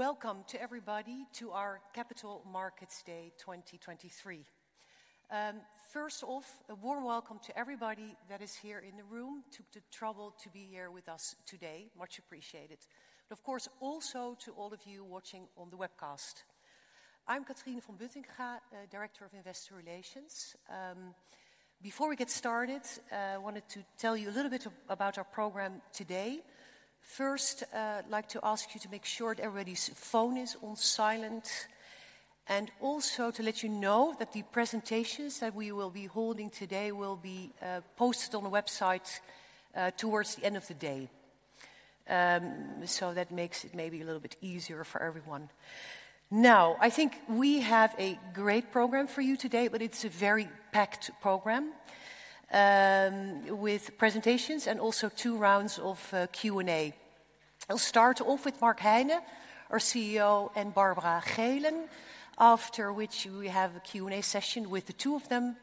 Welcome to everybody to our Capital Markets Day 2023. First off, a warm welcome to everybody that is here in the room, took the trouble to be here with us today, much appreciated. Of course, also to all of you watching on the webcast. I'm Catrien van Buttingha Wichers, Director of Investor Relations. Before we get started, I wanted to tell you a little bit about our program today. First, I'd like to ask you to make sure that everybody's phone is on silent, and also to let you know that the presentations that we will be holding today will be posted on the website towards the end of the day. That makes it maybe a little bit easier for everyone. Now, I think we have a great program for you today, but it's a very packed program with presentations and also two rounds of Q&A. I'll start off with Mark Heine, our CEO, and Barbara Geelen, after which we have a Q&A session with the two of them.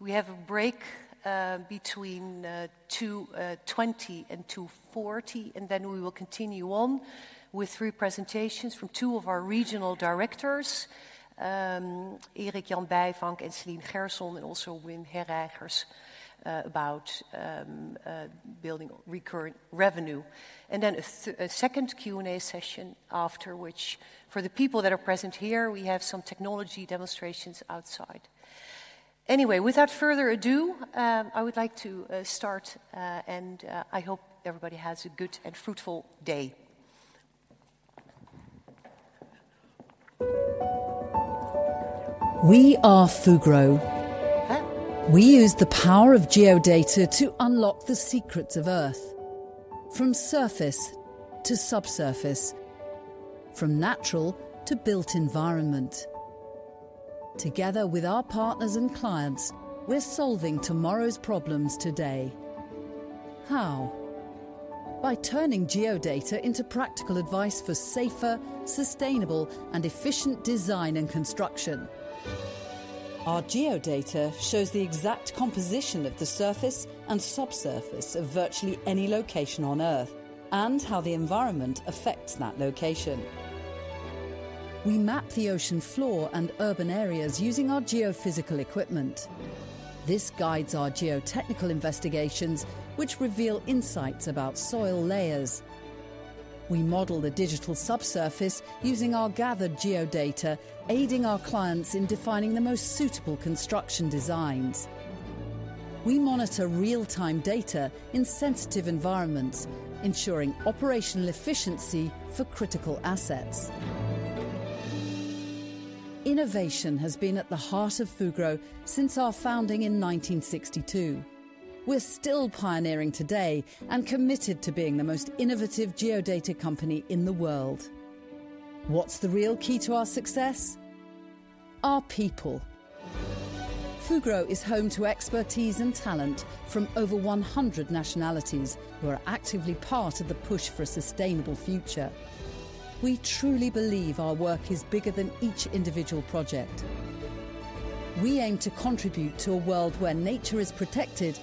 We have a break between 2:20 and 2:40, and then we will continue on with three presentations from two of our regional directors, Erik-Jan Bijvank and Céline Gerson, and also Wim Herijgers about building recurring revenue. And then a second Q&A session, after which, for the people that are present here, we have some technology demonstrations outside. Anyway, without further ado, I would like to start, and I hope everybody has a good and fruitful day. We are Fugro. We use the power of geodata to unlock the secrets of Earth, from surface to subsurface, from natural to built environment. Together with our partners and clients, we're solving tomorrow's problems today. How? By turning geodata into practical advice for safer, sustainable, and efficient design and construction. Our geodata shows the exact composition of the surface and subsurface of virtually any location on Earth, and how the environment affects that location. We map the ocean floor and urban areas using our geophysical equipment. This guides our geotechnical investigations, which reveal insights about soil layers. We model the digital subsurface using our gathered geodata, aiding our clients in defining the most suitable construction designs. We monitor real-time data in sensitive environments, ensuring operational efficiency for critical assets. Innovation has been at the heart of Fugro since our founding in 1962. We're still pioneering today and committed to being the most innovative geodata company in the world. What's the real key to our success? Our people. Fugro is home to expertise and talent from over one hundred nationalities who are actively part of the push for a sustainable future. We truly believe our work is bigger than each individual project. We aim to contribute to a world where nature is protected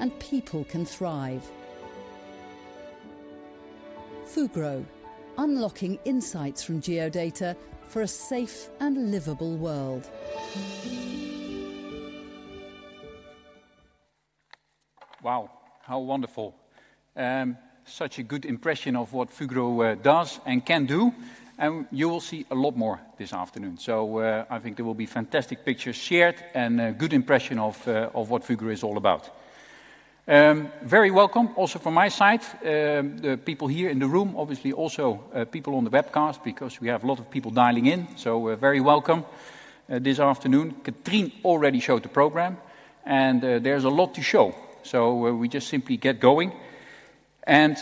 and people can thrive. Fugro, unlocking insights from geodata for a safe and livable world. Wow, how wonderful! Such a good impression of what Fugro does and can do, and you will see a lot more this afternoon. So, I think there will be fantastic pictures shared and a good impression of what Fugro is all about. Very welcome also from my side, the people here in the room, obviously, also, people on the webcast, because we have a lot of people dialing in. So a very welcome this afternoon. Catrien already showed the program, and, there's a lot to show, so, we just simply get going. And,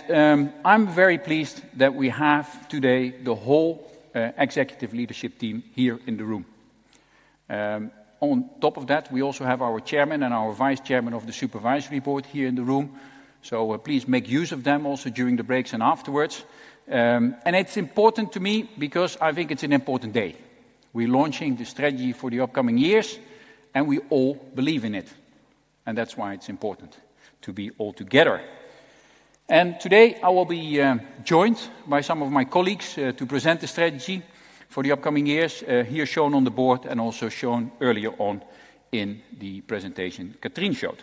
I'm very pleased that we have today the whole executive leadership team here in the room. On top of that, we also have our chairman and our vice chairman of the supervisory board here in the room, so please make use of them also during the breaks and afterwards. It's important to me because I think it's an important day. We're launching the strategy for the upcoming years, and we all believe in it, and that's why it's important to be all together. Today, I will be joined by some of my colleagues to present the strategy for the upcoming years, here shown on the board and also shown earlier on in the presentation Catrien showed.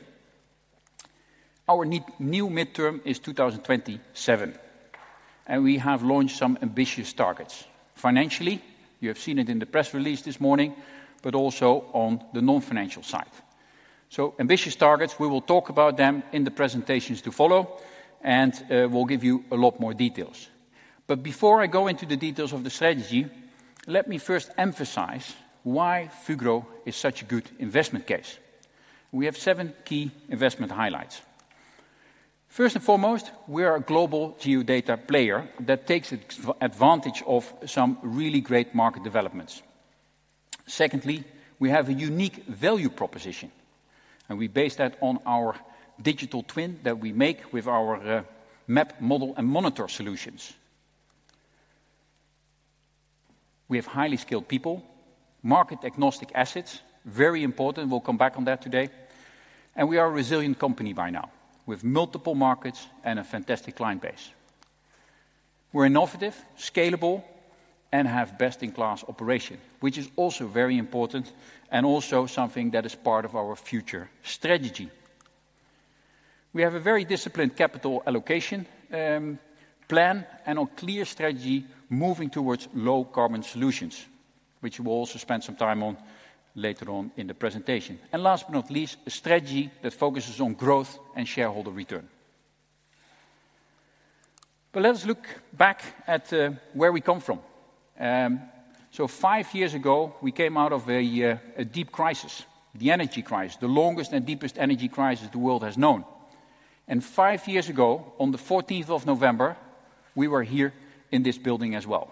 Our new midterm is 2027, and we have launched some ambitious targets. Financially, you have seen it in the press release this morning, but also on the non-financial side. So ambitious targets, we will talk about them in the presentations to follow, and we'll give you a lot more details. But before I go into the details of the strategy, let me first emphasize why Fugro is such a good investment case. We have seven key investment highlights. First and foremost, we are a global geodata player that takes advantage of some really great market developments. Secondly, we have a unique value proposition, and we base that on our digital twin that we make with our map, model, and monitor solutions. We have highly skilled people, market-agnostic assets, very important, we'll come back on that today, and we are a resilient company by now, with multiple markets and a fantastic client base. We're innovative, scalable, and have best-in-class operation, which is also very important and also something that is part of our future strategy. We have a very disciplined capital allocation plan, and a clear strategy moving towards low-carbon solutions, which we'll also spend some time on later on in the presentation. And last but not least, a strategy that focuses on growth and shareholder return. But let us look back at where we come from. So five years ago, we came out of a deep crisis, the energy crisis, the longest and deepest energy crisis the world has known. And five years ago, on the fourteenth of November, we were here in this building as well,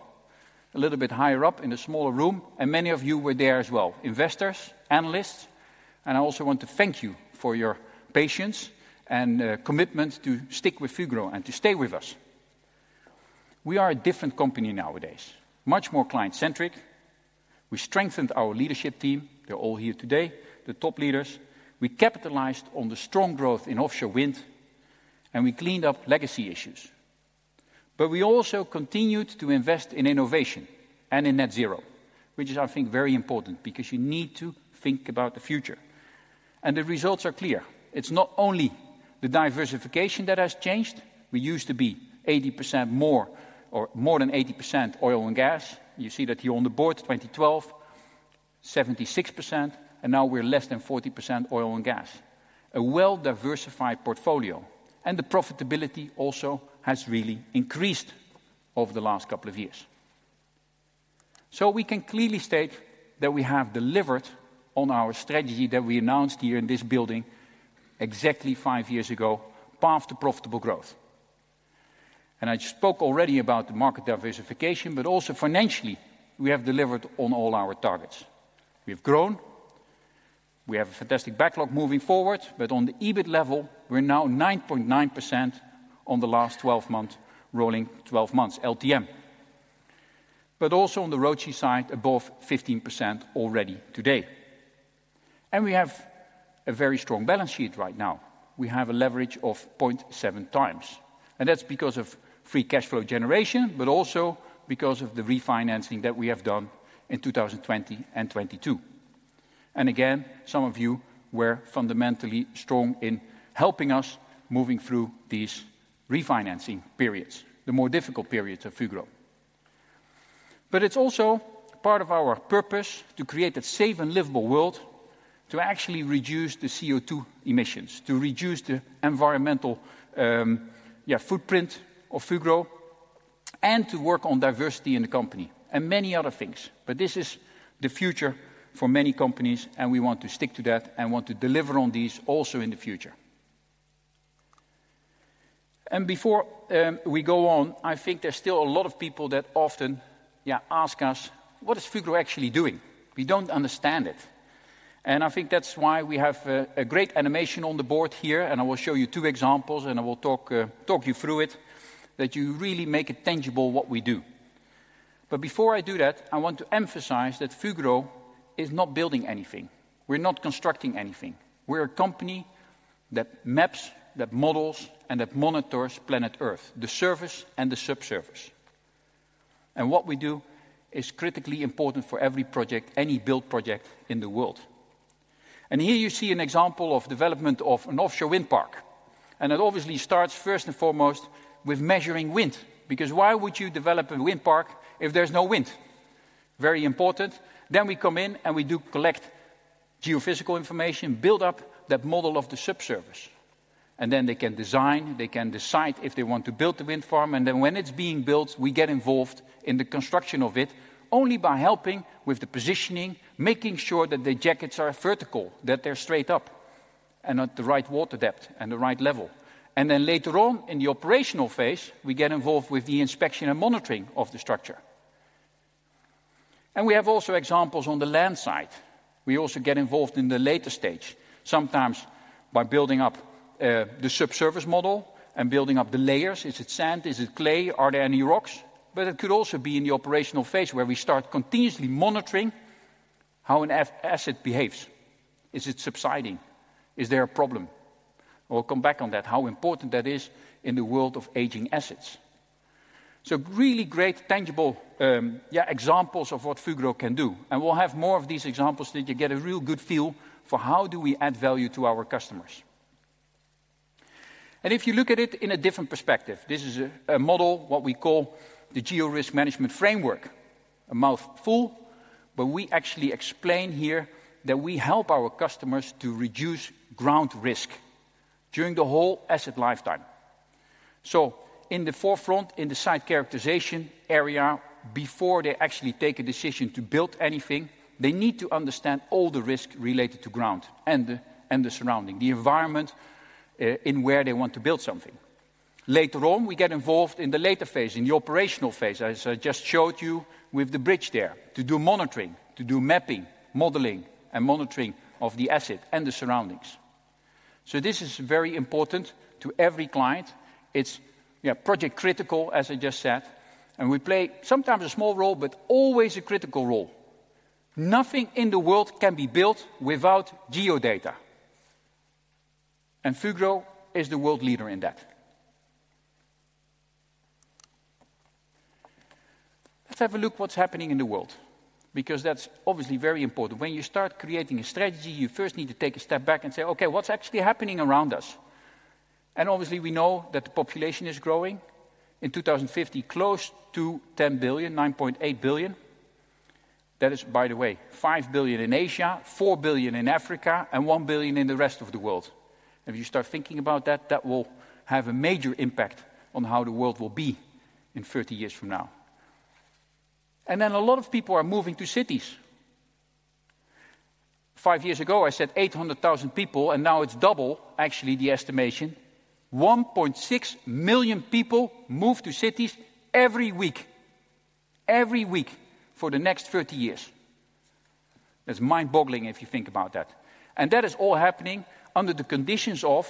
a little bit higher up in a smaller room, and many of you were there as well, investors, analysts, and I also want to thank you for your patience and commitment to stick with Fugro and to stay with us. We are a different company nowadays, much more client-centric. We strengthened our leadership team. They're all here today, the top leaders. We capitalized on the strong growth in offshore wind, and we cleaned up legacy issues. But we also continued to invest in innovation and in net zero, which is, I think, very important, because you need to think about the future, and the results are clear. It's not only the diversification that has changed. We used to be 80% more or more than 80% oil and gas. You see that here on the board, 2012, 76%, and now we're less than 40% oil and gas. A well-diversified portfolio, and the profitability also has really increased over the last couple of years. So we can clearly state that we have delivered on our strategy that we announced here in this building exactly 5 years ago, Path to Profitable Growth. I spoke already about the market diversification, but also financially, we have delivered on all our targets. We've grown, we have a fantastic backlog moving forward, but on the EBIT level, we're now 9.9% on the last twelve months, rolling twelve months, LTM. But also on the ROCE side, above 15% already today. We have a very strong balance sheet right now. We have a leverage of 0.7 times, and that's because of free cash flow generation, but also because of the refinancing that we have done in 2020 and 2022. And again, some of you were fundamentally strong in helping us moving through these refinancing periods, the more difficult periods of Fugro. But it's also part of our purpose to create a safe and livable world, to actually reduce the CO2 emissions, to reduce the environmental footprint of Fugro, and to work on diversity in the company, and many other things. But this is the future for many companies, and we want to stick to that and want to deliver on these also in the future. And before we go on, I think there's still a lot of people that often ask us: What is Fugro actually doing? We don't understand it. And I think that's why we have a great animation on the board here, and I will show you two examples, and I will talk you through it, that you really make it tangible what we do. But before I do that, I want to emphasize that Fugro is not building anything. We're not constructing anything. We're a company that maps, that models, and that monitors planet Earth, the surface and the subsurface. What we do is critically important for every project, any build project in the world. Here you see an example of development of an offshore wind park, and it obviously starts first and foremost with measuring wind, because why would you develop a wind park if there's no wind? Very important. We come in and we do collect geophysical information, build up that model of the subsurface, and then they can design, they can decide if they want to build the wind farm, and then when it's being built, we get involved in the construction of it, only by helping with the positioning, making sure that the jackets are vertical, that they're straight up, and at the right water depth, and the right level. And then later on in the operational phase, we get involved with the inspection and monitoring of the structure. And we have also examples on the land side. We also get involved in the later stage, sometimes by building up the subsurface model and building up the layers. Is it sand? Is it clay? Are there any rocks? But it could also be in the operational phase, where we start continuously monitoring how an asset behaves. Is it subsiding? Is there a problem? I will come back on that, how important that is in the world of aging assets. So really great, tangible examples of what Fugro can do. And we'll have more of these examples that you get a real good feel for how do we add value to our customers. If you look at it in a different perspective, this is a model, what we call the Geo-risk Management Framework, a mouthful, but we actually explain here that we help our customers to reduce ground risk during the whole asset lifetime. So in the forefront, in the site characterization area, before they actually take a decision to build anything, they need to understand all the risk related to ground and the, and the surrounding, the environment, in where they want to build something. Later on, we get involved in the later phase, in the operational phase, as I just showed you with the bridge there, to do monitoring, to do mapping, modeling, and monitoring of the asset and the surroundings.... So this is very important to every client. It's, yeah, project critical, as I just said, and we play sometimes a small role, but always a critical role. Nothing in the world can be built without geodata, and Fugro is the world leader in that. Let's have a look what's happening in the world, because that's obviously very important. When you start creating a strategy, you first need to take a step back and say, "Okay, what's actually happening around us?" And obviously, we know that the population is growing. In 2050, close to 10 billion, 9.8 billion. That is, by the way, 5 billion in Asia, 4 billion in Africa, and 1 billion in the rest of the world. If you start thinking about that, that will have a major impact on how the world will be in 30 years from now. And then a lot of people are moving to cities. 5 years ago, I said 800,000 people, and now it's double, actually, the estimation. 1.6 million people move to cities every week, every week for the next 30 years. That's mind-boggling if you think about that. And that is all happening under the conditions of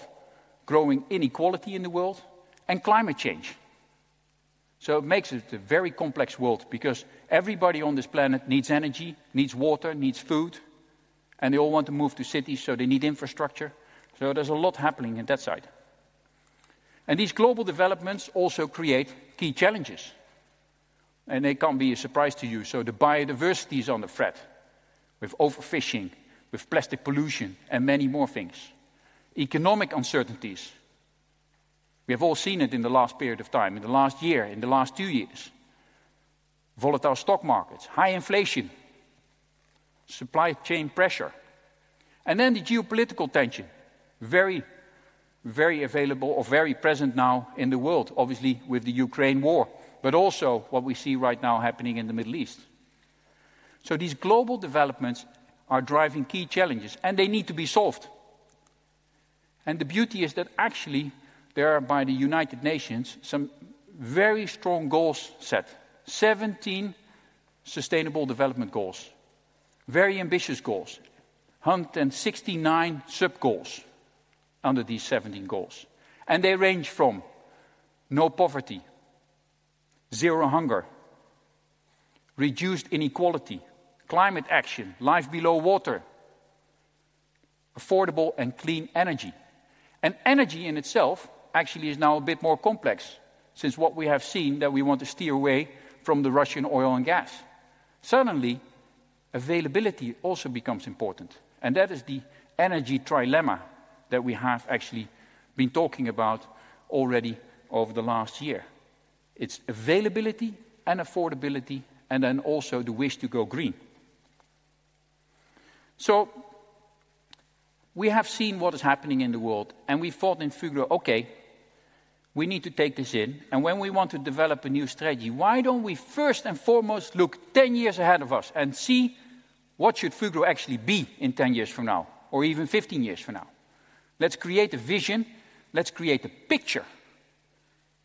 growing inequality in the world and climate change. So it makes it a very complex world because everybody on this planet needs energy, needs water, needs food, and they all want to move to cities, so they need infrastructure. So there's a lot happening on that side. And these global developments also create key challenges, and they can't be a surprise to you. So the biodiversity is under threat, with overfishing, with plastic pollution, and many more things. Economic uncertainties. We have all seen it in the last period of time, in the last year, in the last 2 years. Volatile stock markets, high inflation, supply chain pressure, and then the geopolitical tension, very, very available or very present now in the world, obviously, with the Ukraine war, but also what we see right now happening in the Middle East. So these global developments are driving key challenges, and they need to be solved. And the beauty is that actually, there are, by the United Nations, some very strong goals set. 17 Sustainable Development Goals, very ambitious goals. 169 sub-goals under these 17 goals. And they range from no poverty, zero hunger, reduced inequality, climate action, life below water, affordable and clean energy. And energy in itself actually is now a bit more complex since what we have seen, that we want to steer away from the Russian oil and gas. Suddenly, availability also becomes important, and that is the energy trilemma that we have actually been talking about already over the last year. It's availability and affordability, and then also the wish to go green. So we have seen what is happening in the world, and we thought in Fugro, "Okay, we need to take this in, and when we want to develop a new strategy, why don't we first and foremost look 10 years ahead of us and see what should Fugro actually be in 10 years from now, or even 15 years from now? Let's create a vision. Let's create a picture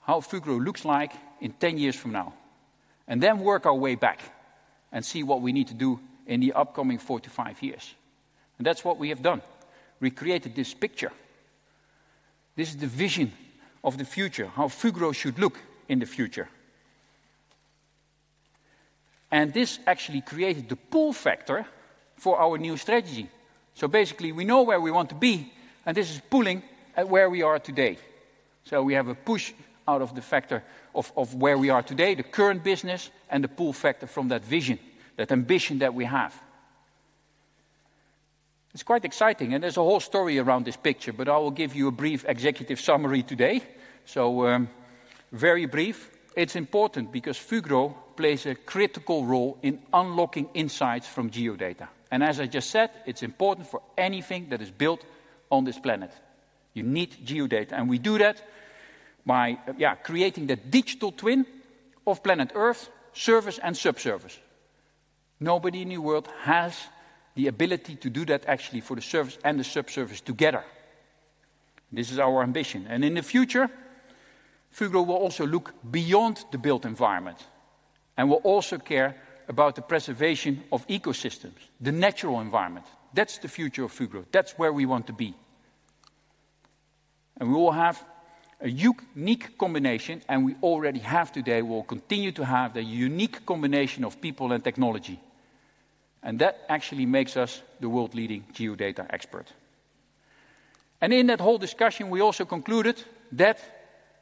how Fugro looks like in 10 years from now, and then work our way back and see what we need to do in the upcoming 45 years." That's what we have done. We created this picture. This is the vision of the future, how Fugro should look in the future. And this actually created the pull factor for our new strategy. So basically, we know where we want to be, and this is pulling at where we are today. So we have a push out of the factor of, of where we are today, the current business, and the pull factor from that vision, that ambition that we have. It's quite exciting, and there's a whole story around this picture, but I will give you a brief executive summary today. So, very brief. It's important because Fugro plays a critical role in unlocking insights from geodata. And as I just said, it's important for anything that is built on this planet. You need geodata, and we do that by, yeah, creating the digital twin of planet Earth, surface and subsurface. Nobody in the world has the ability to do that actually for the surface and the subsurface together. This is our ambition. And in the future, Fugro will also look beyond the built environment and will also care about the preservation of ecosystems, the natural environment. That's the future of Fugro. That's where we want to be. And we will have a unique combination, and we already have today, we'll continue to have the unique combination of people and technology, and that actually makes us the world-leading geodata expert. And in that whole discussion, we also concluded that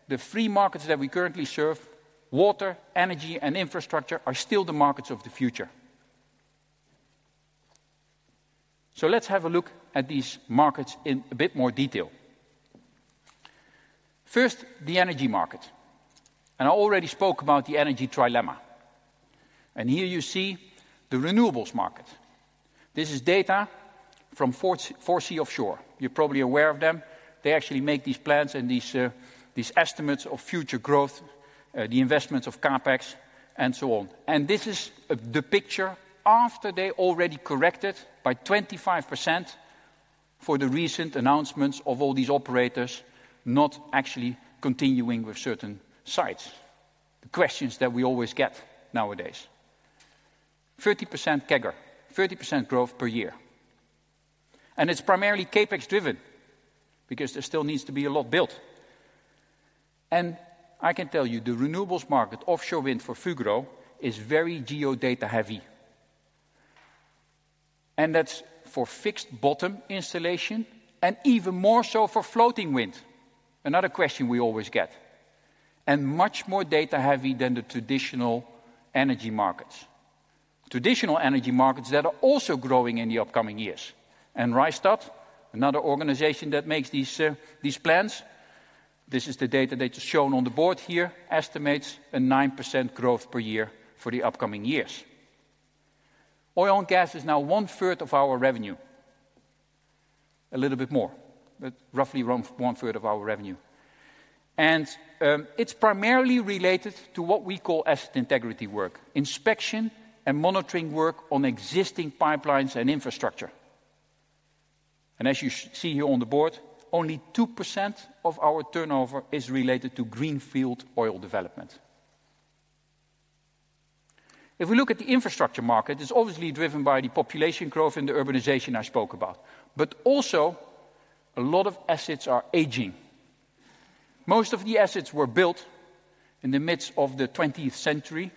the three markets that we currently serve, water, energy, and infrastructure, are still the markets of the future. So let's have a look at these markets in a bit more detail. First, the energy market. And I already spoke about the energy trilemma. And here you see the renewables market. This is data from 4C Offshore. You're probably aware of them. They actually make these plans and these estimates of future growth, the investments of CapEx, and so on. And this is the picture after they already corrected by 25% for the recent announcements of all these operators not actually continuing with certain sites. The questions that we always get nowadays.... 30% CAGR, 30% growth per year. And it's primarily CapEx-driven, because there still needs to be a lot built. And I can tell you, the renewables market, offshore wind for Fugro, is very geodata-heavy. And that's for fixed-bottom installation, and even more so for floating wind, another question we always get, and much more data-heavy than the traditional energy markets. Traditional energy markets that are also growing in the upcoming years. Rystad, another organization that makes these, these plans, this is the data that is shown on the board here, estimates a 9% growth per year for the upcoming years. Oil and gas is now one-third of our revenue. A little bit more, but roughly around one-third of our revenue. And, it's primarily related to what we call Asset Integrity work, inspection and monitoring work on existing pipelines and infrastructure. And as you see here on the board, only 2% of our turnover is related to Greenfield oil development. If we look at the infrastructure market, it's obviously driven by the population growth and the urbanization I spoke about, but also a lot of assets are aging. Most of the assets were built in the midst of the twentieth century,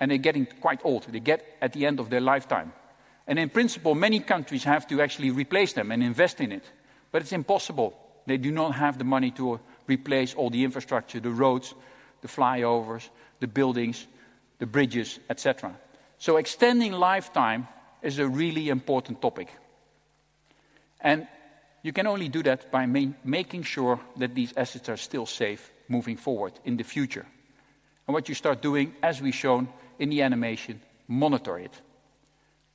and they're getting quite old. They get at the end of their lifetime. In principle, many countries have to actually replace them and invest in it, but it's impossible. They do not have the money to replace all the infrastructure, the roads, the flyovers, the buildings, the bridges, et cetera. So extending lifetime is a really important topic, and you can only do that by making sure that these assets are still safe moving forward in the future. And what you start doing, as we've shown in the animation, monitor it.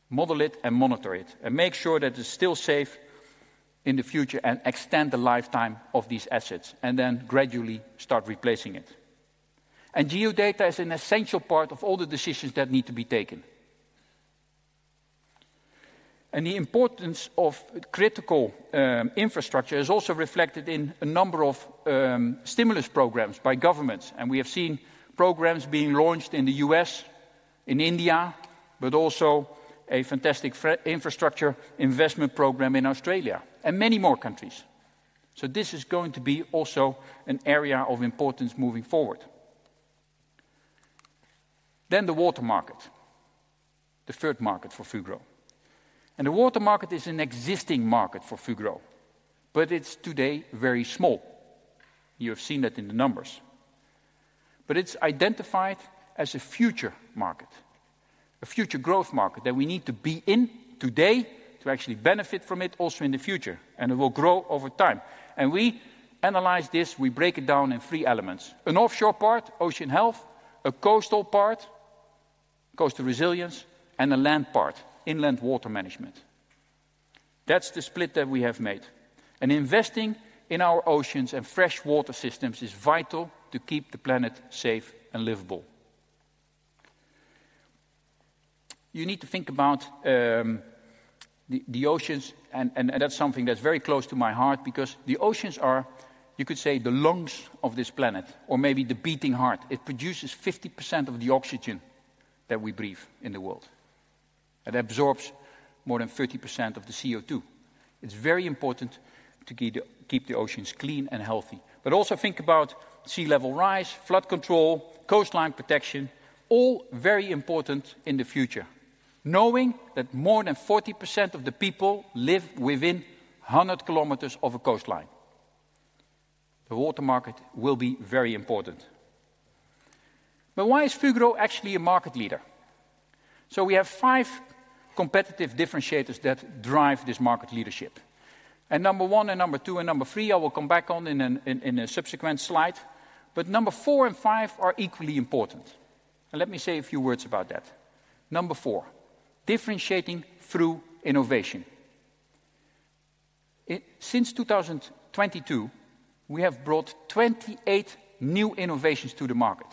Model it and monitor it, and make sure that it's still safe in the future and extend the lifetime of these assets, and then gradually start replacing it. And Geodata is an essential part of all the decisions that need to be taken. And the importance of critical infrastructure is also reflected in a number of stimulus programs by governments. We have seen programs being launched in the US, in India, but also a fantastic infrastructure investment program in Australia, and many more countries. This is going to be also an area of importance moving forward. The water market, the third market for Fugro. The water market is an existing market for Fugro, but it's today very small. You have seen that in the numbers. It's identified as a future market, a future growth market that we need to be in today to actually benefit from it also in the future, and it will grow over time. We analyze this, we break it down in three elements: an offshore part, Ocean Health; a coastal part, Coastal Resilience; and a land part, Inland Water Management. That's the split that we have made, and investing in our oceans and freshwater systems is vital to keep the planet safe and livable. You need to think about the oceans, and that's something that's very close to my heart because the oceans are, you could say, the lungs of this planet, or maybe the beating heart. It produces 50% of the oxygen that we breathe in the world, and absorbs more than 30% of the CO2. It's very important to keep the oceans clean and healthy. But also think about sea level rise, flood control, coastline protection, all very important in the future, knowing that more than 40% of the people live within 100 kilometers of a coastline. The water market will be very important. But why is Fugro actually a market leader? So we have five competitive differentiators that drive this market leadership. Number one and number two and number three, I will come back on in a subsequent slide, but number four and five are equally important. Let me say a few words about that. Number four, differentiating through innovation. It. Since 2022, we have brought 28 new innovations to the market.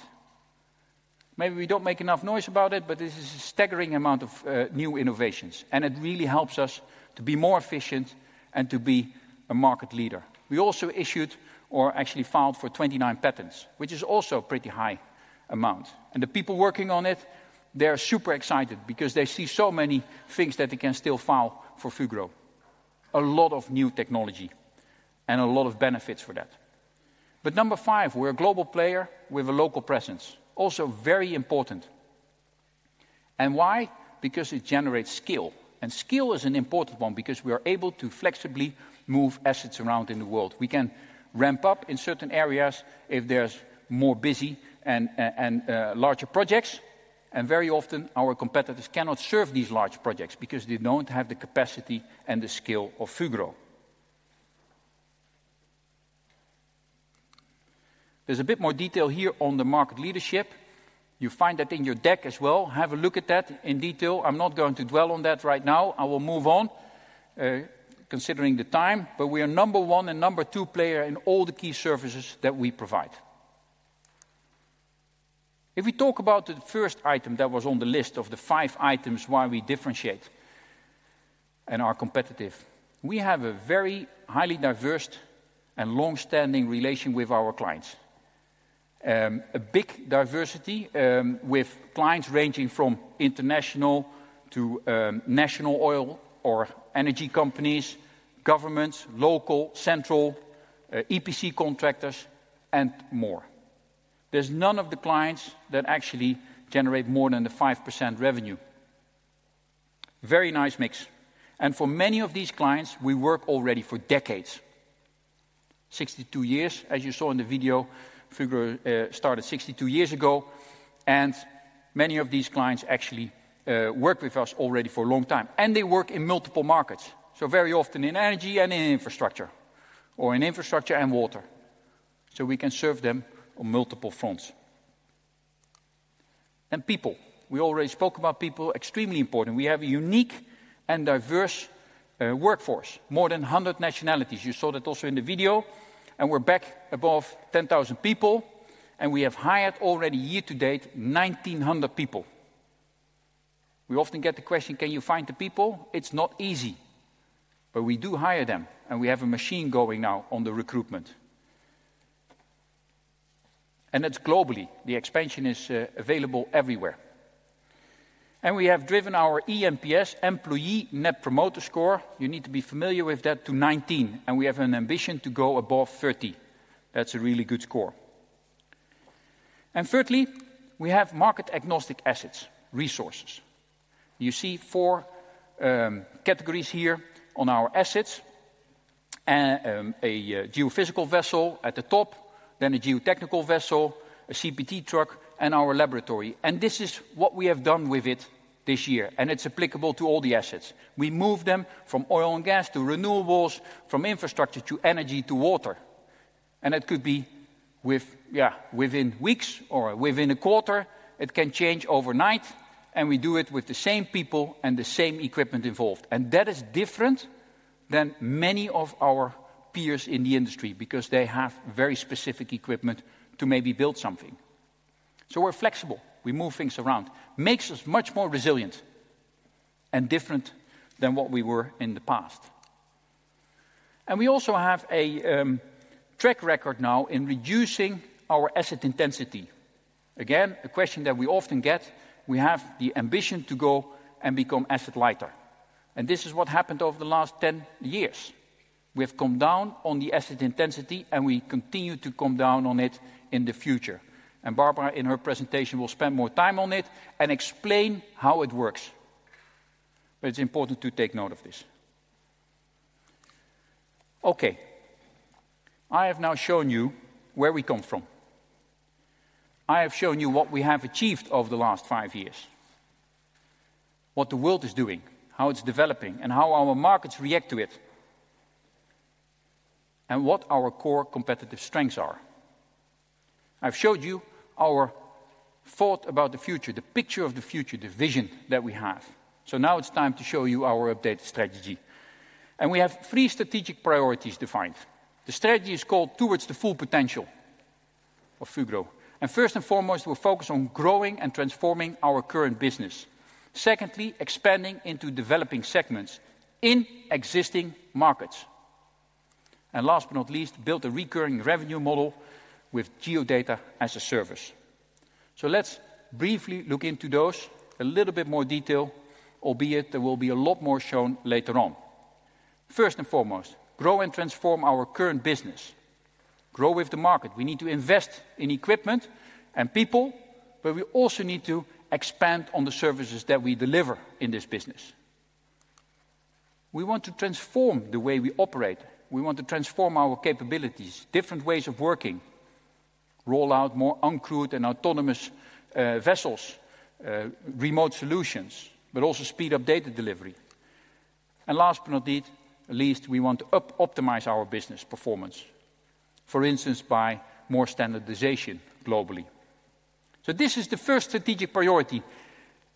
Maybe we don't make enough noise about it, but this is a staggering amount of new innovations, and it really helps us to be more efficient and to be a market leader. We also issued or actually filed for 29 patents, which is also a pretty high amount. And the people working on it, they are super excited because they see so many things that they can still file for Fugro. A lot of new technology and a lot of benefits for that. But number 5, we're a global player with a local presence, also very important. And why? Because it generates scale, and scale is an important one because we are able to flexibly move assets around in the world. We can ramp up in certain areas if there's more busy and larger projects, and very often, our competitors cannot serve these large projects because they don't have the capacity and the scale of Fugro. There's a bit more detail here on the market leadership. You find that in your deck as well. Have a look at that in detail. I'm not going to dwell on that right now. I will move on, considering the time, but we are number 1 and number 2 player in all the key services that we provide. If we talk about the first item that was on the list of the five items why we differentiate and are competitive. We have a very highly diverse and long-standing relation with our clients. A big diversity with clients ranging from international to national oil or energy companies, governments, local, central, EPC contractors, and more. There's none of the clients that actually generate more than the 5% revenue. Very nice mix. And for many of these clients, we work already for decades. 62 years, as you saw in the video, Fugro started 62 years ago, and many of these clients actually work with us already for a long time, and they work in multiple markets, so very often in energy and in infrastructure, or in infrastructure and water, so we can serve them on multiple fronts. People, we already spoke about people, extremely important. We have a unique and diverse workforce, more than 100 nationalities. You saw that also in the video, and we're back above 10,000 people, and we have hired already year to date, 1,900 people. We often get the question: "Can you find the people?" It's not easy, but we do hire them, and we have a machine going now on the recruitment. And it's globally, the expansion is available everywhere. And we have driven our eNPS, Employee Net Promoter Score, you need to be familiar with that, to 19, and we have an ambition to go above 30. That's a really good score. And thirdly, we have market-agnostic assets, resources. You see four categories here on our assets, a geophysical vessel at the top, then a geotechnical vessel, a CPT truck, and our laboratory. This is what we have done with it this year, and it's applicable to all the assets. We move them from oil and gas to renewables, from infrastructure to energy to water, and it could be with, within weeks or within a quarter, it can change overnight, and we do it with the same people and the same equipment involved. That is different than many of our peers in the industry, because they have very specific equipment to maybe build something. So we're flexible. We move things around. Makes us much more resilient and different than what we were in the past. We also have a track record now in reducing our asset intensity. Again, a question that we often get, we have the ambition to go and become asset lighter, and this is what happened over the last 10 years. We have come down on the asset intensity, and we continue to come down on it in the future. And Barbara, in her presentation, will spend more time on it and explain how it works, but it's important to take note of this. Okay, I have now shown you where we come from. I have shown you what we have achieved over the last 5 years, what the world is doing, how it's developing, and how our markets react to it, and what our core competitive strengths are. I've showed you our thought about the future, the picture of the future, the vision that we have. So now it's time to show you our updated strategy. And we have three strategic priorities defined. The strategy is called Towards the Full Potential of Fugro, and first and foremost, we're focused on growing and transforming our current business. Secondly, expanding into developing segments in existing markets. And last but not least, build a recurring revenue model with geodata as a service. So let's briefly look into those, a little bit more detail, albeit there will be a lot more shown later on. First and foremost, grow and transform our current business. Grow with the market. We need to invest in equipment and people, but we also need to expand on the services that we deliver in this business. We want to transform the way we operate. We want to transform our capabilities, different ways of working, roll out more uncrewed and autonomous vessels, remote solutions, but also speed up data delivery. Last but not least, we want to optimize our business performance, for instance, by more standardization globally. So this is the first strategic priority,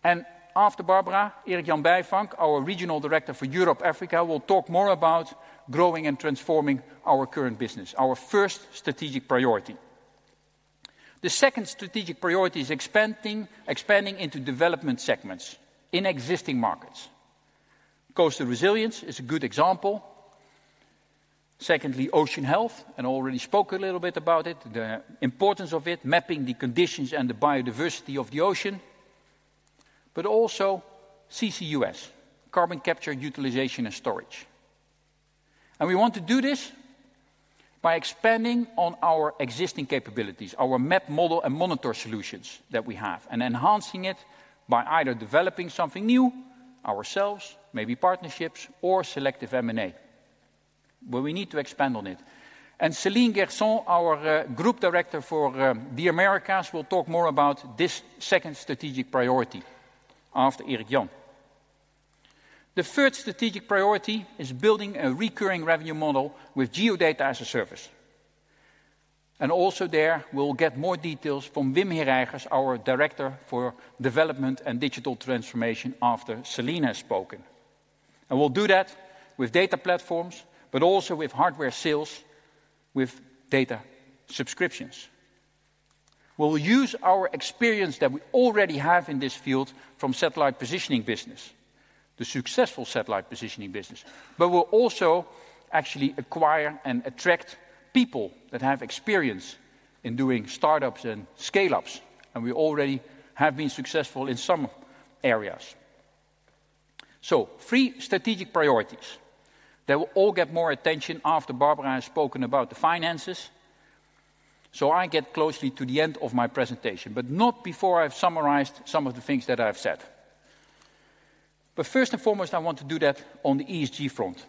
and after Barbara, Erik-Jan Bijvank, our Regional Director for Europe, Africa, will talk more about growing and transforming our current business, our first strategic priority. The second strategic priority is expanding, expanding into development segments in existing markets. Coastal Resilience is a good example. Secondly, Ocean Health, and I already spoke a little bit about it, the importance of it, mapping the conditions and the biodiversity of the ocean, but also CCUS, carbon capture utilization and storage. And we want to do this by expanding on our existing capabilities, our map, model, and monitor solutions that we have and enhancing it by either developing something new ourselves, maybe partnerships or selective M&A, but we need to expand on it. Céline Gerson, our Group Director for the Americas, will talk more about this second strategic priority after Erik-Jan. The third strategic priority is building a recurring revenue model with geodata as a service. And also there, we'll get more details from Wim Herijgers, our Director for Development and Digital Transformation, after Céline has spoken. And we'll do that with data platforms, but also with hardware sales, with data subscriptions.... We'll use our experience that we already have in this field from satellite positioning business, the successful satellite positioning business. But we'll also actually acquire and attract people that have experience in doing startups and scale-ups, and we already have been successful in some areas. So three strategic priorities. They will all get more attention after Barbara has spoken about the finances, so I get close to the end of my presentation, but not before I've summarized some of the things that I've said. But first and foremost, I want to do that on the ESG front,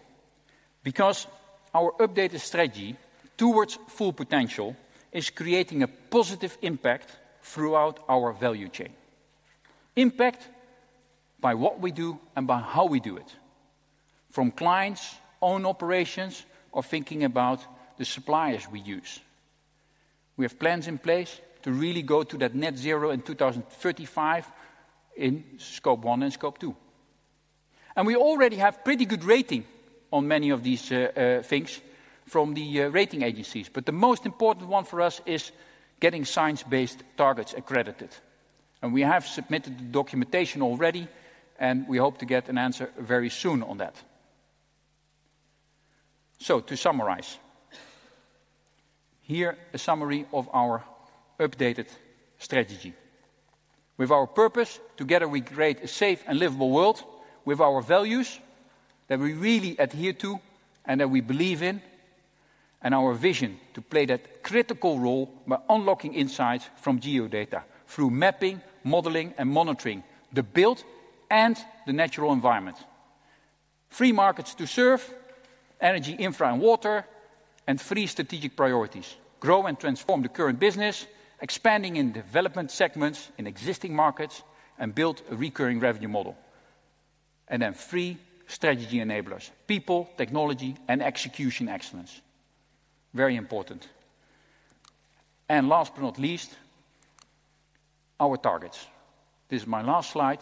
because our updated strategy towards full potential is creating a positive impact throughout our value chain. Impact by what we do and by how we do it, from clients, own operations, or thinking about the suppliers we use. We have plans in place to really go to that net zero in 2035 in Scope 1 and Scope 2. And we already have pretty good rating on many of these things from the rating agencies, but the most important one for us is getting Science Based Targets accredited. We have submitted the documentation already, and we hope to get an answer very soon on that. To summarize, here a summary of our updated strategy. With our purpose, together we create a safe and livable world; with our values, that we really adhere to and that we believe in; and our vision, to play that critical role by unlocking insights from geodata through mapping, modeling, and monitoring the built and the natural environment. Three markets to serve: energy, infra, and water, and three strategic priorities: grow and transform the current business, expanding in development segments in existing markets, and build a recurring revenue model. Then three strategy enablers: people, technology, and execution excellence. Very important. Last but not least, our targets. This is my last slide.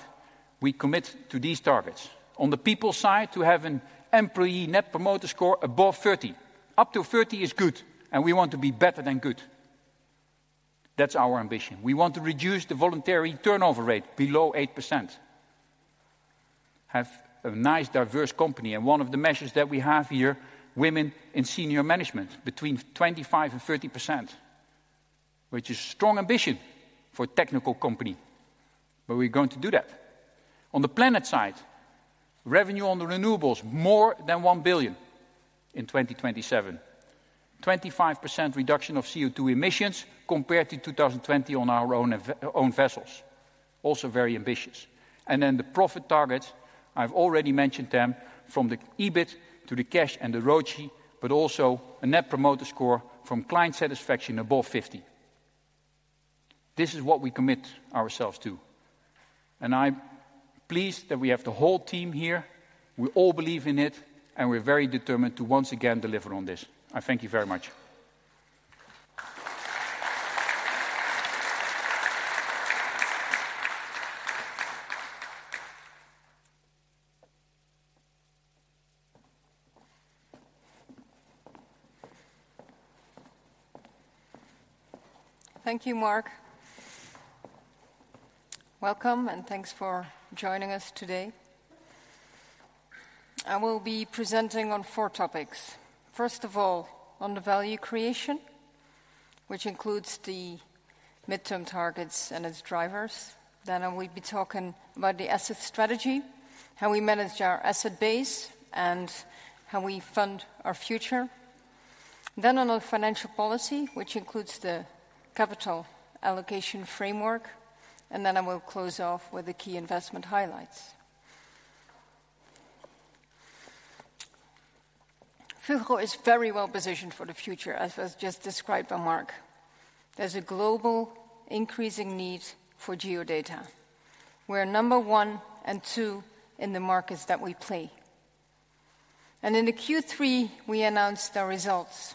We commit to these targets. On the people side, to have an employee net promoter score above 30. Up to 30 is good, and we want to be better than good. That's our ambition. We want to reduce the voluntary turnover rate below 8%, have a nice, diverse company, and one of the measures that we have here, women in senior management between 25% to 30, which is strong ambition for a technical company, but we're going to do that. On the planet side, revenue on the renewables, more than 1 billion in 2027. 25% reduction of CO2 emissions compared to 2020 on our own vessels, also very ambitious. And then the profit targets, I've already mentioned them, from the EBIT to the cash and the ROCE, but also a net promoter score from client satisfaction above 50. This is what we commit ourselves to, and I'm pleased that we have the whole team here. We all believe in it, and we're very determined to once again deliver on this. I thank you very much. Thank you, Mark. Welcome, and thanks for joining us today. I will be presenting on 4 topics. First of all, on the value creation, which includes the midterm targets and its drivers. Then I will be talking about the asset strategy, how we manage our asset base, and how we fund our future. Then on our financial policy, which includes the capital allocation framework, and then I will close off with the key investment highlights. Fugro is very well positioned for the future, as was just described by Mark. There's a global increasing need for geodata. We're number one and two in the markets that we play. In the Q3, we announced our results,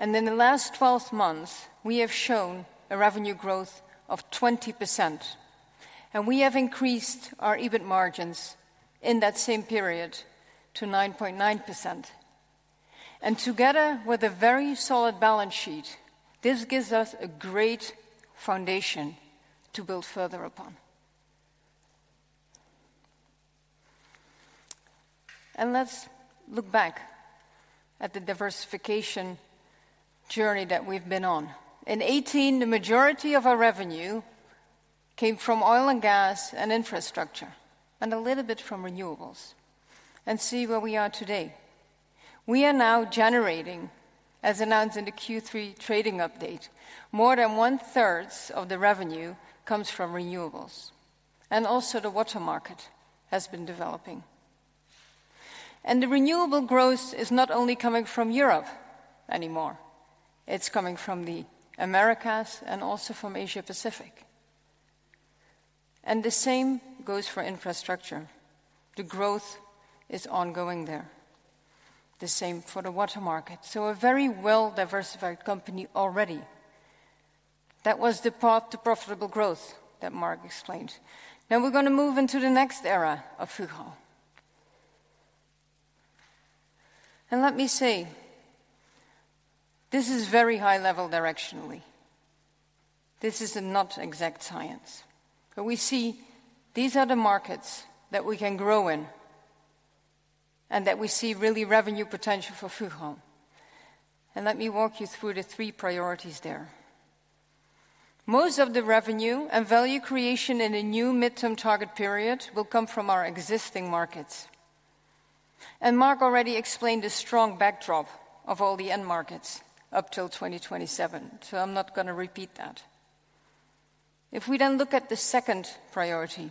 and in the last 12 months, we have shown a revenue growth of 20%, and we have increased our EBIT margins in that same period to 9.9%. Together with a very solid balance sheet, this gives us a great foundation to build further upon. Let's look back at the diversification journey that we've been on. In 2018, the majority of our revenue came from oil and gas and infrastructure, and a little bit from renewables, and see where we are today. We are now generating, as announced in the Q3 trading update, more than one-third of the revenue comes from renewables, and also the water market has been developing. The renewable growth is not only coming from Europe anymore, it's coming from the Americas and also from Asia Pacific. The same goes for infrastructure. The growth is ongoing there. The same for the water market. So a very well-diversified company already. That was the path to profitable growth that Mark explained. Now we're going to move into the next era of Fugro. Let me say, this is very high level directionally. This is not an exact science, but we see these are the markets that we can grow in, and that we see really revenue potential for Fugro. Let me walk you through the three priorities there. Most of the revenue and value creation in the new midterm target period will come from our existing markets. Mark already explained the strong backdrop of all the end markets up till 2027, so I'm not gonna repeat that. If we then look at the second priority,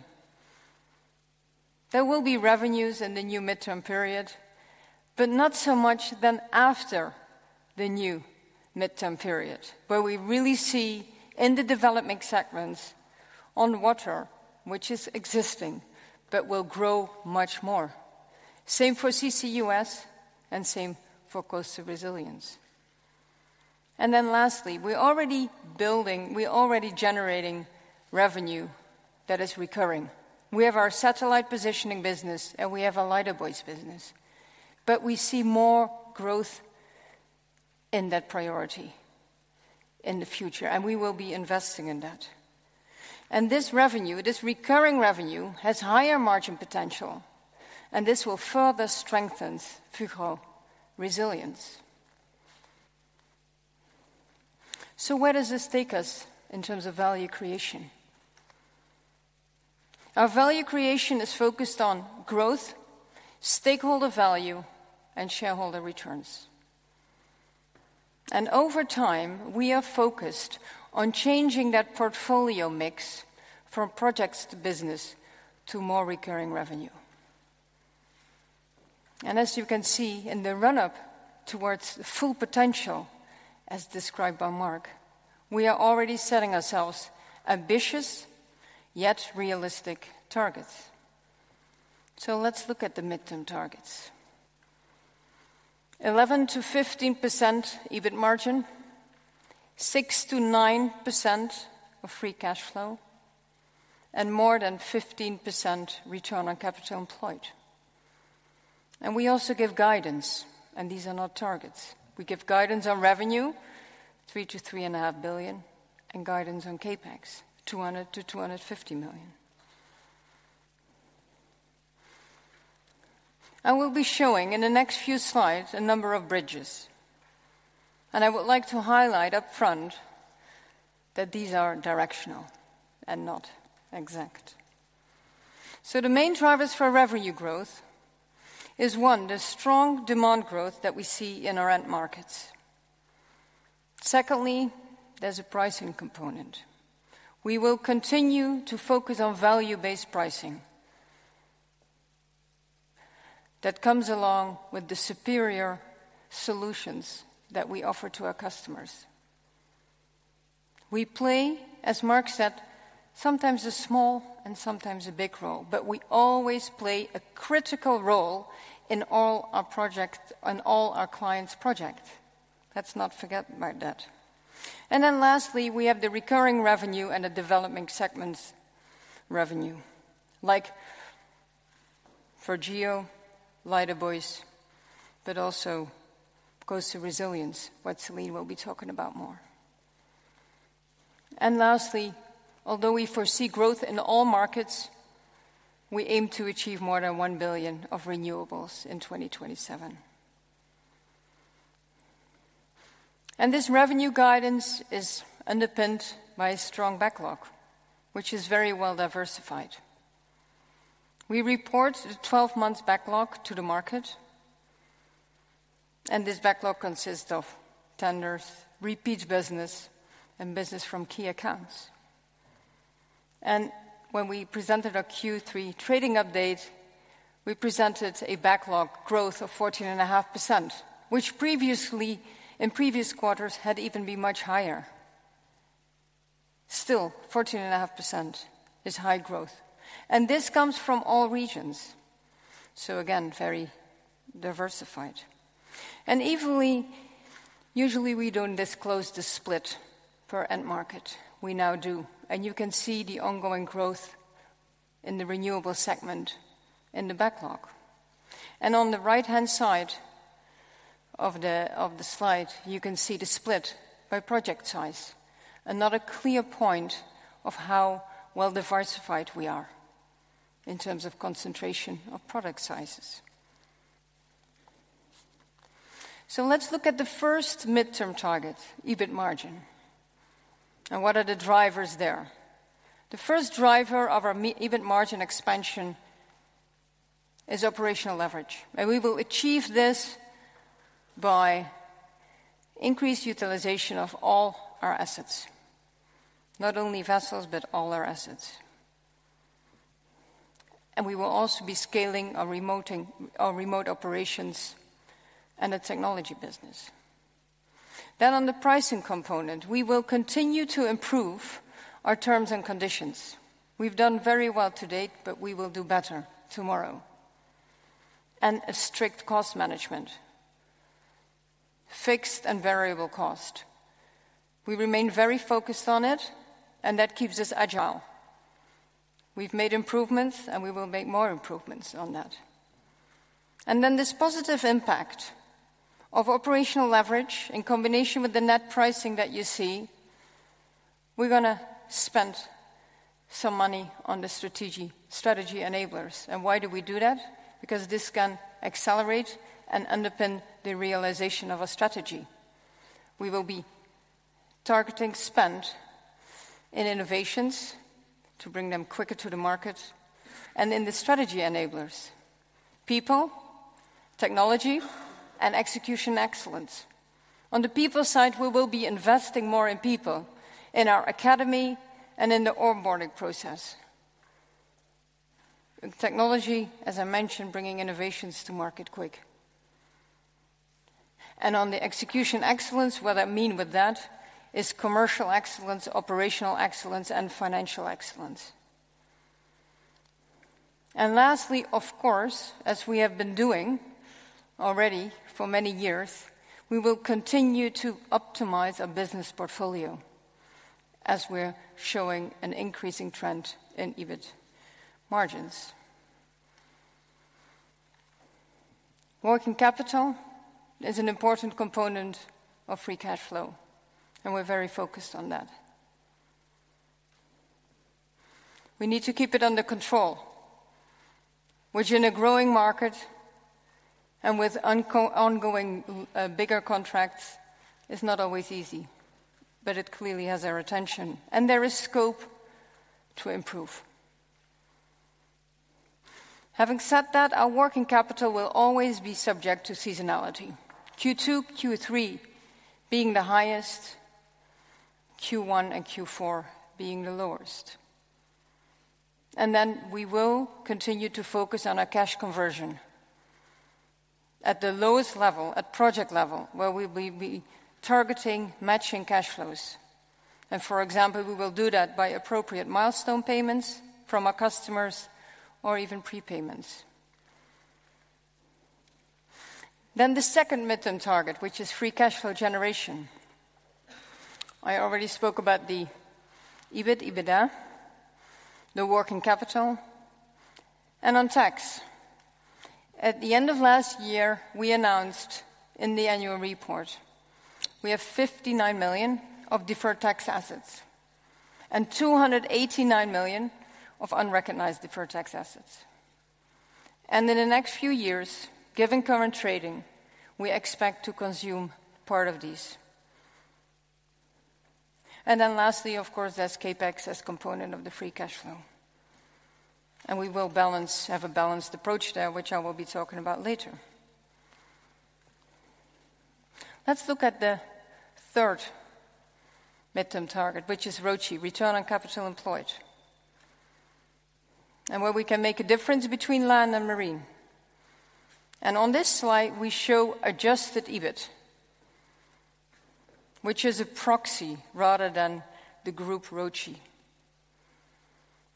there will be revenues in the new midterm period, but not so much then after the new midterm period, where we really see in the development segments on water, which is existing, but will grow much more. Same for CCUS, and same for Coastal Resilience. Then lastly, we're already generating revenue that is recurring. We have our satellite positioning business, and we have a LiDAR buoys business. But we see more growth in that priority in the future, and we will be investing in that. This revenue, this recurring revenue, has higher margin potential, and this will further strengthen Fugro resilience. So where does this take us in terms of value creation? Our value creation is focused on growth, stakeholder value, and shareholder returns. Over time, we are focused on changing that portfolio mix from projects to business to more recurring revenue. As you can see, in the run-up towards full potential, as described by Mark, we are already setting ourselves ambitious, yet realistic targets. Let's look at the mid-term targets. 11% to 15 EBIT margin, 6% to 9 of free cash flow, and more than 15% return on capital employed. We also give guidance, and these are not targets. We give guidance on revenue, 3 billion-3.5 billion, and guidance on CapEx, 200 million-250 million. I will be showing in the next few slides a number of bridges, and I would like to highlight up front that these are directional and not exact. The main drivers for revenue growth is, one, the strong demand growth that we see in our end markets. Secondly, there's a pricing component. We will continue to focus on value-based pricing that comes along with the superior solutions that we offer to our customers. We play, as Mark said, sometimes a small and sometimes a big role, but we always play a critical role in all our projects, on all our clients' project. Let's not forget about that. Then lastly, we have the recurring revenue and the development segments revenue, like for Geo, LiDAR buoys, but also coastal resilience, what Céline will be talking about more. Lastly, although we foresee growth in all markets, we aim to achieve more than 1 billion of renewables in 2027. This revenue guidance is underpinned by a strong backlog, which is very well diversified. We report a 12-month backlog to the market, and this backlog consists of tenders, repeat business, and business from key accounts. When we presented our Q3 trading update, we presented a backlog growth of 14.5%, which previously, in previous quarters, had even been much higher. Still, 14.5% is high growth, and this comes from all regions, so again, very diversified. Even we usually don't disclose the split for end market. We now do, and you can see the ongoing growth in the renewable segment in the backlog. And on the right-hand side of the slide, you can see the split by project size, another clear point of how well diversified we are in terms of concentration of project sizes. So let's look at the first midterm target, EBIT margin, and what are the drivers there? The first driver of our EBIT margin expansion is operational leverage, and we will achieve this by increased utilization of all our assets, not only vessels, but all our assets. And we will also be scaling our remote operations and the technology business. Then on the pricing component, we will continue to improve our terms and conditions. We've done very well to date, but we will do better tomorrow. A strict cost management, fixed and variable costs. We remain very focused on it, and that keeps us agile. We've made improvements, and we will make more improvements on that. Then this positive impact of operational leverage in combination with the net pricing that you see, we're gonna spend some money on the strategy, strategy enablers. Why do we do that? Because this can accelerate and underpin the realization of our strategy. We will be targeting spend in innovations to bring them quicker to the market and in the strategy enablers: people, technology, and execution excellence. On the people side, we will be investing more in people, in our academy, and in the onboarding process. In technology, as I mentioned, bringing innovations to market quick. On the execution excellence, what I mean with that is commercial excellence, operational excellence, and financial excellence. Lastly, of course, as we have been doing already for many years, we will continue to optimize our business portfolio as we're showing an increasing trend in EBIT margins. Working capital is an important component of free cash flow, and we're very focused on that. We need to keep it under control, which in a growing market and with ongoing bigger contracts, is not always easy, but it clearly has our attention, and there is scope to improve. Having said that, our working capital will always be subject to seasonality, Q2, Q3 being the highest, Q1 and Q4 being the lowest. Then we will continue to focus on our cash conversion. At the lowest level, at project level, where we will be targeting matching cash flows. For example, we will do that by appropriate milestone payments from our customers or even prepayments. Then the second midterm target, which is free cash flow generation. I already spoke about the EBIT, EBITDA, the working capital, and on tax. At the end of last year, we announced in the annual report, we have 59 million of deferred tax assets and 289 million of unrecognized deferred tax assets. And in the next few years, given current trading, we expect to consume part of these. And then lastly, of course, there's CapEx as component of the free cash flow, and we will have a balanced approach there, which I will be talking about later. Let's look at the third midterm target, which is ROCE, return on capital employed, and where we can make a difference between land and marine. On this slide, we show Adjusted EBIT, which is a proxy rather than the group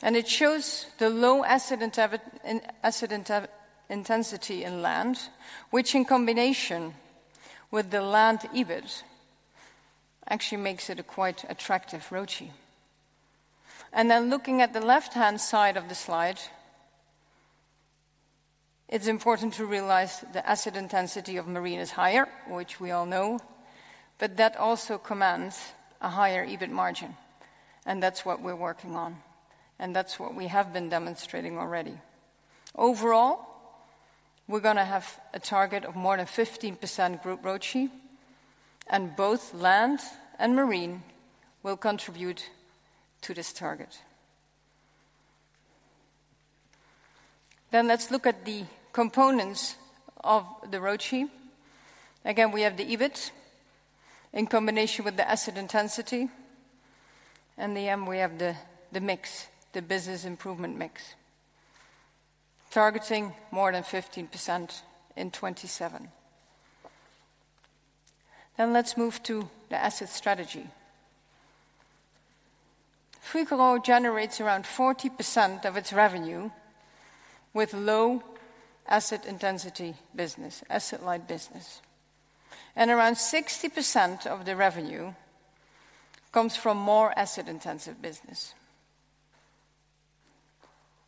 ROCE. It shows the low asset intensity in land, which in combination with the land EBIT, actually makes it a quite attractive ROCE. Then looking at the left-hand side of the slide, it's important to realize the asset intensity of marine is higher, which we all know, but that also commands a higher EBIT margin, and that's what we're working on, and that's what we have been demonstrating already. Overall, we're gonna have a target of more than 15% group ROCE, and both land and marine will contribute to this target. Then let's look at the components of the ROCE. Again, we have the EBIT in combination with the asset intensity, and then we have the mix, the business improvement mix, targeting more than 15% in 2027. Then let's move to the asset strategy. Fugro generates around 40% of its revenue with low asset intensity business, asset-light business, and around 60% of the revenue comes from more asset-intensive business.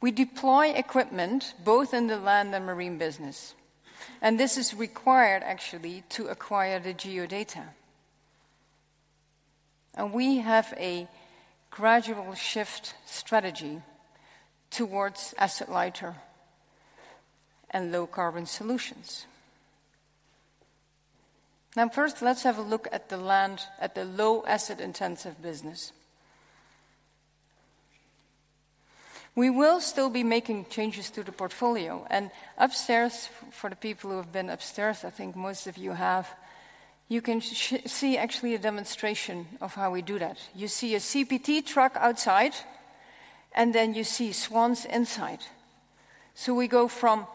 We deploy equipment both in the land and marine business, and this is required actually to acquire the Geo-data. We have a gradual shift strategy towards asset lighter and low carbon solutions. Now, first, let's have a look at the land, at the low asset intensive business. We will still be making changes to the portfolio, and upstairs, for the people who have been upstairs, I think most of you have, you can see actually a demonstration of how we do that. You see a CPT truck outside, and then you see SWANS inside. So we go from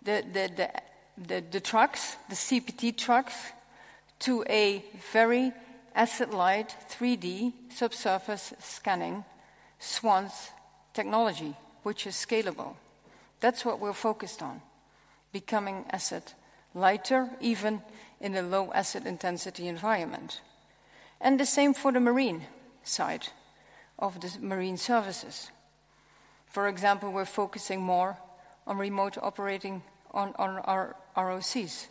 the trucks, the CPT trucks, to a very asset-light, 3D subsurface scanning SWANS technology, which is scalable.... That's what we're focused on, becoming asset lighter, even in a low asset intensity environment. And the same for the marine side of the marine services. For example, we're focusing more on remote operating on our ROCs,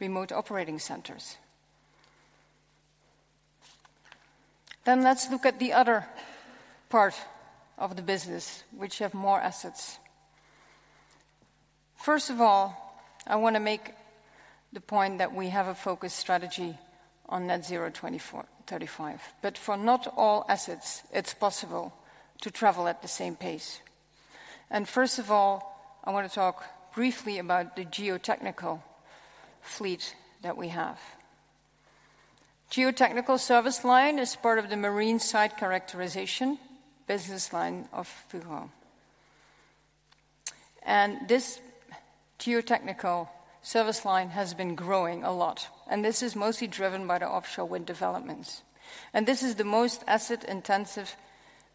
remote operating centers. Then let's look at the other part of the business, which have more assets. First of all, I wanna make the point that we have a focused strategy on net zero 2024-2035, but for not all assets, it's possible to travel at the same pace. And first of all, I wanna talk briefly about the geotechnical fleet that we have. Geotechnical service line is part of the Marine Site Characterization business line of Fugro. This Geotechnical service line has been growing a lot, and this is mostly driven by the offshore wind developments, and this is the most asset-intensive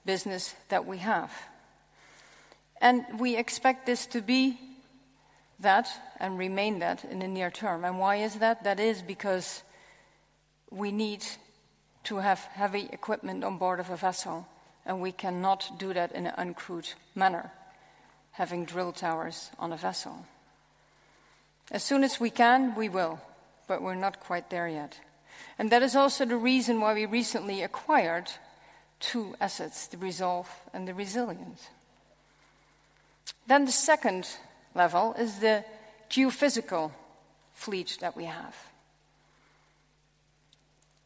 business that we have. We expect this to be that and remain that in the near term. Why is that? That is because we need to have heavy equipment on board of a vessel, and we cannot do that in an uncrewed manner, having drill towers on a vessel. As soon as we can, we will, but we're not quite there yet. That is also the reason why we recently acquired two assets, the Resolve and the Resilience. Then the second level is the geophysical fleet that we have.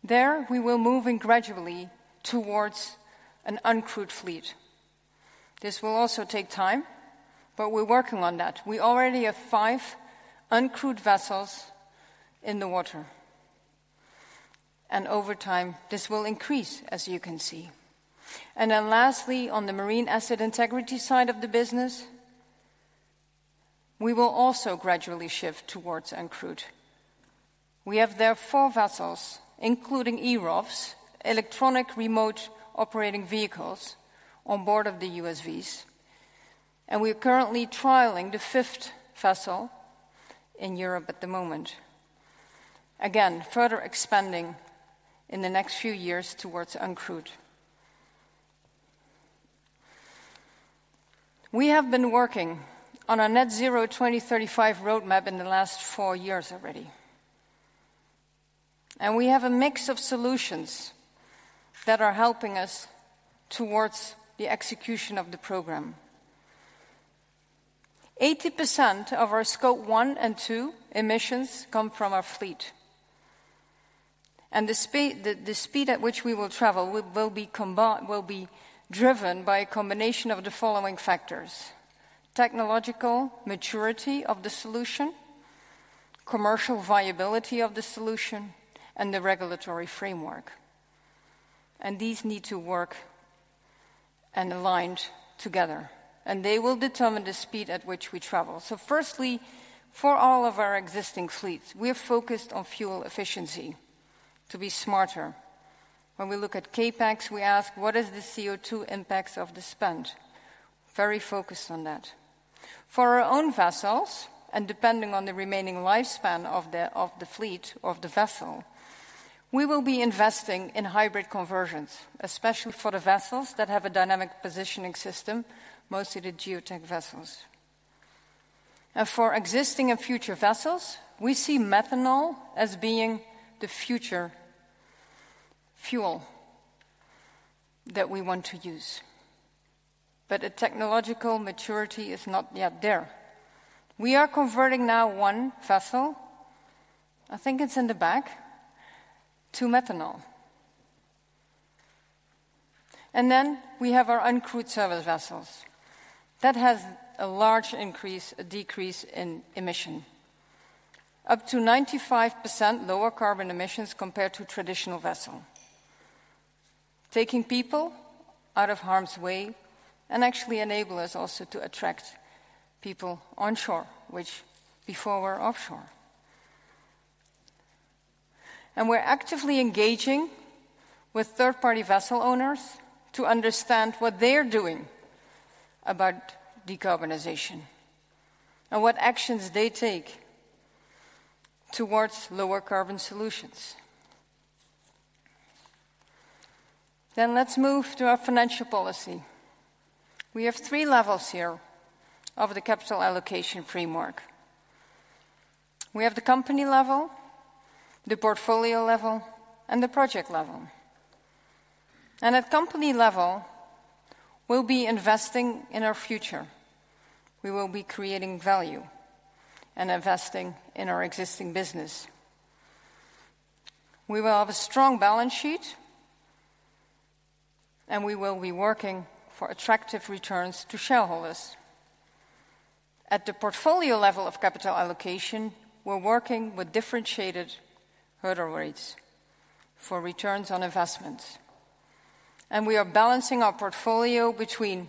There, we will moving gradually towards an uncrewed fleet. This will also take time, but we're working on that. We already have 5 uncrewed vessels in the water, and over time, this will increase, as you can see. Then lastly, on the Marine Asset Integrity side of the business, we will also gradually shift towards uncrewed. We have there 4 vessels, including eROVs, Electric Remotely Operated Vehicles, on board of the USVs, and we are currently trialing the 5th vessel in Europe at the moment. Again, further expanding in the next few years towards uncrewed. We have been working on our Net Zero 2035 roadmap in the last 4 years already, and we have a mix of solutions that are helping us towards the execution of the program. 80% of our Scope 1 and 2 emissions come from our fleet, and the speed at which we will travel will be driven by a combination of the following factors: technological maturity of the solution, commercial viability of the solution, and the regulatory framework. These need to work and aligned together, and they will determine the speed at which we travel. Firstly, for all of our existing fleets, we are focused on fuel efficiency to be smarter. When we look at CapEx, we ask, "What is the CO2 impacts of the spend?" Very focused on that. For our own vessels, and depending on the remaining lifespan of the vessel, we will be investing in hybrid conversions, especially for the vessels that have a dynamic positioning system, mostly the geotech vessels. And for existing and future vessels, we see methanol as being the future fuel that we want to use, but the technological maturity is not yet there. We are converting now one vessel, I think it's in the back, to methanol. And then we have our uncrewed service vessels. That has a large increase, a decrease in emission, up to 95% lower carbon emissions compared to traditional vessel, taking people out of harm's way, and actually enable us also to attract people onshore, which before were offshore. And we're actively engaging with third-party vessel owners to understand what they're doing about decarbonization and what actions they take towards lower carbon solutions. Then let's move to our financial policy. We have three levels here of the capital allocation framework. We have the company level, the portfolio level, and the project level. At company level, we'll be investing in our future. We will be creating value and investing in our existing business. We will have a strong balance sheet, and we will be working for attractive returns to shareholders. At the portfolio level of capital allocation, we're working with differentiated hurdle rates for returns on investments, and we are balancing our portfolio between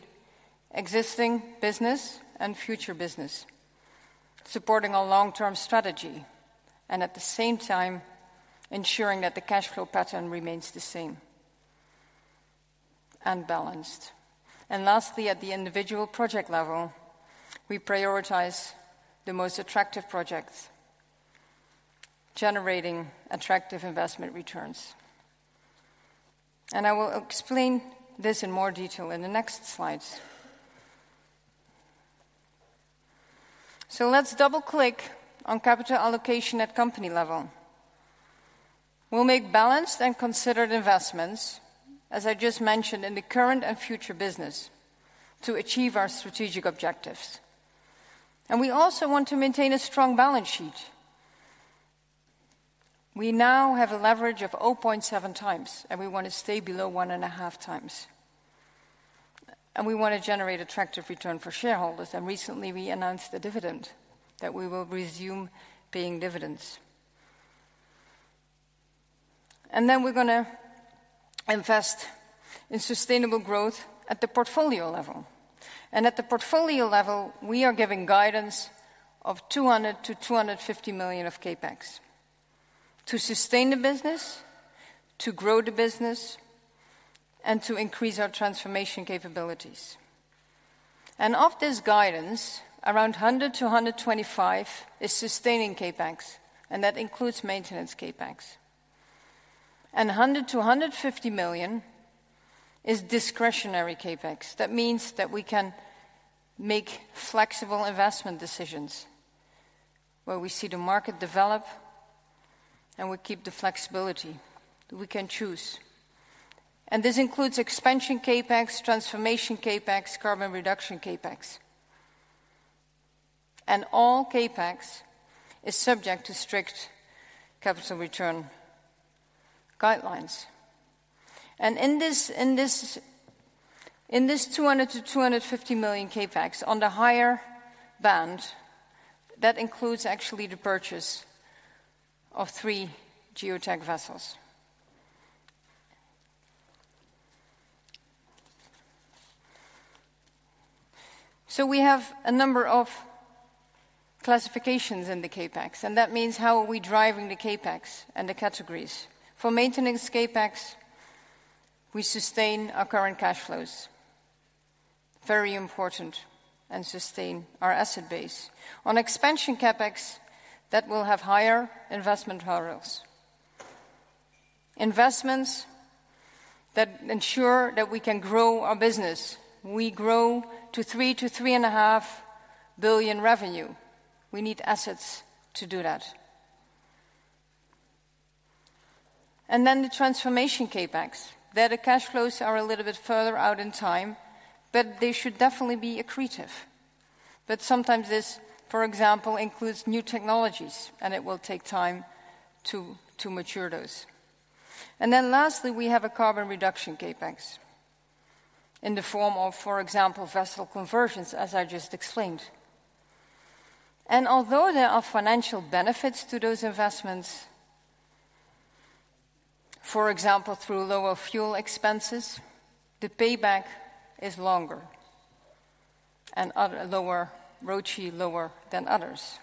existing business and future business, supporting our long-term strategy, and at the same time, ensuring that the cash flow pattern remains the same... and balanced. Lastly, at the individual project level, we prioritize the most attractive projects, generating attractive investment returns. I will explain this in more detail in the next slides. Let's double-click on capital allocation at company level. We'll make balanced and considered investments, as I just mentioned, in the current and future business to achieve our strategic objectives. We also want to maintain a strong balance sheet. We now have a leverage of 0.7 times, and we want to stay below 1.5 times. We want to generate attractive return for shareholders, and recently we announced a dividend that we will resume paying dividends. Then we're gonna invest in sustainable growth at the portfolio level. At the portfolio level, we are giving guidance of 200-250 million of CapEx to sustain the business, to grow the business, and to increase our transformation capabilities. Of this guidance, around 100-125 million is sustaining CapEx, and that includes maintenance CapEx. 100-150 million is discretionary CapEx. That means that we can make flexible investment decisions, where we see the market develop, and we keep the flexibility, we can choose. This includes expansion CapEx, transformation CapEx, carbon reduction CapEx. All CapEx is subject to strict capital return guidelines. In this 200 million-250 million CapEx, on the higher band, that includes actually the purchase of three Geotech vessels. So we have a number of classifications in the CapEx, and that means how are we driving the CapEx and the categories. For maintenance CapEx, we sustain our current cash flows, very important, and sustain our asset base. On expansion CapEx, that will have higher investment hurdles, investments that ensure that we can grow our business. We grow to 3 billion-3.5 billion revenue. We need assets to do that. Then the transformation CapEx, there the cash flows are a little bit further out in time, but they should definitely be accretive. But sometimes this, for example, includes new technologies, and it will take time to mature those. And then lastly, we have a carbon reduction CapEx in the form of, for example, vessel conversions, as I just explained. And although there are financial benefits to those investments, for example, through lower fuel expenses, the payback is longer and other lower, ROCE lower than others.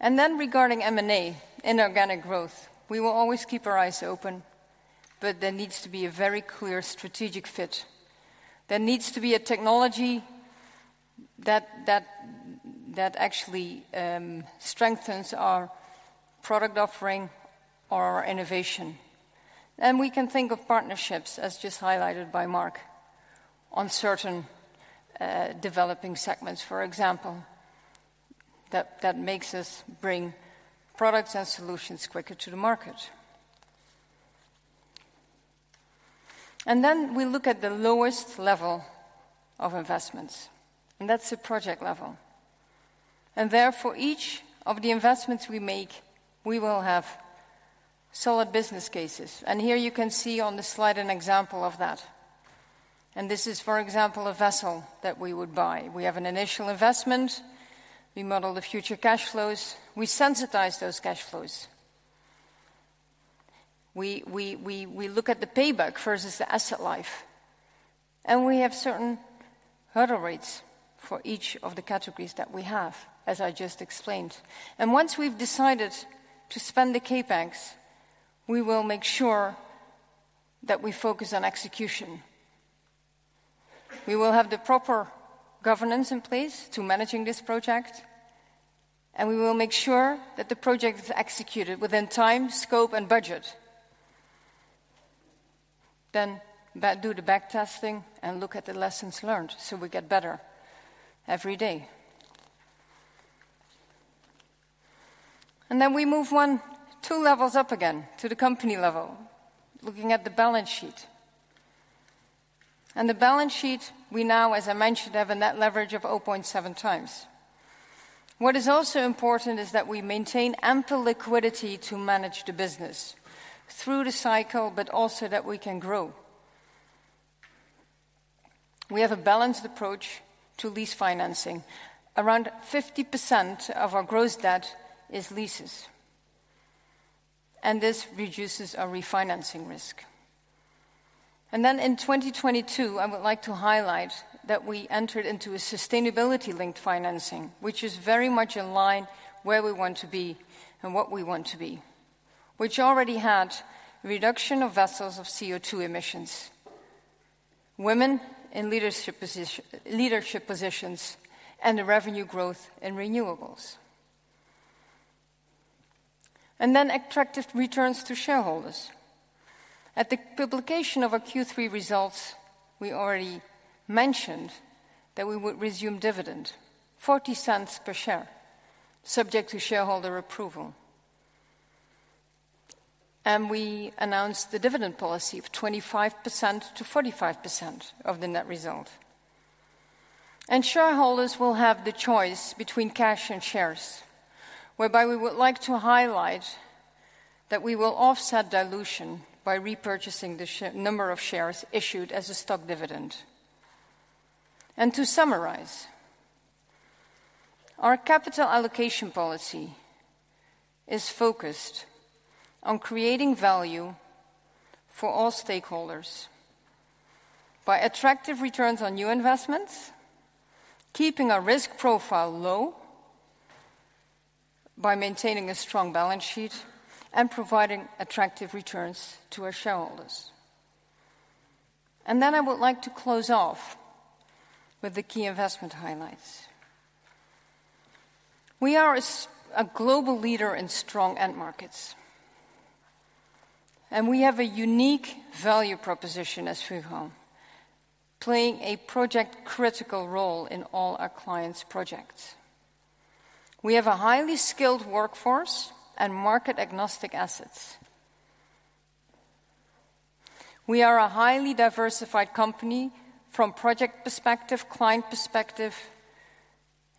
And then regarding M&A, inorganic growth, we will always keep our eyes open, but there needs to be a very clear strategic fit. There needs to be a technology that actually strengthens our product offering or innovation. And we can think of partnerships, as just highlighted by Mark, on certain developing segments, for example, that makes us bring products and solutions quicker to the market. And then we look at the lowest level of investments, and that's the project level. Therefore, each of the investments we make, we will have solid business cases. Here you can see on the slide an example of that. This is, for example, a vessel that we would buy. We have an initial investment, we model the future cash flows, we sensitize those cash flows. We look at the payback versus the asset life, and we have certain hurdle rates for each of the categories that we have, as I just explained. Once we've decided to spend the CapEx, we will make sure that we focus on execution. We will have the proper governance in place to managing this project, and we will make sure that the project is executed within time, scope, and budget. Then do the backtesting and look at the lessons learned, so we get better every day. And then we move 1, 2 levels up again to the company level, looking at the balance sheet. The balance sheet, we now, as I mentioned, have a net leverage of 0.7 times. What is also important is that we maintain ample liquidity to manage the business through the cycle, but also that we can grow. We have a balanced approach to lease financing. Around 50% of our gross debt is leases, and this reduces our refinancing risk. And then in 2022, I would like to highlight that we entered into a sustainability-linked financing, which is very much in line where we want to be and what we want to be... which already had reduction of vessels of CO2 emissions, women in leadership positions, and a revenue growth in renewables. And then attractive returns to shareholders. At the publication of our Q3 results, we already mentioned that we would resume dividend, 0.40 per share, subject to shareholder approval. We announced the dividend policy of 25% to 45 of the net result. Shareholders will have the choice between cash and shares, whereby we would like to highlight that we will offset dilution by repurchasing the number of shares issued as a stock dividend. To summarize, our capital allocation policy is focused on creating value for all stakeholders by attractive returns on new investments, keeping our risk profile low by maintaining a strong balance sheet, and providing attractive returns to our shareholders. I would like to close off with the key investment highlights. We are a global leader in strong end markets, and we have a unique value proposition as Fugro, playing a project-critical role in all our clients' projects. We have a highly skilled workforce and market-agnostic assets. We are a highly diversified company from project perspective, client perspective,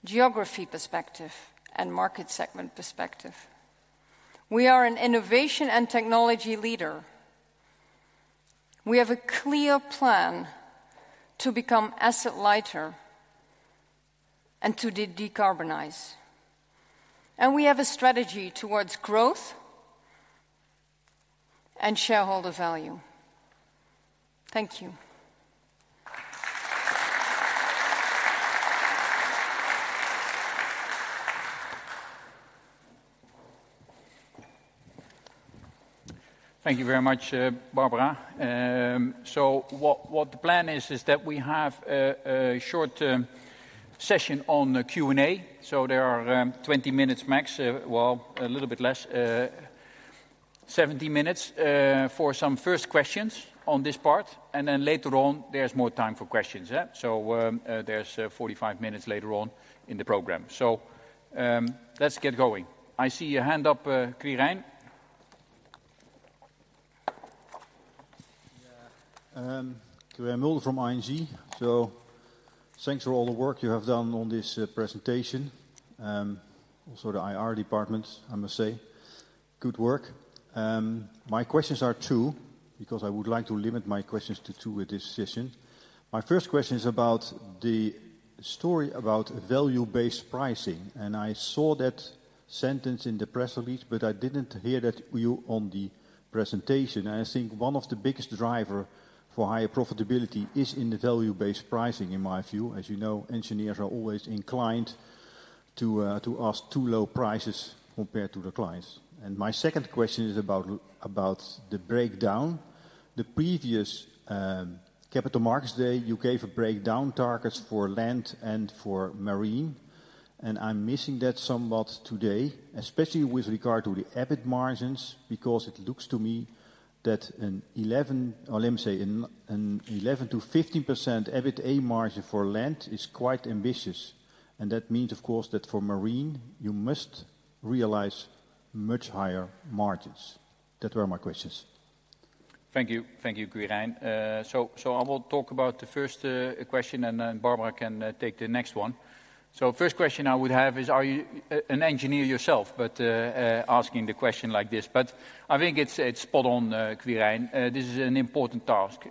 geography perspective, and market segment perspective. We are an innovation and technology leader. We have a clear plan to become asset lighter and to de- decarbonize, and we have a strategy towards growth and shareholder value. Thank you. Thank you very much, Barbara. So what the plan is, is that we have a short session on the Q&A. So there are 20 minutes max, well, a little bit less, 17 minutes, for some first questions on this part, and then later on, there's more time for questions, yeah? So, let's get going. I see a hand up, Quirijn. Yeah, Quirijn Mulder from ING. So thanks for all the work you have done on this, presentation, also the IR department, I must say, good work. My questions are two, because I would like to limit my questions to two at this session. My first question is about the story about value-based pricing, and I saw that sentence in the press release, but I didn't hear that you on the presentation. And I think one of the biggest driver for higher profitability is in the value-based pricing, in my view. As you know, engineers are always inclined to, to ask too low prices compared to the clients. And my second question is about about the breakdown. The previous Capital Markets Day, you gave a breakdown targets for Land and for Marine, and I'm missing that somewhat today, especially with regard to the EBIT margins, because it looks to me that an 11% to 15 EBITDA margin for Land is quite ambitious, and that means, of course, that for Marine, you must realize much higher margins. That were my questions. Thank you. Thank you, Quirijn. So I will talk about the first question, and then Barbara can take the next one. So first question I would have is, are you an engineer yourself, but asking the question like this? But I think it's spot on, Quirijn. This is an important task.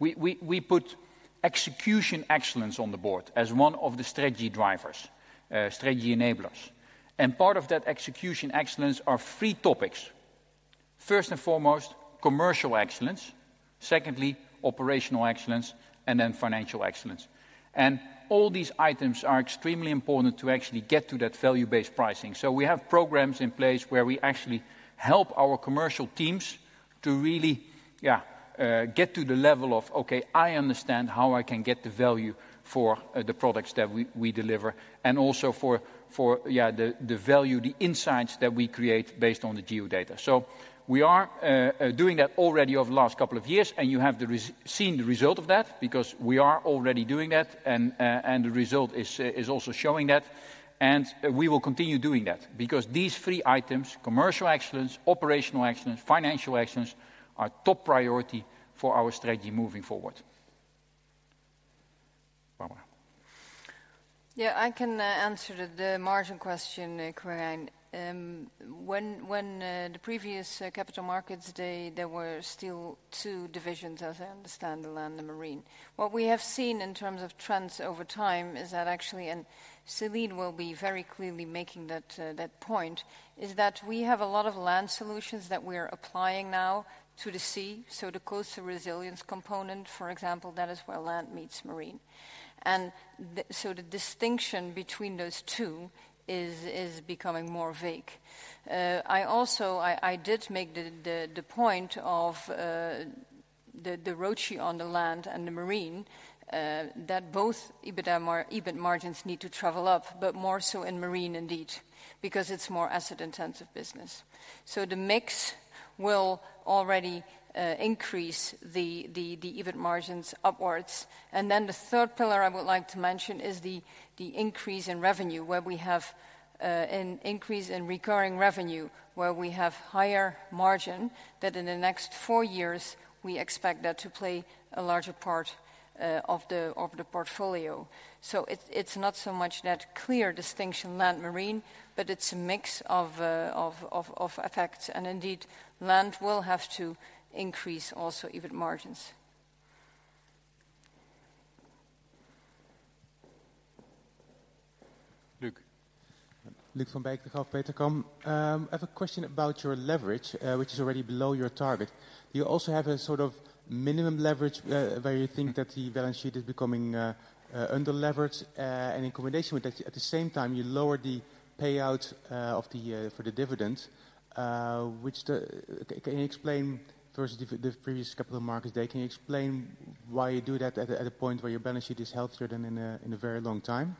We put execution excellence on the board as one of the strategy drivers, strategy enablers. And part of that execution excellence are three topics: first and foremost, commercial excellence, secondly, operational excellence, and then financial excellence. And all these items are extremely important to actually get to that value-based pricing. So we have programs in place where we actually help our commercial teams to really get to the level of, "Okay, I understand how I can get the value for the products that we deliver, and also for the value, the insights that we create based on the Geo-data." So we are doing that already over the last couple of years, and you have seen the result of that because we are already doing that, and the result is also showing that, and we will continue doing that. Because these three items, commercial excellence, operational excellence, financial excellence, are top priority for our strategy moving forward. Barbara? Yeah, I can answer the margin question, Quirijn. When the previous Capital Markets Day, there were still two divisions, as I understand, the Land and Marine. What we have seen in terms of trends over time is that actually, and Céline will be very clearly making that point, is that we have a lot of Land solutions that we're applying now to the sea. So the coastal resilience component, for example, that is where Land meets Marine. And so the distinction between those two is becoming more vague. I also did make the point of the ROCE on the land and the marine, that both EBITDA mar- EBIT margins need to travel up, but more so in marine indeed, because it's more asset intensive business. So the mix will already increase the EBIT margins upwards. And then the third pillar I would like to mention is the increase in revenue, where we have an increase in recurring revenue, where we have higher margin, that in the next four years we expect that to play a larger part of the portfolio. So it's not so much that clear distinction land marine, but it's a mix of effects. And indeed, land will have to increase also EBIT margins. Luuk? Luuk van Beek, Degroof Petercam. I have a question about your leverage, which is already below your target. Do you also have a sort of minimum leverage, where you think that the balance sheet is becoming under-leveraged? And in combination with that, at the same time, you lowered the payout for the dividends. Can you explain, first, the previous Capital Markets Day, can you explain why you do that at a point where your balance sheet is healthier than in a very long time?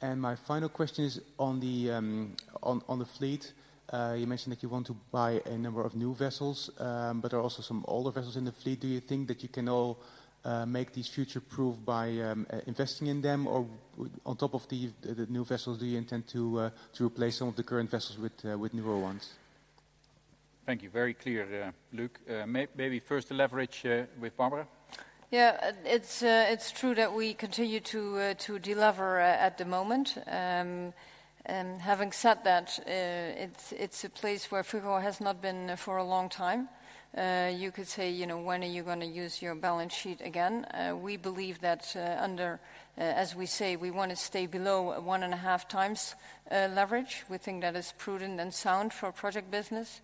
And my final question is on the fleet. You mentioned that you want to buy a number of new vessels, but there are also some older vessels in the fleet. Do you think that you can all make these future-proof by investing in them? Or on top of the new vessels, do you intend to replace some of the current vessels with newer ones? Thank you. Very clear, Luuk. Maybe first the leverage with Barbara. Yeah, it's true that we continue to delever at the moment. And having said that, it's a place where Fugro has not been for a long time. You could say, you know, "When are you gonna use your balance sheet again?" We believe that, as we say, we want to stay below 1.5 times leverage. We think that is prudent and sound for project business.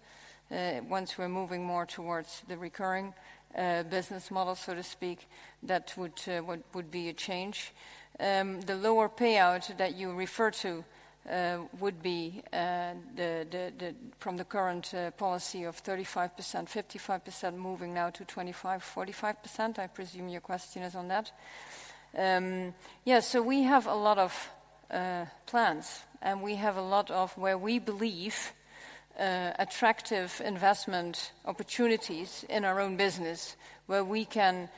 Once we're moving more towards the recurring business model, so to speak, that would be a change. The lower payout that you refer to would be the from the current policy of 35% to 55, moving now to 25% to 45 I presume your question is on that. Yeah, so we have a lot of plans, and we have a lot of where we believe attractive investment opportunities in our own business, where we can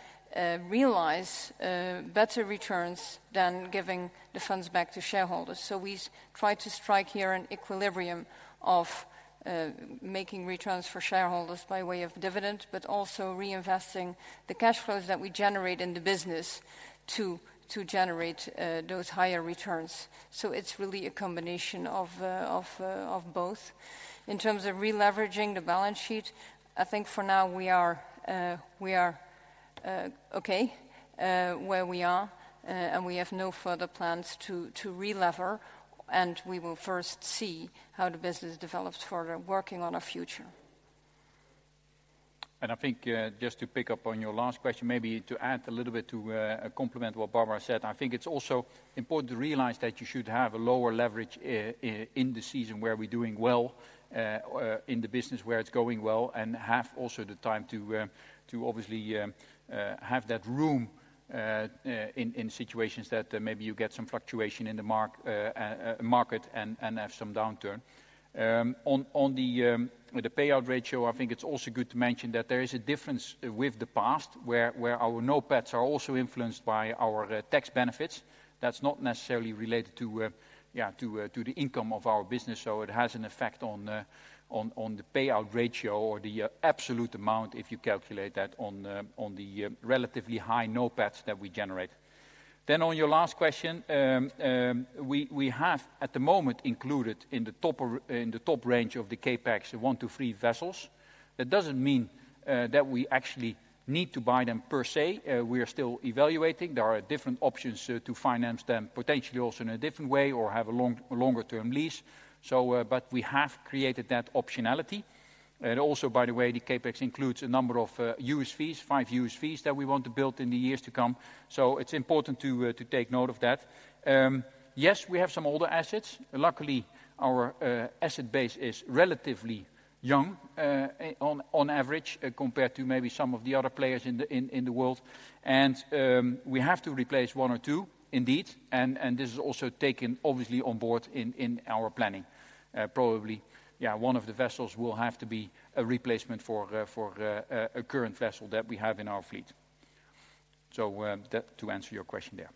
realize better returns than giving the funds back to shareholders. So we try to strike here an equilibrium of making returns for shareholders by way of dividend, but also reinvesting the cash flows that we generate in the business to generate those higher returns. So it's really a combination of both. In terms of releveraging the balance sheet, I think for now we are okay where we are, and we have no further plans to relever, and we will first see how the business develops further, working on our future. I think, just to pick up on your last question, maybe to add a little bit to complement what Barbara said, I think it's also important to realize that you should have a lower leverage in the season where we're doing well, in the business where it's going well, and have also the time to to obviously have that room, in situations that maybe you get some fluctuation in the market and have some downturn. With the payout ratio, I think it's also good to mention that there is a difference with the past, where our NOPATs are also influenced by our tax benefits. That's not necessarily related to the income of our business, so it has an effect on the payout ratio or the absolute amount, if you calculate that on the relatively high NOPATs that we generate. Then on your last question, we have at the moment included in the top range of the CapEx, 1-3 vessels. That doesn't mean that we actually need to buy them per se. We are still evaluating. There are different options to finance them, potentially also in a different way or have a longer term lease. So, but we have created that optionality. And also, by the way, the CapEx includes a number of USVs, five USVs, that we want to build in the years to come, so it's important to take note of that. Yes, we have some older assets. Luckily, our asset base is relatively young, on average, compared to maybe some of the other players in the world. We have to replace one or two indeed, and this is also taken obviously on board in our planning. Probably, yeah, one of the vessels will have to be a replacement for a current vessel that we have in our fleet. So, that to answer your question there.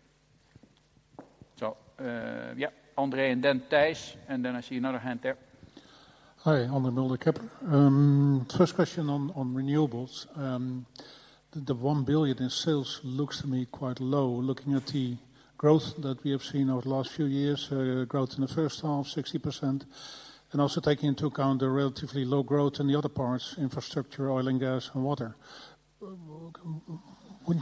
So, yeah, André and then Thijs, and then I see another hand there. Hi, André Mulder, Kepler Cheuvreux. First question on renewables. The 1 billion in sales looks to me quite low, looking at the growth that we have seen over the last few years, growth in the first half, 60%, and also taking into account the relatively low growth in the other parts, infrastructure, oil and gas, and water.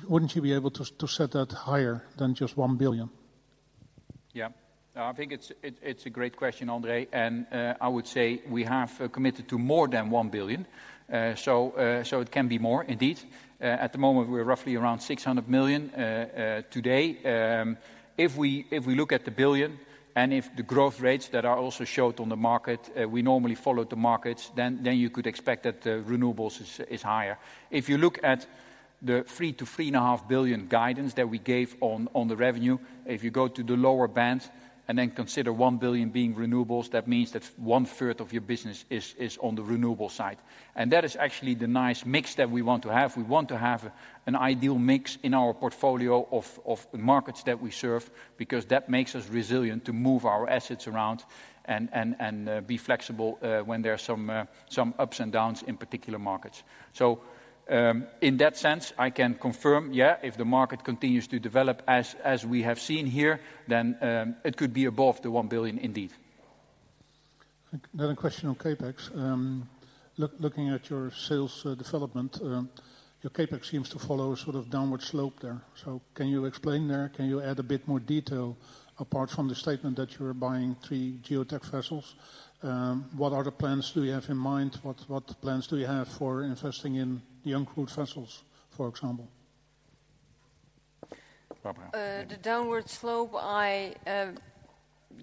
Wouldn't you be able to set that higher than just 1 billion?... Yeah. No, I think it's a great question, André, and I would say we have committed to more than 1 billion, so it can be more indeed. At the moment, we're roughly around 600 million today. If we look at the billion, and if the growth rates that are also showed on the market, we normally follow the markets, then you could expect that the renewables is higher. If you look at the 3 billion-3.5 billion guidance that we gave on the revenue, if you go to the lower band and then consider 1 billion being renewables, that means that one-third of your business is on the renewable side. And that is actually the nice mix that we want to have. We want to have an ideal mix in our portfolio of markets that we serve, because that makes us resilient to move our assets around and be flexible when there are some ups and downs in particular markets. So, in that sense, I can confirm, yeah, if the market continues to develop as we have seen here, then it could be above 1 billion indeed. Another question on CapEx. Looking at your sales development, your CapEx seems to follow a sort of downward slope there. So can you explain there? Can you add a bit more detail apart from the statement that you are buying three geotech vessels? What other plans do you have in mind? What plans do you have for investing in the uncrewed vessels, for example? Barbara. The downward slope I...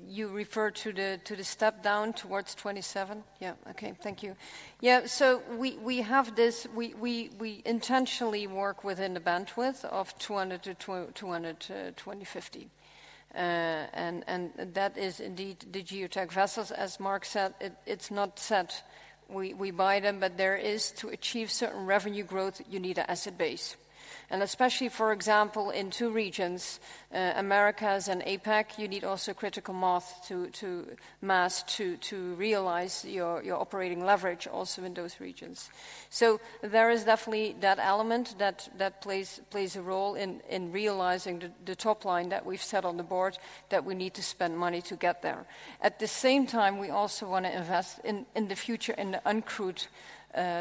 You refer to the, to the step down towards 27? Yeah. Okay, thank you. Yeah, so we have this, we intentionally work within the bandwidth of 200-250. And that is indeed the geotech vessels. As Mark said, it's not said we buy them, but there is to achieve certain revenue growth, you need an asset base. Especially, for example, in two regions, Americas and APAC, you need also critical mass to realize your operating leverage also in those regions. So there is definitely that element that plays a role in realizing the top line that we've set on the board, that we need to spend money to get there. At the same time, we also wanna invest in, in the future, in the uncrewed,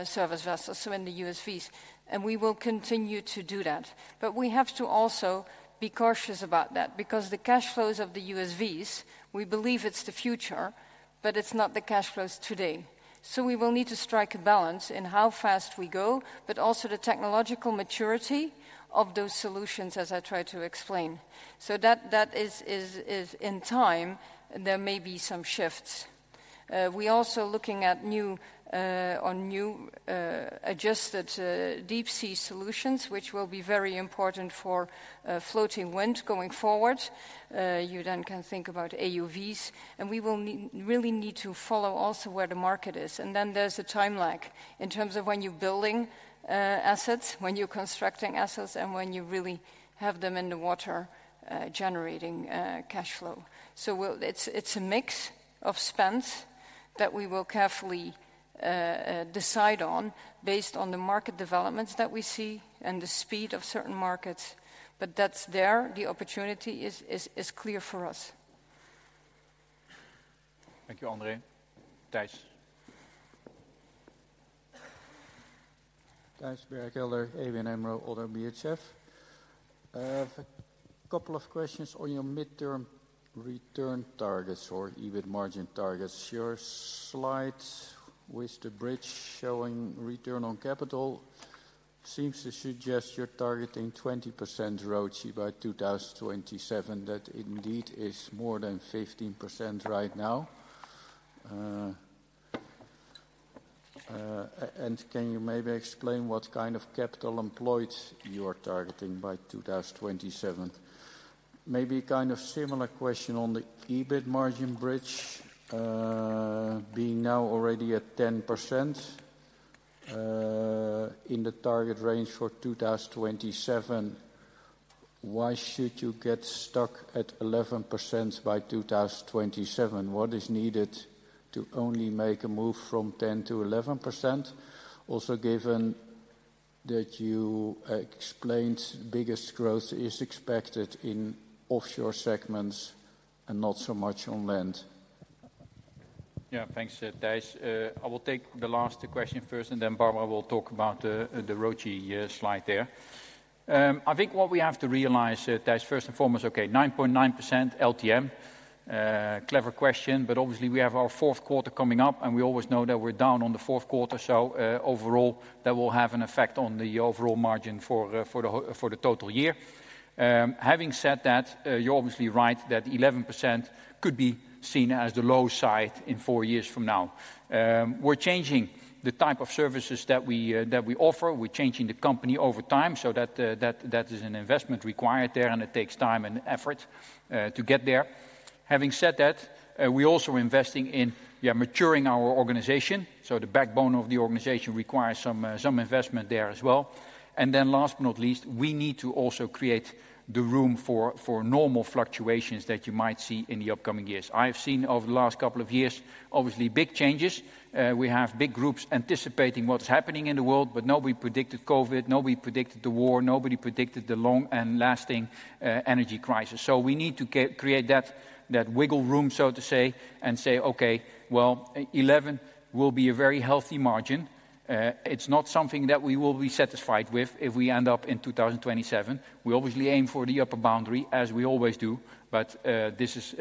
service vessels, so in the USVs, and we will continue to do that. But we have to also be cautious about that, because the cash flows of the USVs, we believe it's the future, but it's not the cash flows today. So we will need to strike a balance in how fast we go, but also the technological maturity of those solutions, as I tried to explain. So that is in time, there may be some shifts. We also looking at new, on new, adjusted, deep sea solutions, which will be very important for, floating wind going forward. You then can think about AUVs, and we will really need to follow also where the market is. And then there's a time lag in terms of when you're building assets, when you're constructing assets, and when you really have them in the water generating cash flow. So we'll. It's a mix of spends that we will carefully decide on based on the market developments that we see and the speed of certain markets. But that's there, the opportunity is clear for us. Thank you, André. Tys? Thijs Berkelder, ABN AMRO ODDO BHF. I have a couple of questions on your midterm return targets or EBIT margin targets. Your slide with the bridge showing return on capital seems to suggest you're targeting 20% ROCE by 2027. That indeed is more than 15% right now. And can you maybe explain what kind of capital employed you are targeting by 2027? Maybe kind of similar question on the EBIT margin bridge, being now already at 10%, in the target range for 2027, why should you get stuck at 11% by 2027? What is needed to only make a move from 10% to 11, also given that you explained biggest growth is expected in offshore segments and not so much on land? Yeah, thanks, Tys. I will take the last question first, and then Barbara will talk about the ROCE slide there. I think what we have to realize, Tys, first and foremost, okay, 9.9% LTM. Clever question, but obviously we have our fourth quarter coming up, and we always know that we're down on the fourth quarter, so overall, that will have an effect on the overall margin for the total year. Having said that, you're obviously right, that 11% could be seen as the low side in four years from now. We're changing the type of services that we offer. We're changing the company over time, so that is an investment required there, and it takes time and effort to get there. Having said that, we're also investing in, yeah, maturing our organization, so the backbone of the organization requires some, some investment there as well. And then last but not least, we need to also create the room for, for normal fluctuations that you might see in the upcoming years. I have seen over the last couple of years, obviously, big changes. We have big groups anticipating what is happening in the world, but nobody predicted COVID, nobody predicted the war, nobody predicted the long and lasting, energy crisis. So we need to create that, that wiggle room, so to say, and say, "Okay, well, 11 will be a very healthy margin."... It's not something that we will be satisfied with if we end up in 2027. We obviously aim for the upper boundary, as we always do, but this is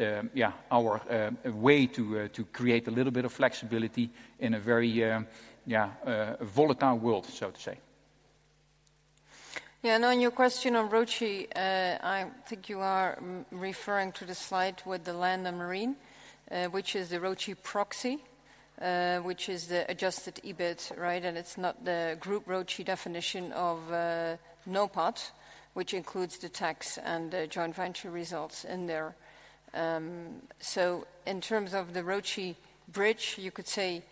our way to create a little bit of flexibility in a very volatile world, so to say. Yeah, and on your question on ROACE, I think you are referring to the slide with the land and marine, which is the ROACE proxy, which is the Adjusted EBIT, right? And it's not the group ROACE definition of NOPAT, which includes the tax and joint venture results in there. So in terms of the ROACE bridge, you could say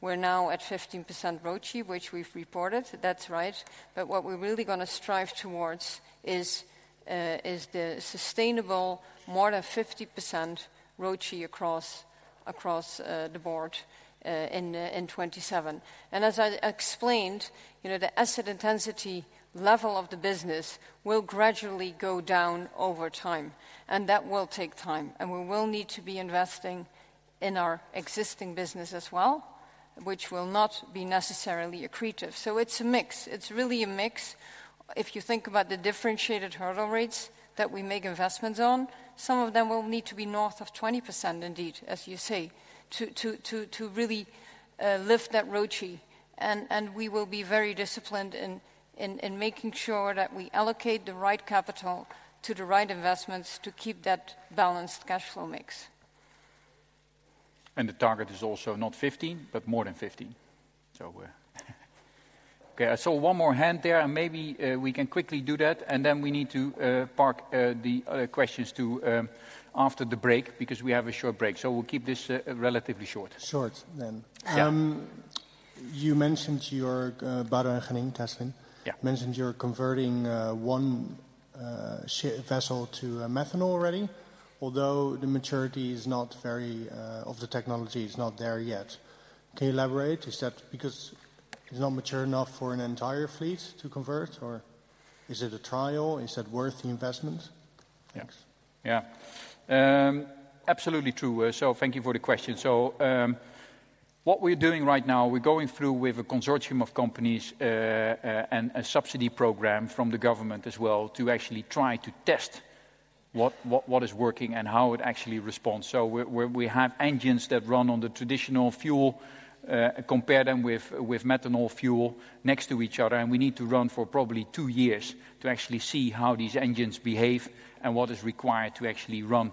we're now at 15% ROACE, which we've reported. That's right. But what we're really gonna strive towards is the sustainable more than 50% ROACE across the board in 2027. And as I explained, you know, the asset intensity level of the business will gradually go down over time, and that will take time, and we will need to be investing in our existing business as well, which will not be necessarily accretive. So it's a mix. It's really a mix. If you think about the differentiated hurdle rates that we make investments on, some of them will need to be north of 20%, indeed, as you say, to really lift that ROCE. And we will be very disciplined in making sure that we allocate the right capital to the right investments to keep that balanced cash flow mix. The target is also not 15, but more than 15. Okay, I saw one more hand there, and maybe we can quickly do that, and then we need to park the questions to after the break, because we have a short break. We'll keep this relatively short. Short, then. Yeah. You mentioned your Baron Genin, Teslin. Yeah. Mentioned you're converting one vessel to methanol already, although the maturity of the technology is not there yet. Can you elaborate? Is that because it's not mature enough for an entire fleet to convert, or is it a trial? Is that worth the investment? Thanks. Yeah. Absolutely true. So thank you for the question. So, what we're doing right now, we're going through with a consortium of companies, and a subsidy program from the government as well, to actually try to test what is working and how it actually responds. So we're, we have engines that run on the traditional fuel, compare them with methanol fuel next to each other, and we need to run for probably two years to actually see how these engines behave and what is required to actually run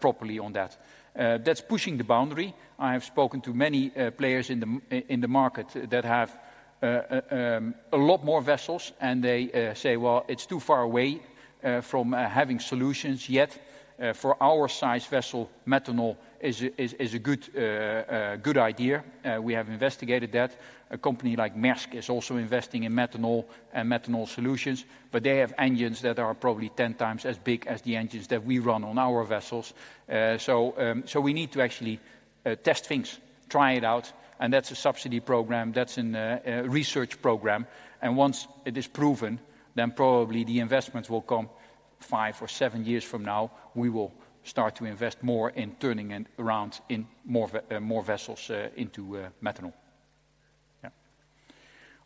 properly on that. That's pushing the boundary. I have spoken to many players in the market that have a lot more vessels, and they say, "Well, it's too far away from having solutions yet." For our size vessel, methanol is a good idea. We have investigated that. A company like Maersk is also investing in methanol and methanol solutions, but they have engines that are probably 10 times as big as the engines that we run on our vessels. So we need to actually test things, try it out, and that's a subsidy program, that's a research program. Once it is proven, then probably the investments will come 5 or 7 years from now, we will start to invest more in turning it around in more vessels into methanol. Yeah.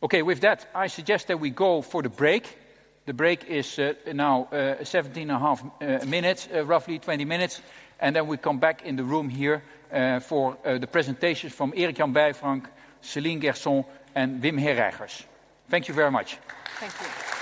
Okay, with that, I suggest that we go for the break. The break is now 17.5 minutes, roughly 20 minutes, and then we come back in the room here for the presentations from Erik-Jan Bijvank, Céline Gerson, and Wim Herijgers. Thank you very much. Thank you. ...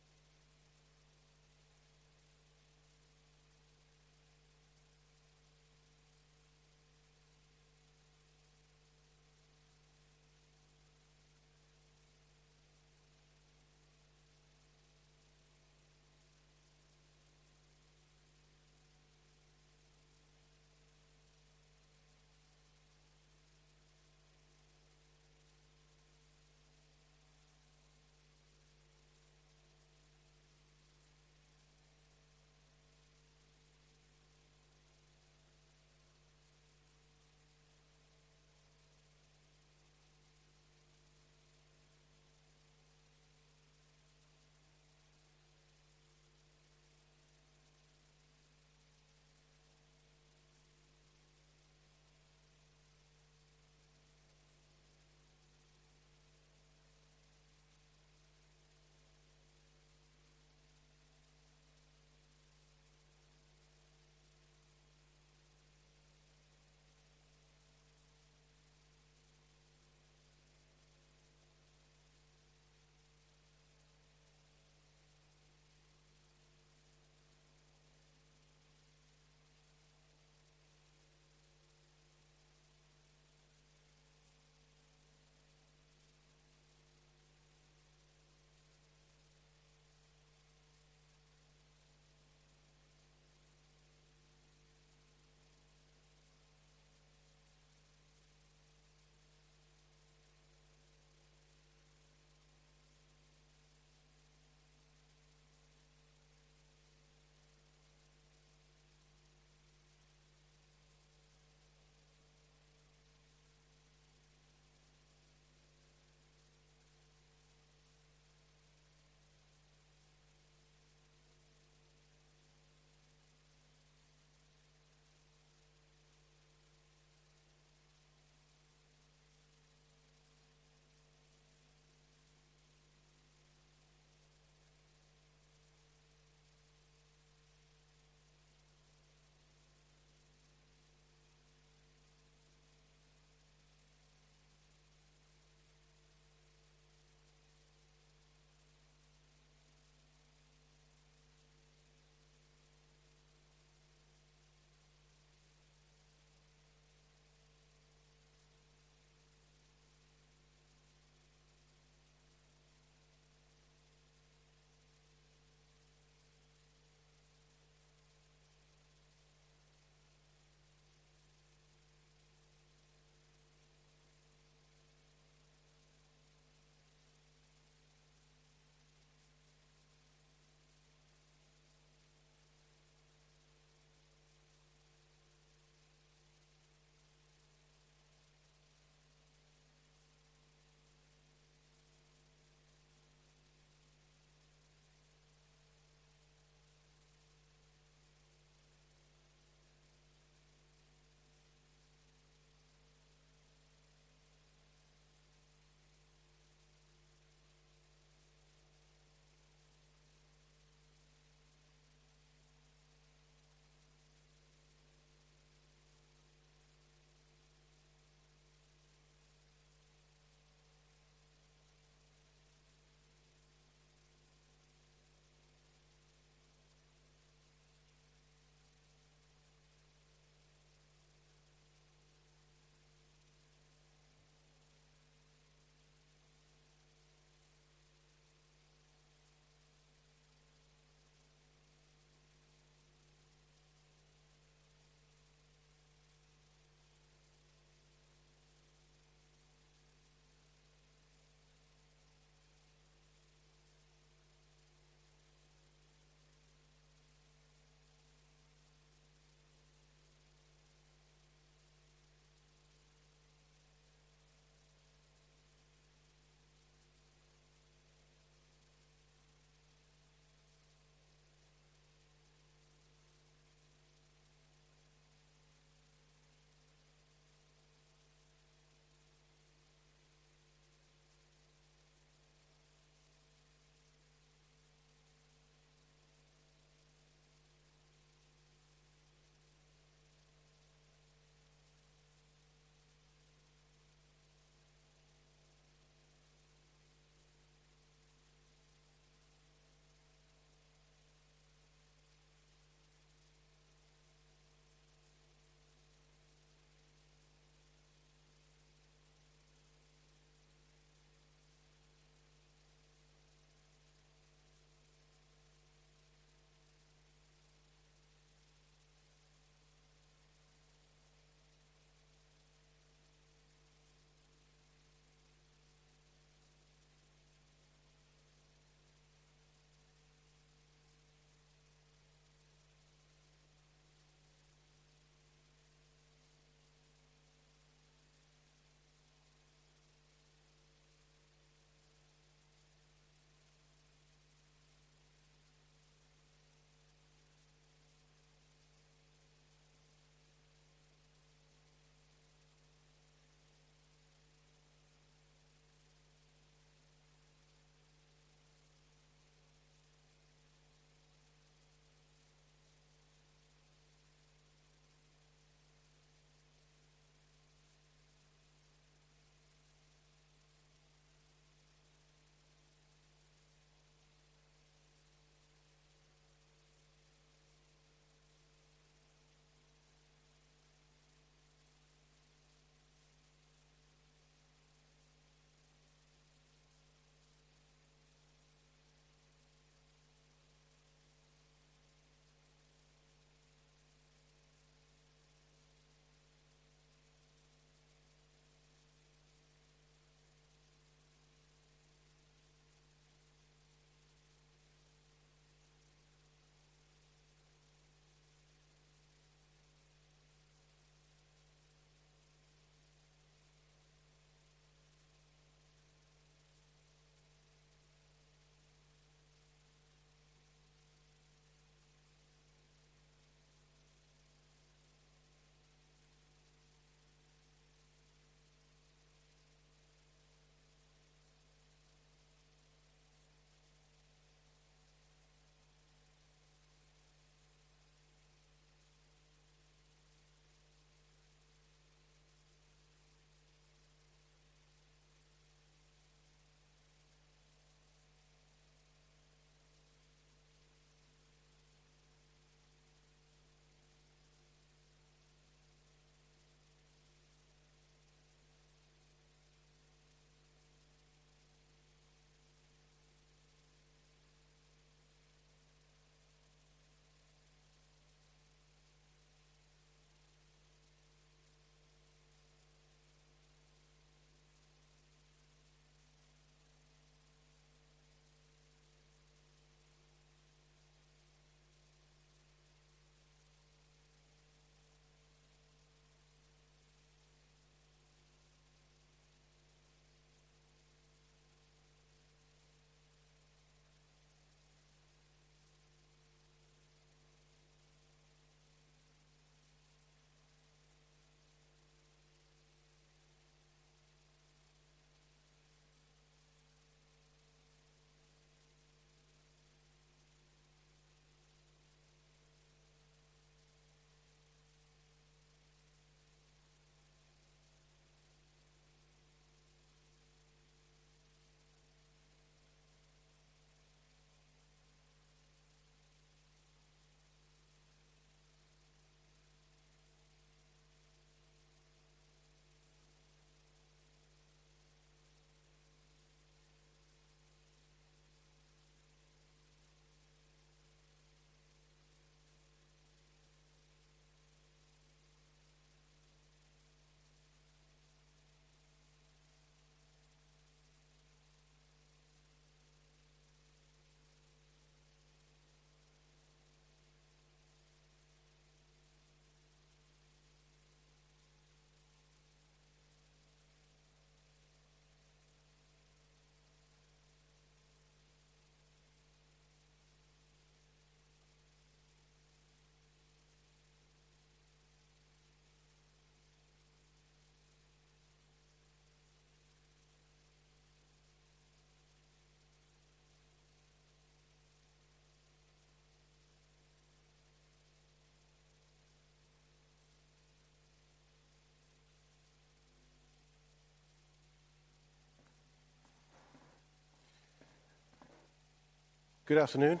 Good afternoon,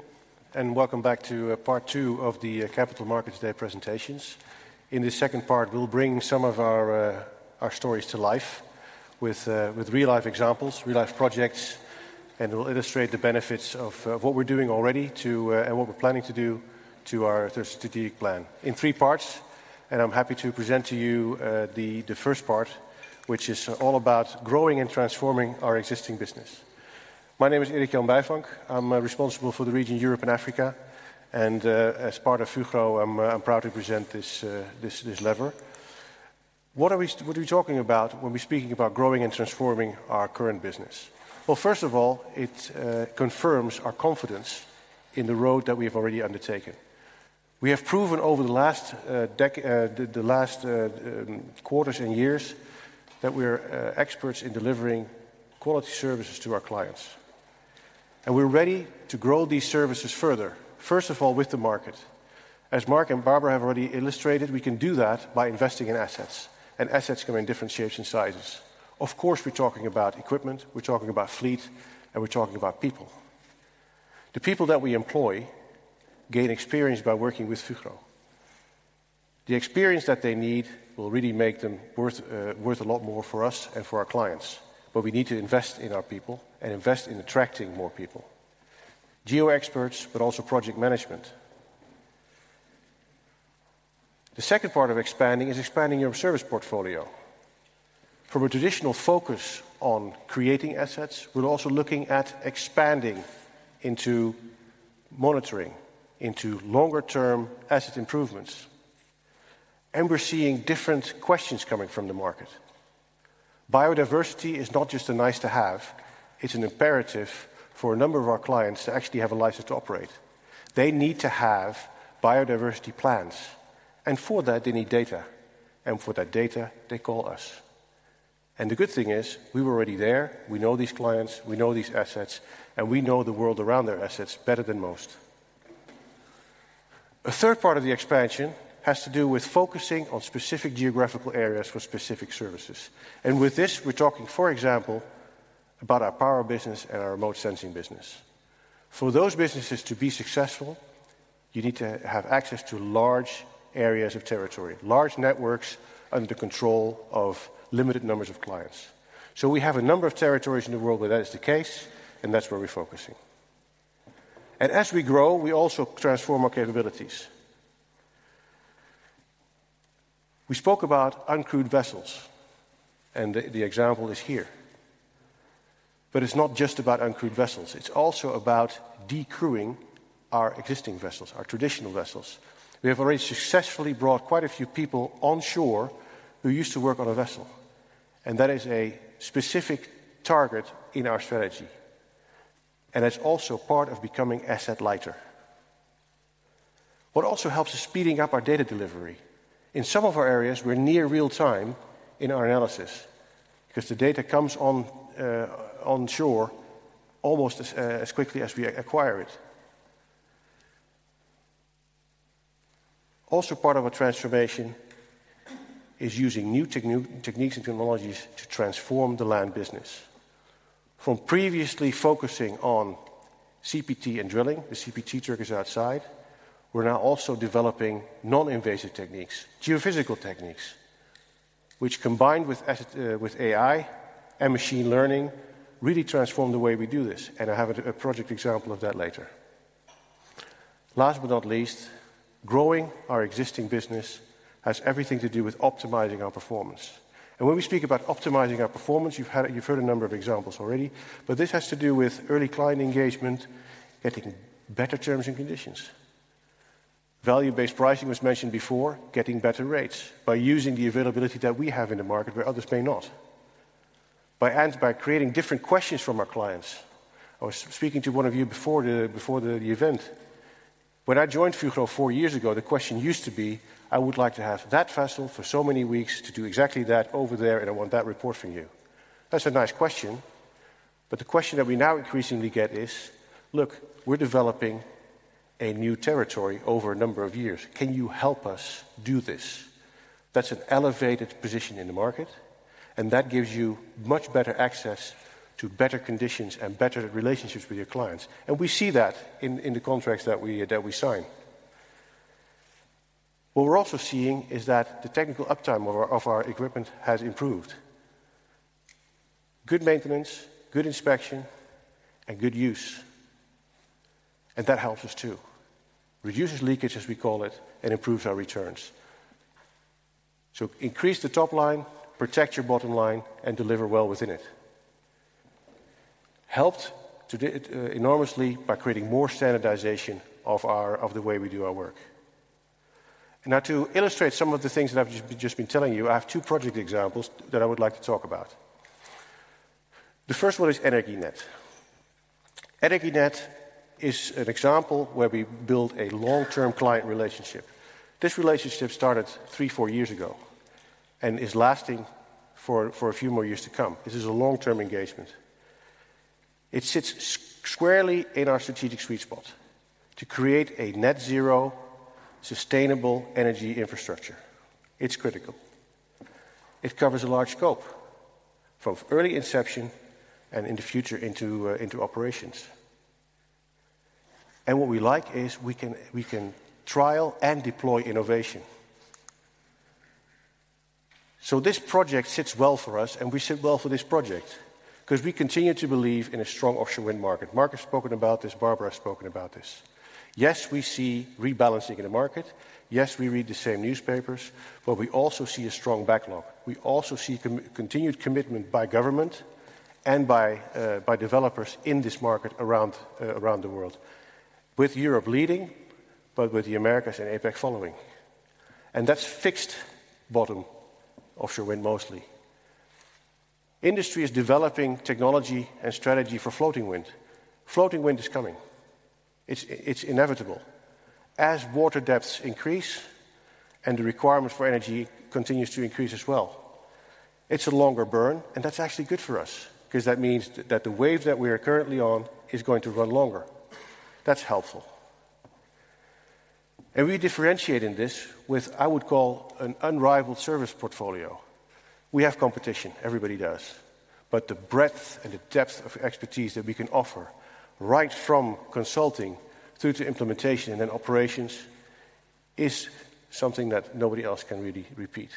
and welcome back to part two of the Capital Markets Day presentations. In this second part, we'll bring some of our stories to life with real-life examples, real-life projects, and we'll illustrate the benefits of what we're doing already to... and what we're planning to do to our strategic plan in three parts. I'm happy to present to you the first part, which is all about growing and transforming our existing business. My name is Erik-Jan Bijvank. I'm responsible for the region Europe and Africa, and as part of Fugro, I'm proud to present this lever. What are we talking about when we're speaking about growing and transforming our current business? Well, first of all, it confirms our confidence in the road that we have already undertaken. We have proven over the last quarters and years, that we're experts in delivering quality services to our clients, and we're ready to grow these services further, first of all, with the market. As Mark and Barbara have already illustrated, we can do that by investing in assets, and assets come in different shapes and sizes. Of course, we're talking about equipment, we're talking about fleet, and we're talking about people. The people that we employ gain experience by working with Fugro. The experience that they need will really make them worth a lot more for us and for our clients. But we need to invest in our people and invest in attracting more people, geo experts, but also project management. The second part of expanding is expanding your service portfolio. From a traditional focus on creating assets, we're also looking at expanding into monitoring, into longer-term asset improvements, and we're seeing different questions coming from the market. Biodiversity is not just a nice-to-have, it's an imperative for a number of our clients to actually have a license to operate. They need to have biodiversity plans, and for that, they need data, and for that data, they call us. And the good thing is, we were already there. We know these clients, we know these assets, and we know the world around their assets better than most. A third part of the expansion has to do with focusing on specific geographical areas for specific services. And with this, we're talking, for example, about our power business and our remote sensing business. For those businesses to be successful-... You need to have access to large areas of territory, large networks under control of limited numbers of clients. So we have a number of territories in the world where that is the case, and that's where we're focusing. And as we grow, we also transform our capabilities. We spoke about uncrewed vessels, and the example is here. But it's not just about uncrewed vessels, it's also about de-crewing our existing vessels, our traditional vessels. We have already successfully brought quite a few people onshore who used to work on a vessel, and that is a specific target in our strategy, and it's also part of becoming asset lighter. What also helps is speeding up our data delivery. In some of our areas, we're near real time in our analysis, because the data comes on onshore almost as quickly as we acquire it. Also part of our transformation is using new techniques and technologies to transform the land business. From previously focusing on CPT and drilling, the CPT truck is outside, we're now also developing non-invasive techniques, geophysical techniques, which combined with asset with AI and machine learning, really transform the way we do this, and I have a project example of that later. Last but not least, growing our existing business has everything to do with optimizing our performance. When we speak about optimizing our performance, you've heard a number of examples already, but this has to do with early client engagement, getting better terms and conditions. Value-based pricing was mentioned before, getting better rates by using the availability that we have in the market where others may not, and by creating different questions from our clients. I was speaking to one of you before the event. When I joined Fugro four years ago, the question used to be, "I would like to have that vessel for so many weeks to do exactly that over there, and I want that report from you." That's a nice question, but the question that we now increasingly get is, "Look, we're developing a new territory over a number of years. Can you help us do this?" That's an elevated position in the market, and that gives you much better access to better conditions and better relationships with your clients. And we see that in the contracts that we sign. What we're also seeing is that the technical uptime of our equipment has improved. Good maintenance, good inspection, and good use, and that helps us, too. Reduces leakage, as we call it, and improves our returns. So increase the top line, protect your bottom line, and deliver well within it. Helped to do it enormously by creating more standardization of the way we do our work. Now, to illustrate some of the things that I've just been telling you, I have two project examples that I would like to talk about. The first one is Energinet. Energinet is an example where we built a long-term client relationship. This relationship started three, four years ago, and is lasting for a few more years to come. This is a long-term engagement. It sits squarely in our strategic sweet spot, to create a net zero, sustainable energy infrastructure. It's critical. It covers a large scope, from early inception and in the future into operations. What we like is we can, we can trial and deploy innovation. So this project sits well for us, and we sit well for this project, because we continue to believe in a strong offshore wind market. Mark has spoken about this, Barbara has spoken about this. Yes, we see rebalancing in the market, yes, we read the same newspapers, but we also see a strong backlog. We also see continued commitment by government and by developers in this market around the world, with Europe leading, but with the Americas and APAC following, and that's fixed-bottom offshore wind, mostly. Industry is developing technology and strategy for floating wind. Floating wind is coming. It's, it's inevitable. As water depths increase and the requirement for energy continues to increase as well, it's a longer burn, and that's actually good for us, because that means that the wave that we are currently on is going to run longer. That's helpful. And we differentiate in this with, I would call, an unrivaled service portfolio. We have competition, everybody does, but the breadth and the depth of expertise that we can offer, right from consulting through to implementation and then operations, is something that nobody else can really repeat.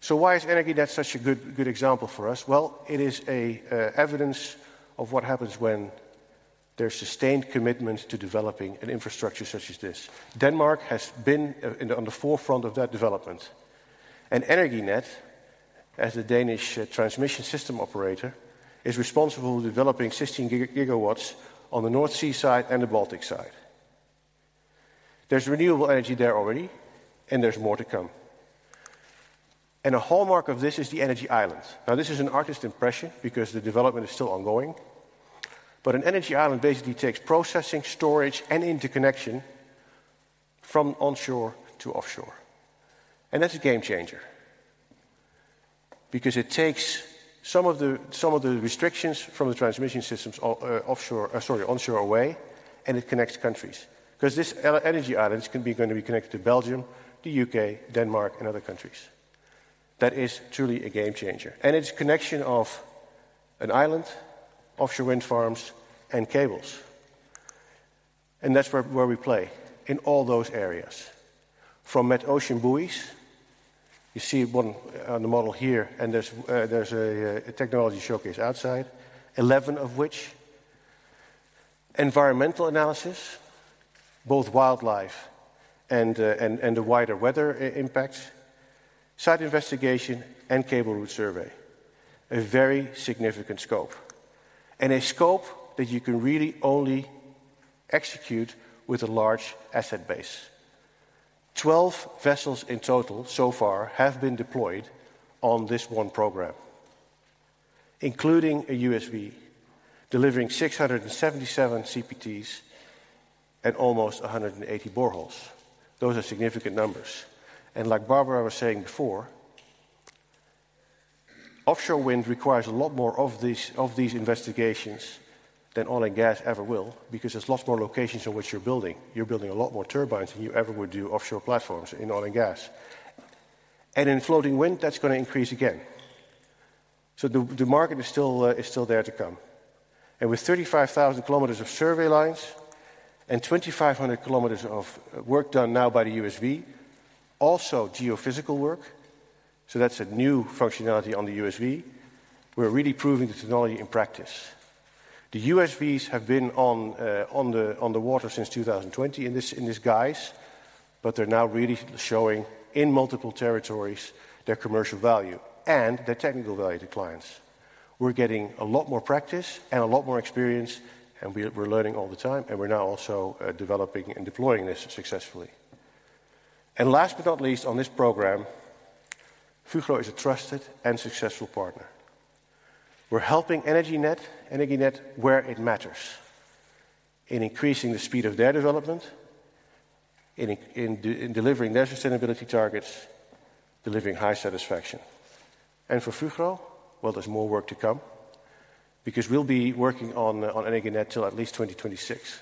So why is Energinet such a good, good example for us? Well, it is a evidence of what happens when there's sustained commitment to developing an infrastructure such as this. Denmark has been on the forefront of that development, and Energinet, as the Danish transmission system operator, is responsible for developing 16 gigawatts on the North Sea side and the Baltic side. There's renewable energy there already, and there's more to come. And a hallmark of this is the energy islands. Now, this is an artist's impression, because the development is still ongoing, but an energy island basically takes processing, storage, and interconnection from onshore to offshore. And that's a game changer, because it takes some of the, some of the restrictions from the transmission systems onshore away, and it connects countries. Because this energy islands can be going to be connected to Belgium, the UK, Denmark, and other countries. That is truly a game changer, and it's a connection of an island, offshore wind farms, and cables. That's where we play, in all those areas. From Metocean buoys, you see one on the model here, and there's a technology showcase outside, eleven of which environmental analysis, both wildlife and the wider weather impacts, site investigation, and cable route survey. A very significant scope, and a scope that you can really only execute with a large asset base. 12 vessels in total, so far, have been deployed on this one program, including a USV, delivering 677 CPTs and almost 180 boreholes. Those are significant numbers. And like Barbara was saying before, offshore wind requires a lot more of these, of these investigations than oil and gas ever will because there's lots more locations in which you're building. You're building a lot more turbines than you ever would do offshore platforms in oil and gas. And in floating wind, that's gonna increase again. So the, the market is still, is still there to come. And with 35,000 km of survey lines and 2,500 km of work done now by the USV, also geophysical work, so that's a new functionality on the USV, we're really proving the technology in practice. The USVs have been on, on the, on the water since 2020 in this, in this guise, but they're now really showing, in multiple territories, their commercial value and their technical value to clients. We're getting a lot more practice and a lot more experience, and we, we're learning all the time, and we're now also, developing and deploying this successfully. And last but not least, on this program, Fugro is a trusted and successful partner. We're helping Energinet where it matters, in increasing the speed of their development, in delivering their sustainability targets, delivering high satisfaction. And for Fugro, well, there's more work to come, because we'll be working on Energinet till at least 2026.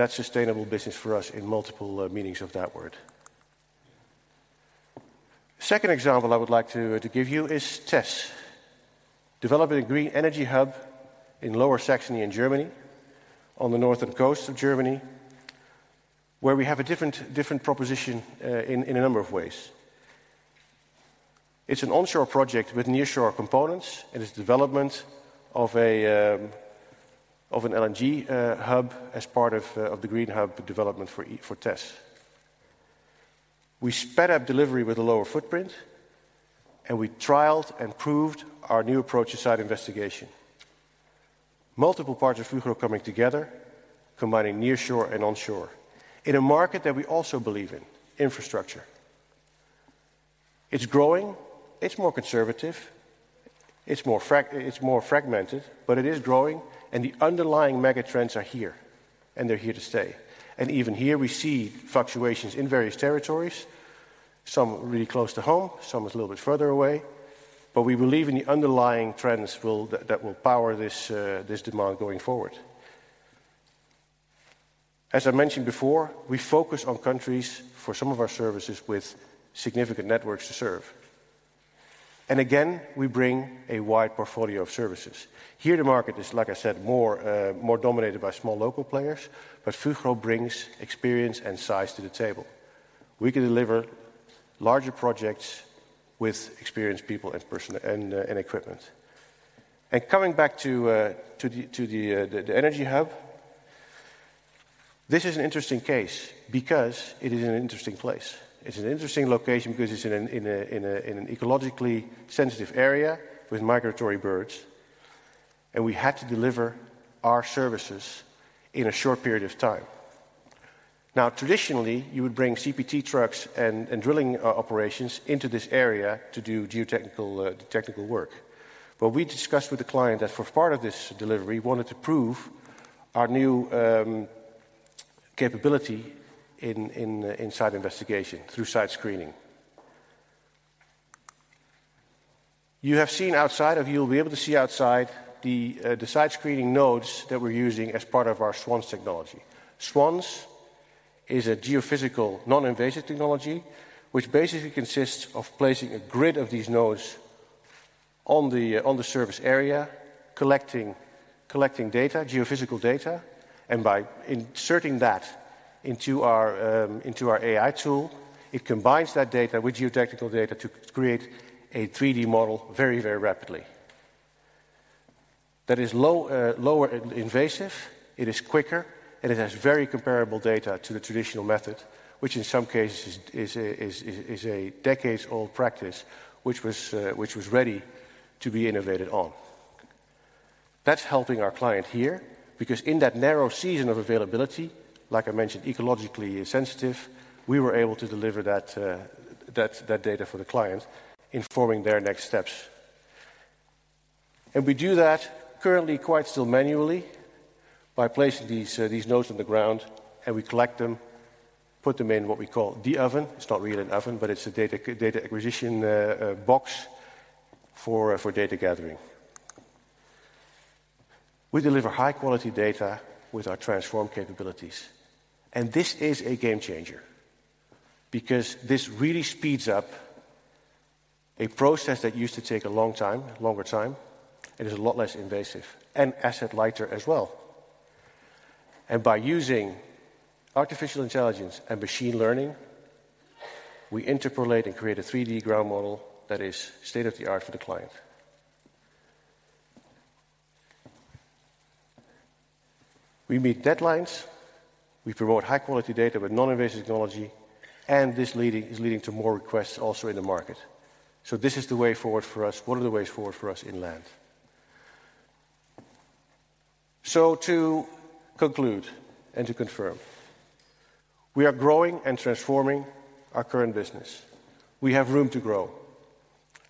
That's sustainable business for us in multiple meanings of that word. Second example I would like to give you is TES, developing a green energy hub in Lower Saxony in Germany, on the northern coast of Germany, where we have a different proposition in a number of ways. It's an onshore project with nearshore components, and it's development of an LNG hub as part of the green hub development for TES. We sped up delivery with a lower footprint, and we trialed and proved our new approach to site investigation. Multiple parts of Fugro coming together, combining nearshore and onshore, in a market that we also believe in, infrastructure. It's growing, it's more conservative, it's more fragmented, but it is growing, and the underlying megatrends are here, and they're here to stay. And even here, we see fluctuations in various territories, some really close to home, some a little bit further away, but we believe in the underlying trends that will power this demand going forward. As I mentioned before, we focus on countries for some of our services with significant networks to serve. And again, we bring a wide portfolio of services. Here, the market is, like I said, more, more dominated by small local players, but Fugro brings experience and size to the table. We can deliver larger projects with experienced people and person and, and equipment. Coming back to the energy hub, this is an interesting case because it is an interesting place. It's an interesting location because it's in an ecologically sensitive area with migratory birds, and we had to deliver our services in a short period of time. Now, traditionally, you would bring CPT trucks and drilling operations into this area to do geotechnical work. But we discussed with the client that for part of this delivery, we wanted to prove our new capability in site investigation through site screening. You have seen outside of, you'll be able to see outside the, the site screening nodes that we're using as part of our SWANS technology. SWANS is a geophysical, non-invasive technology, which basically consists of placing a grid of these nodes on the, on the surface area, collecting data, geophysical data, and by inserting that into our, into our AI tool, it combines that data with geotechnical data to create a 3D model very, very rapidly. That is less invasive, it is quicker, and it has very comparable data to the traditional method, which in some cases is a decades-old practice, which was ready to be innovated on. That's helping our client here, because in that narrow season of availability, like I mentioned, ecologically sensitive, we were able to deliver that data for the client, informing their next steps. And we do that currently, quite still manually, by placing these nodes on the ground, and we collect them, put them in what we call the oven. It's not really an oven, but it's a data acquisition box for data gathering. We deliver high-quality data with our transform capabilities, and this is a game changer, because this really speeds up a process that used to take a long time, longer time, and is a lot less invasive and asset lighter as well. And by using artificial intelligence and machine learning, we interpolate and create a 3D ground model that is state-of-the-art for the client. We meet deadlines, we promote high-quality data with non-invasive technology, and this is leading to more requests also in the market. So this is the way forward for us, one of the ways forward for us in land. So to conclude and to confirm, we are growing and transforming our current business. We have room to grow.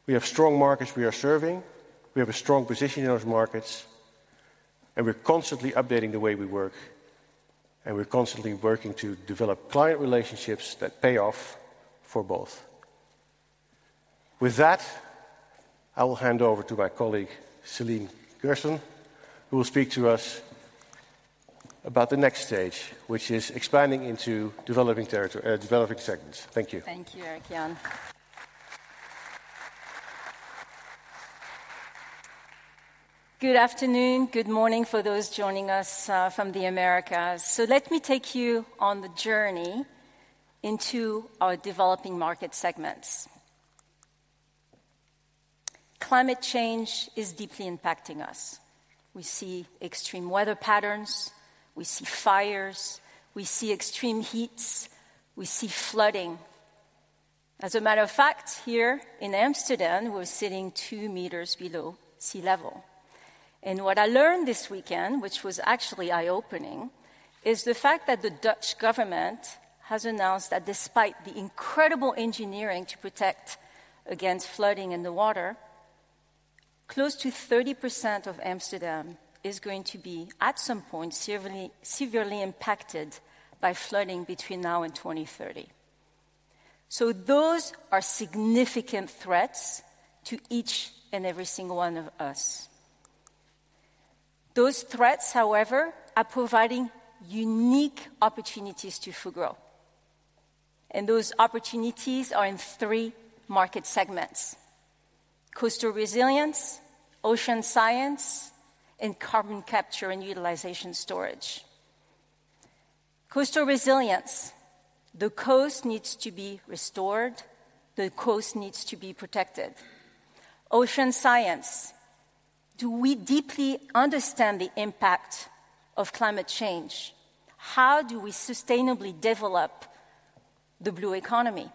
We have strong markets we are serving, we have a strong position in those markets, and we're constantly updating the way we work, and we're constantly working to develop client relationships that pay off for both. With that, I will hand over to my colleague, Céline Gerson, who will speak to us about the next stage, which is expanding into developing territory, developing segments. Thank you. Thank you, Erik-Jan. Good afternoon, good morning for those joining us from the Americas. So let me take you on the journey into our developing market segments. Climate change is deeply impacting us. We see extreme weather patterns, we see fires, we see extreme heats, we see flooding. As a matter of fact, here in Amsterdam, we're sitting 2 meters below sea level, and what I learned this weekend, which was actually eye-opening, is the fact that the Dutch government has announced that despite the incredible engineering to protect against flooding in the water, close to 30% of Amsterdam is going to be, at some point, severely, severely impacted by flooding between now and 2030. So those are significant threats to each and every single one of us. Those threats, however, are providing unique opportunities to Fugro, and those opportunities are in three market segments: coastal resilience, ocean science, and carbon capture and utilization storage. Coastal resilience. The coast needs to be restored, the coast needs to be protected. Ocean science. Do we deeply understand the impact of climate change? How do we sustainably develop the blue economy?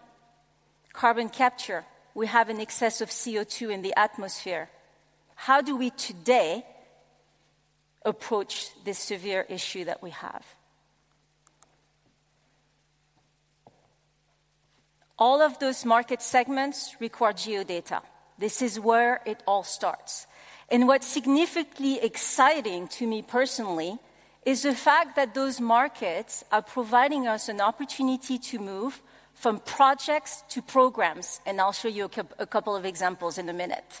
Carbon capture. We have an excess of CO2 in the atmosphere. How do we today approach this severe issue that we have? All of those market segments require geodata. This is where it all starts. And what's significantly exciting to me personally is the fact that those markets are providing us an opportunity to move from projects to programs, and I'll show you a couple of examples in a minute.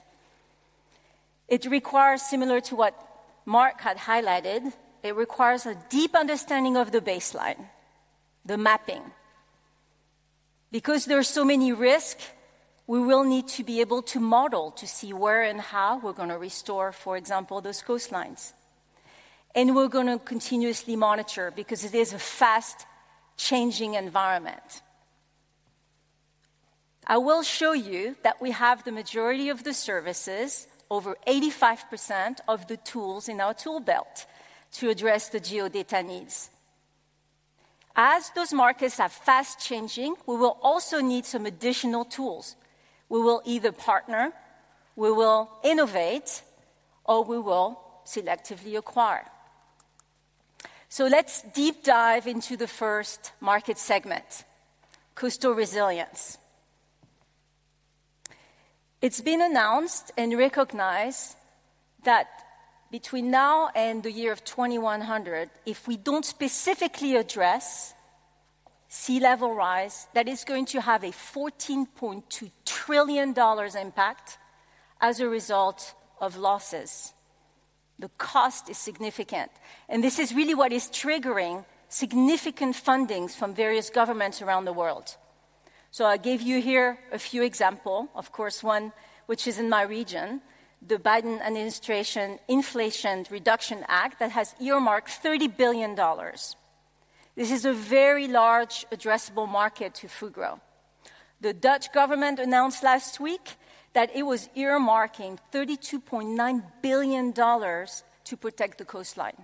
It requires, similar to what Mark had highlighted, a deep understanding of the baseline, the mapping. Because there are so many risk, we will need to be able to model to see where and how we're gonna restore, for example, those coastlines. And we're gonna continuously monitor because it is a fast-changing environment. I will show you that we have the majority of the services, over 85% of the tools in our tool belt, to address the geodata needs. As those markets are fast changing, we will also need some additional tools. We will either partner, we will innovate, or we will selectively acquire. So let's deep dive into the first market segment, coastal resilience. It's been announced and recognized that between now and the year 2100, if we don't specifically address sea level rise, that is going to have a $14.2 trillion impact as a result of losses. The cost is significant, and this is really what is triggering significant fundings from various governments around the world. So I gave you here a few examples. Of course, one, which is in my region, the Biden Administration Inflation Reduction Act, that has earmarked $30 billion. This is a very large addressable market to Fugro. The Dutch government announced last week that it was earmarking $32.9 billion to protect the coastline.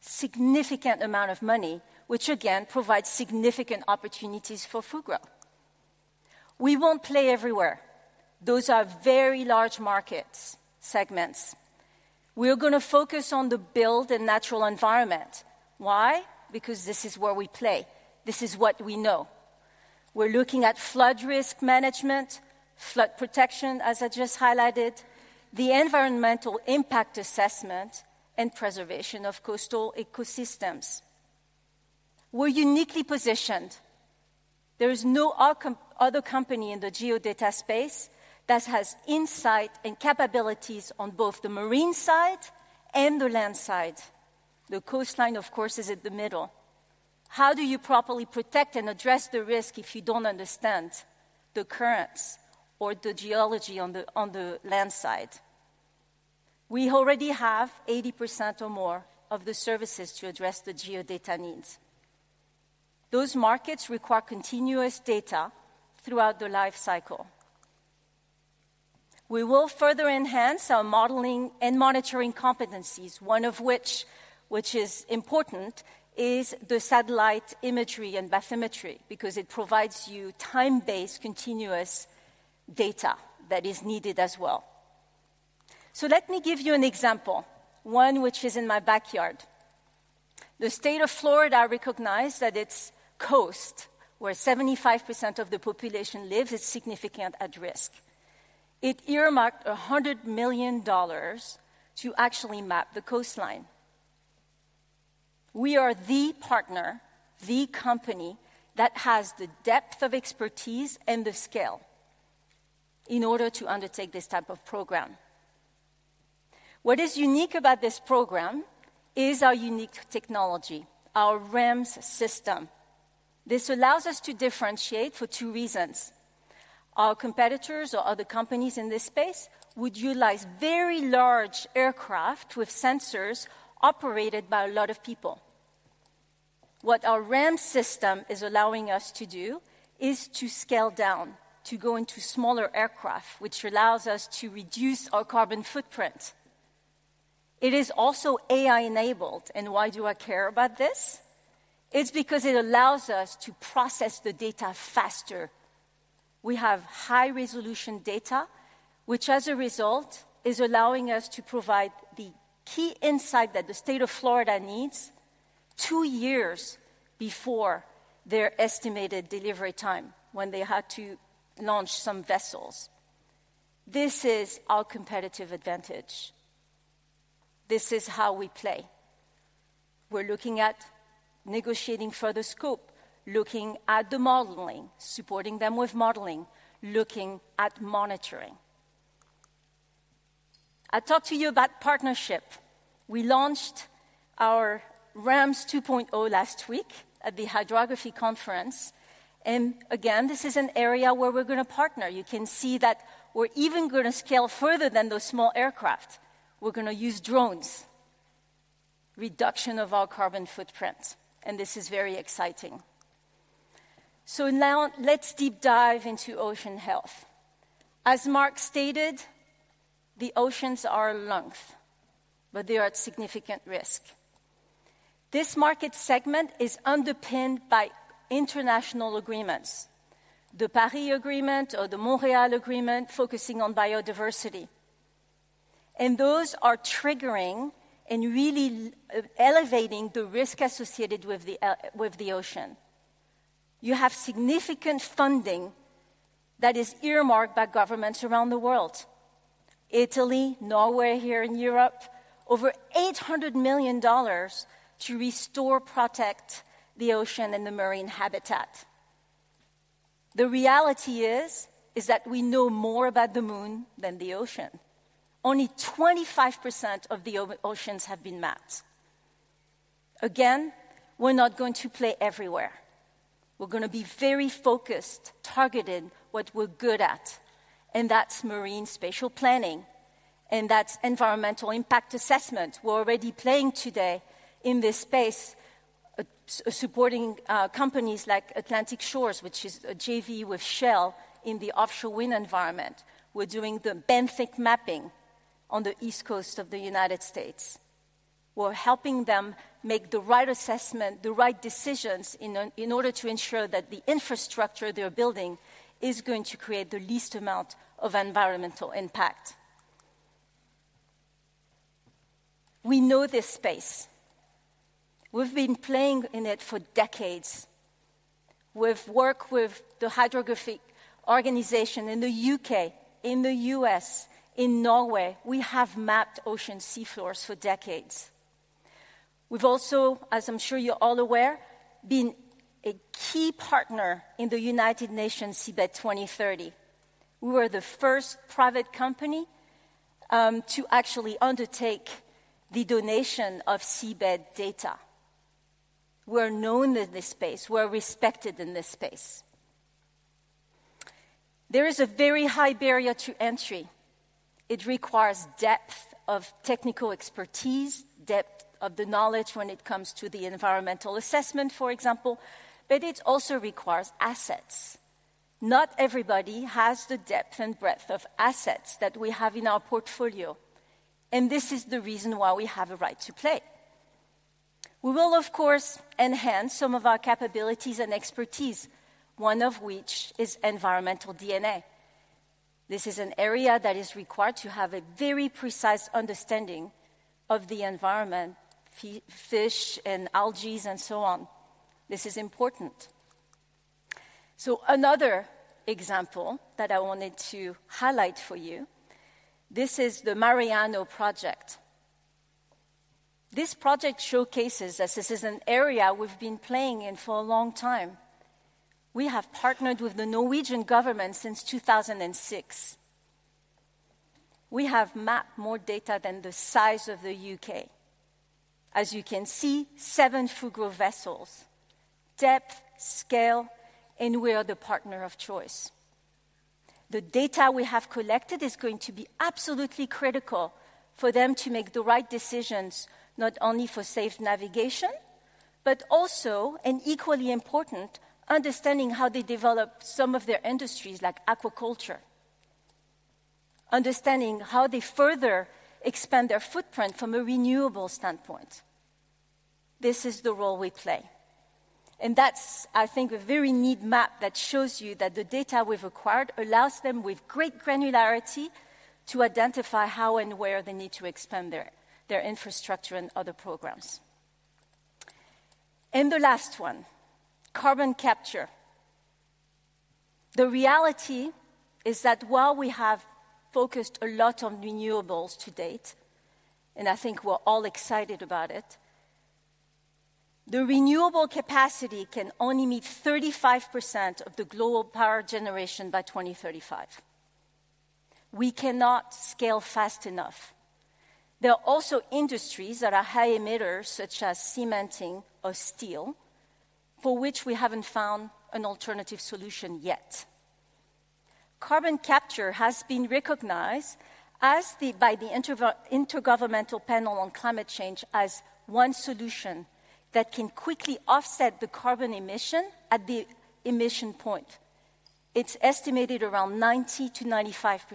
Significant amount of money, which again, provides significant opportunities for Fugro. We won't play everywhere. Those are very large markets, segments. We're gonna focus on the build and natural environment. Why? Because this is where we play. This is what we know. We're looking at flood risk management, flood protection, as I just highlighted, the environmental impact assessment, and preservation of coastal ecosystems.... We're uniquely positioned. There is no other company in the geodata space that has insight and capabilities on both the marine side and the land side. The coastline, of course, is at the middle. How do you properly protect and address the risk if you don't understand the currents or the geology on the, on the land side? We already have 80% or more of the services to address the geodata needs. Those markets require continuous data throughout the lifecycle. We will further enhance our modeling and monitoring competencies, one of which, which is important, is the satellite imagery and bathymetry, because it provides you time-based, continuous data that is needed as well. So let me give you an example, one which is in my backyard. The state of Florida recognized that its coast, where 75% of the population lives, is significant at risk. It earmarked $100 million to actually map the coastline. We are the partner, the company, that has the depth of expertise and the scale in order to undertake this type of program. What is unique about this program is our unique technology, our RAMMS system. This allows us to differentiate for two reasons. Our competitors or other companies in this space would utilize very large aircraft with sensors operated by a lot of people. What our RAMMS system is allowing us to do is to scale down, to go into smaller aircraft, which allows us to reduce our carbon footprint. It is also AI-enabled, and why do I care about this? It's because it allows us to process the data faster. We have high-resolution data, which, as a result, is allowing us to provide the key insight that the state of Florida needs two years before their estimated delivery time, when they had to launch some vessels. This is our competitive advantage. This is how we play. We're looking at negotiating further scope, looking at the modeling, supporting them with modeling, looking at monitoring. I talked to you about partnership. We launched our RAMMS 2.0 last week at the Hydrography Conference, and again, this is an area where we're gonna partner. You can see that we're even gonna scale further than those small aircraft. We're gonna use drones, reduction of our carbon footprint, and this is very exciting. So now let's deep dive into Ocean Health. As Mark stated, the oceans are our lungs, but they are at significant risk. This market segment is underpinned by international agreements, the Paris Agreement or the Montreal Agreement, focusing on biodiversity, and those are triggering and really elevating the risk associated with the, with the ocean. You have significant funding that is earmarked by governments around the world, Italy, Norway, here in Europe, over $800 million to restore, protect the ocean and the marine habitat. The reality is, is that we know more about the moon than the ocean. Only 25% of the oceans have been mapped. Again, we're not going to play everywhere. We're gonna be very focused, targeted, what we're good at, and that's marine spatial planning, and that's environmental impact assessment. We're already playing today in this space, supporting, companies like Atlantic Shores, which is a JV with Shell in the offshore wind environment. We're doing the benthic mapping on the East Coast of the United States. We're helping them make the right assessment, the right decisions, in order to ensure that the infrastructure they're building is going to create the least amount of environmental impact. We know this space. We've been playing in it for decades. We've worked with the hydrography organization in the UK, in the US, in Norway. We have mapped ocean seafloors for decades. We've also, as I'm sure you're all aware, been a key partner in the United Nations Seabed 2030. We were the first private company to actually undertake the donation of seabed data. We're known in this space. We're respected in this space. There is a very high barrier to entry. It requires depth of technical expertise, depth of the knowledge when it comes to the environmental assessment, for example, but it also requires assets. Not everybody has the depth and breadth of assets that we have in our portfolio, and this is the reason why we have a right to play. We will, of course, enhance some of our capabilities and expertise, one of which is environmental DNA. This is an area that is required to have a very precise understanding of the environment, fish and algae, and so on. This is important.... So another example that I wanted to highlight for you, this is the MAREANO project. This project showcases that this is an area we've been playing in for a long time. We have partnered with the Norwegian government since 2006. We have mapped more data than the size of the UK. As you can see, seven Fugro vessels, depth, scale, and we are the partner of choice. The data we have collected is going to be absolutely critical for them to make the right decisions, not only for safe navigation, but also, and equally important, understanding how they develop some of their industries, like aquaculture. Understanding how they further expand their footprint from a renewable standpoint. This is the role we play, and that's, I think, a very neat map that shows you that the data we've acquired allows them, with great granularity, to identify how and where they need to expand their, their infrastructure and other programs. And the last one, carbon capture. The reality is that while we have focused a lot on renewables to date, and I think we're all excited about it, the renewable capacity can only meet 35% of the global power generation by 2035. We cannot scale fast enough. There are also industries that are high emitters, such as cementing or steel, for which we haven't found an alternative solution yet. Carbon capture has been recognized as the, by the Intergovernmental Panel on Climate Change, as one solution that can quickly offset the carbon emission at the emission point. It's estimated around 90% to 95.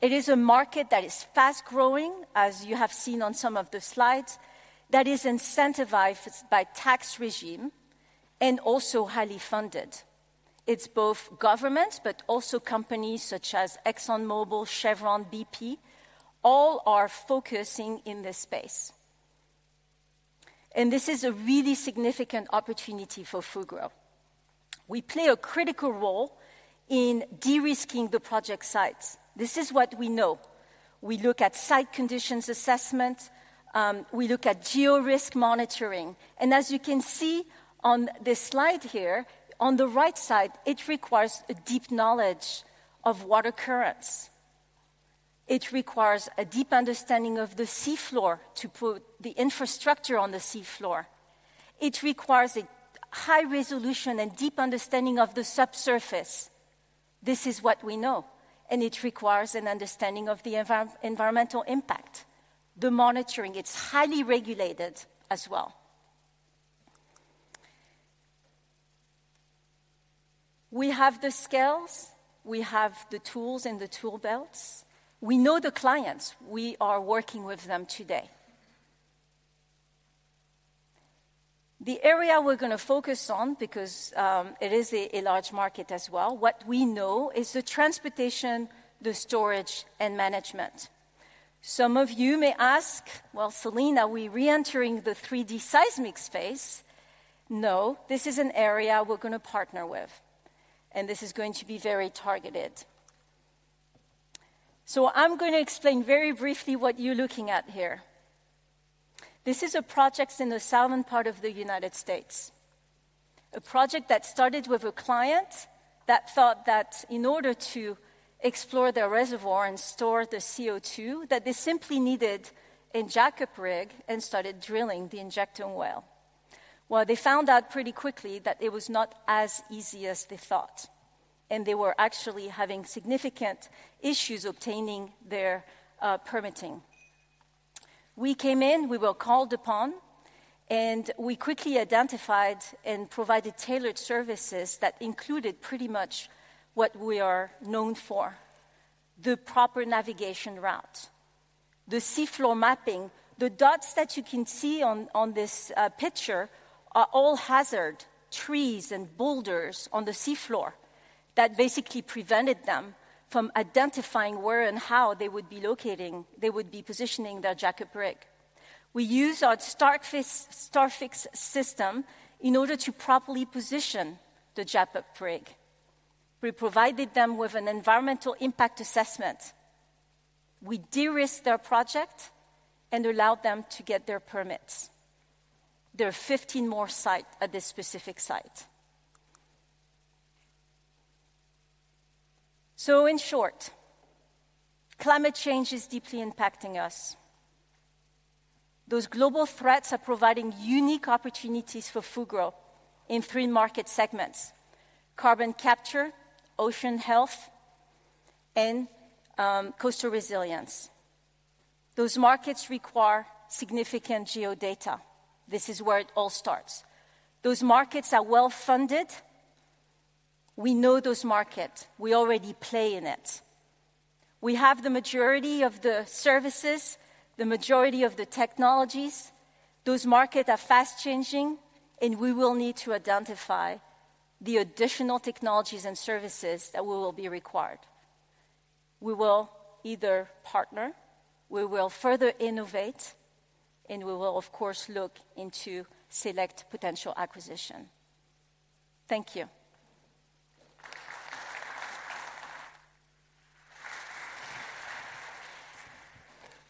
It is a market that is fast-growing, as you have seen on some of the slides, that is incentivized by tax regime and also highly funded. It's both governments, but also companies such as ExxonMobil, Chevron, BP, all are focusing in this space. This is a really significant opportunity for Fugro. We play a critical role in de-risking the project sites. This is what we know. We look at site conditions assessment, we look at geo-risk monitoring, and as you can see on this slide here, on the right side, it requires a deep knowledge of water currents. It requires a deep understanding of the sea floor to put the infrastructure on the sea floor. It requires a high resolution and deep understanding of the subsurface. This is what we know, and it requires an understanding of the environmental impact, the monitoring. It's highly regulated as well. We have the skills, we have the tools and the tool belts. We know the clients. We are working with them today. The area we're gonna focus on, because it is a large market as well, what we know is the transportation, the storage, and management. Some of you may ask, "Well, Céline, are we reentering the 3D seismic space?" No, this is an area we're gonna partner with, and this is going to be very targeted. So I'm going to explain very briefly what you're looking at here. This is a project in the southern part of the United States, a project that started with a client that thought that in order to explore their reservoir and store the CO2, that they simply needed a jackup rig and started drilling the injecting well. Well, they found out pretty quickly that it was not as easy as they thought, and they were actually having significant issues obtaining their permitting. We came in, we were called upon, and we quickly identified and provided tailored services that included pretty much what we are known for: the proper navigation route, the seafloor mapping. The dots that you can see on this picture are all hazards, trees and boulders on the seafloor, that basically prevented them from identifying where and how they would be locating - they would be positioning their jackup rig. We use our Starfix system in order to properly position the jackup rig. We provided them with an environmental impact assessment. We de-risked their project and allowed them to get their permits. There are 15 more sites at this specific site. So in short, climate change is deeply impacting us. Those global threats are providing unique opportunities for Fugro in three market segments: carbon capture, Ocean Health, and coastal resilience. Those markets require significant Geo-data. This is where it all starts. Those markets are well-funded. We know those market. We already play in it. We have the majority of the services, the majority of the technologies. Those market are fast-changing, and we will need to identify the additional technologies and services that will be required... we will either partner, we will further innovate, and we will, of course, look into select potential acquisition. Thank you.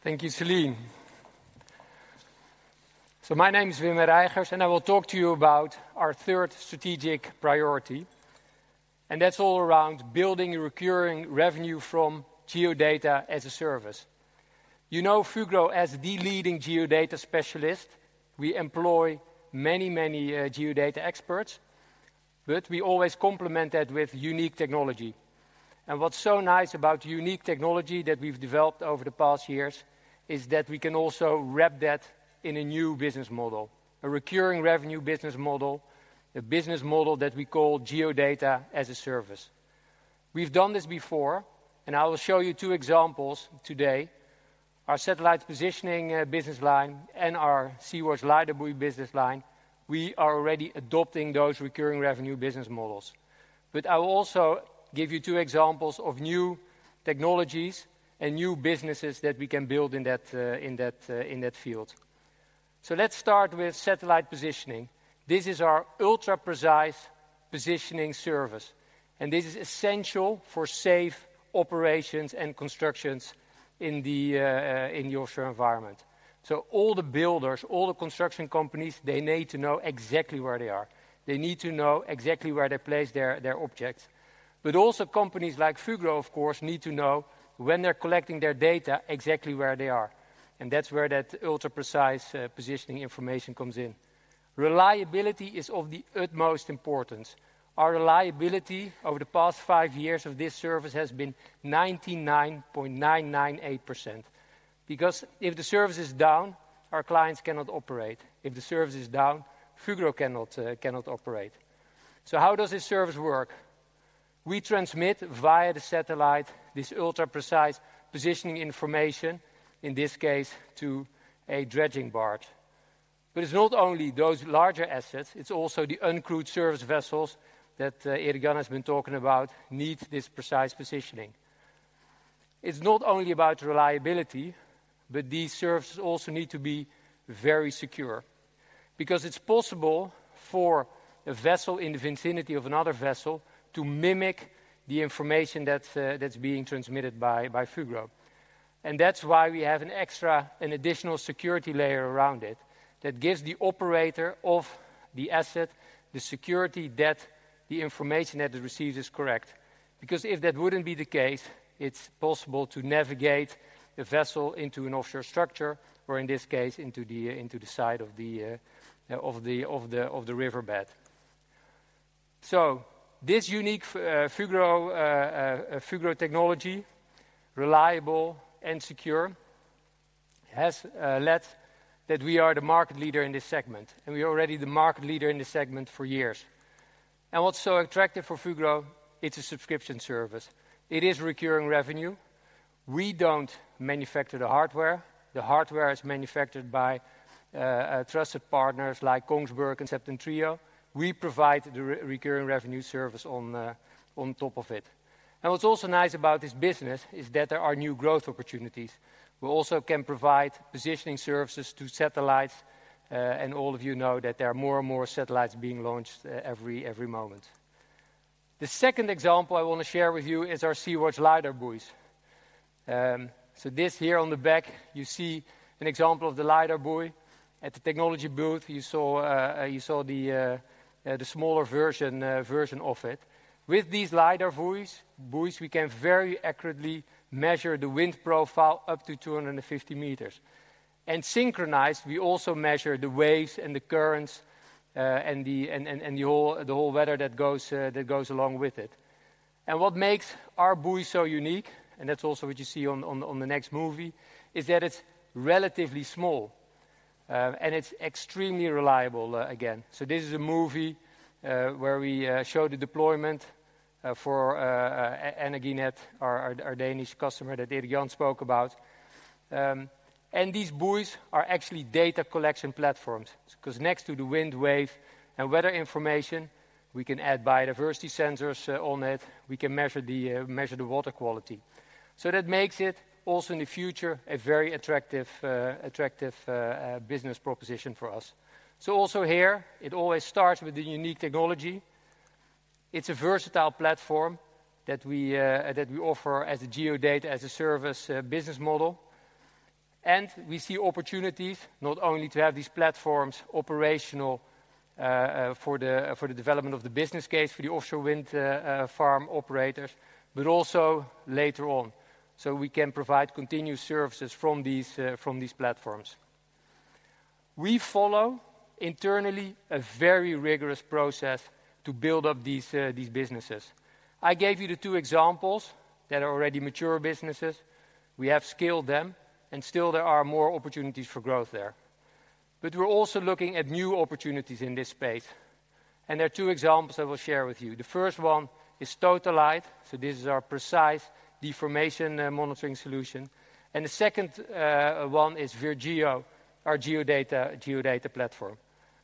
Thank you, Céline. So my name is Wim Herijgers, and I will talk to you about our third strategic priority, and that's all around building a recurring revenue from Geodata as a service. You know, Fugro as the leading geo-data specialist, we employ many, many geo-data experts, but we always complement that with unique technology. And what's so nice about unique technology that we've developed over the past years is that we can also wrap that in a new business model, a recurring revenue business model, a business model that we call Geodata as a service. We've done this before, and I will show you two examples today. Our satellite positioning business line and our Seawatch LiDAR Buoy business line, we are already adopting those recurring revenue business models. But I will also give you 2 examples of new technologies and new businesses that we can build in that, in that, in that field. So let's start with satellite positioning. This is our ultra-precise positioning service, and this is essential for safe operations and constructions in the, in the offshore environment. So all the builders, all the construction companies, they need to know exactly where they are. They need to know exactly where they place their, their objects. But also, companies like Fugro, of course, need to know when they're collecting their data, exactly where they are, and that's where that ultra-precise, positioning information comes in. Reliability is of the utmost importance. Our reliability over the past 5 years of this service has been 99.998%. Because if the service is down, our clients cannot operate. If the service is down, Fugro cannot operate. So how does this service work? We transmit via the satellite this ultra-precise positioning information, in this case, to a dredging barge. But it's not only those larger assets; it's also the uncrewed service vessels that Irigan has been talking about need this precise positioning. It's not only about reliability, but these services also need to be very secure. Because it's possible for a vessel in the vicinity of another vessel to mimic the information that's being transmitted by Fugro. And that's why we have an extra, an additional security layer around it that gives the operator of the asset the security that the information that it receives is correct. Because if that wouldn't be the case, it's possible to navigate the vessel into an offshore structure, or in this case, into the side of the riverbed. So this unique Fugro technology, reliable and secure, has led that we are the market leader in this segment, and we're already the market leader in this segment for years. And what's so attractive for Fugro, it's a subscription service. It is recurring revenue. We don't manufacture the hardware. The hardware is manufactured by trusted partners like Kongsberg and Septentrio. We provide the recurring revenue service on top of it. And what's also nice about this business is that there are new growth opportunities. We also can provide positioning services to satellites, and all of you know that there are more and more satellites being launched every moment. The second example I want to share with you is our Seawatch LiDAR buoys. So this here on the back, you see an example of the LiDAR buoy. At the technology booth, you saw the smaller version of it. With these LiDAR buoys, we can very accurately measure the wind profile up to 250 meters. And synchronized, we also measure the waves and the currents, and the whole weather that goes along with it. And what makes our buoy so unique, and that's also what you see on the next movie, is that it's relatively small, and it's extremely reliable, again. So this is a movie where we show the deployment for Energinet, our Danish customer that Irigan spoke about. And these buoys are actually data collection platforms. 'Cause next to the wind, wave, and weather information, we can add biodiversity sensors on it. We can measure the water quality. So that makes it also in the future a very attractive business proposition for us. So also here, it always starts with the unique technology. It's a versatile platform that we offer as a geo-data as a service business model. We see opportunities not only to have these platforms operational for the development of the business case for the offshore wind farm operators, but also later on. So we can provide continued services from these platforms. We follow internally a very rigorous process to build up these businesses. I gave you the two examples that are already mature businesses. We have scaled them, and still there are more opportunities for growth there. But we're also looking at new opportunities in this space, and there are two examples I will share with you. The first one is TotaLite. So this is our precise deformation monitoring solution, and the second one is VirGeo, our geo-data platform.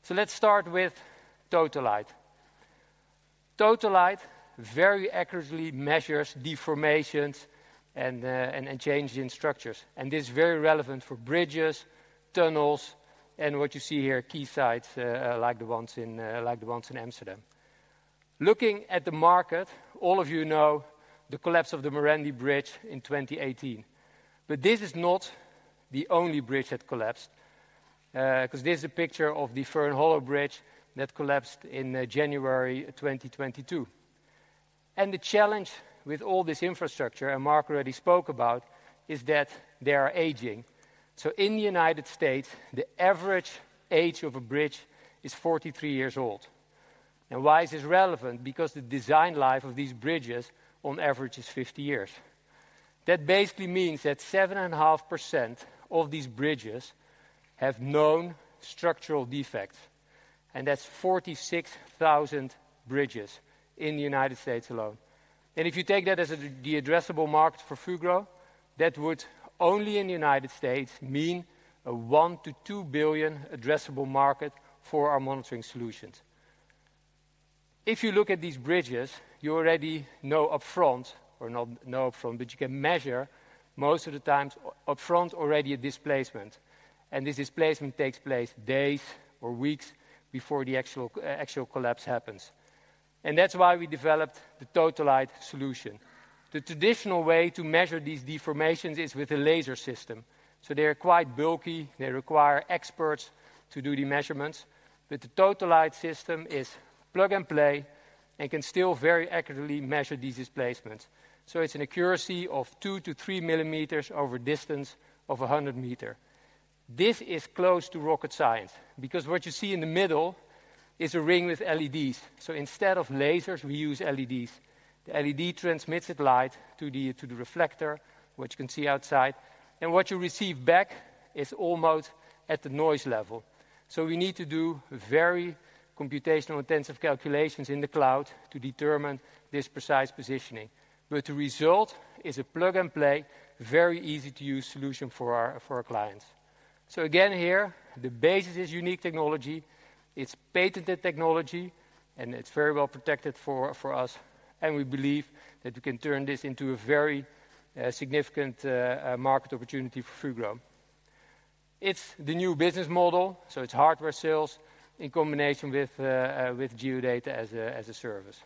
So let's start with TotaLite. TotaLite very accurately measures deformations and changes in structures. This is very relevant for bridges, tunnels, and what you see here, quaysides, like the ones in, like the ones in Amsterdam. Looking at the market, all of you know the collapse of the Morandi Bridge in 2018. But this is not the only bridge that collapsed, 'cause this is a picture of the Fern Hollow Bridge that collapsed in January 2022. The challenge with all this infrastructure, and Mark already spoke about, is that they are aging. In the United States, the average age of a bridge is 43 years old. Why is this relevant? Because the design life of these bridges on average is 50 years. That basically means that 7.5% of these bridges have known structural defects, and that's 46,000 bridges in the United States alone. If you take that as the addressable market for Fugro, that would only in the United States mean a $1-$2 billion addressable market for our monitoring solutions. If you look at these bridges, you already know upfront, or not know upfront, but you can measure most of the times upfront already a displacement, and this displacement takes place days or weeks before the actual collapse happens. That's why we developed the TotaLite solution. The traditional way to measure these deformations is with a laser system. So they are quite bulky, they require experts to do the measurements. But the TotaLite system is plug and play and can still very accurately measure these displacements. So it's an accuracy of 2-3 millimeters over a distance of 100 meters. This is close to rocket science, because what you see in the middle is a ring with LEDs. So instead of lasers, we use LEDs. The LED transmits its light to the reflector, which you can see outside, and what you receive back is almost at the noise level. So we need to do very computational intensive calculations in the cloud to determine this precise positioning. But the result is a plug-and-play, very easy-to-use solution for our clients. So again, here, the basis is unique technology, it's patented technology, and it's very well protected for us, and we believe that we can turn this into a very significant market opportunity for Fugro. It's the new business model, so it's hardware sales in combination with geodata as a service.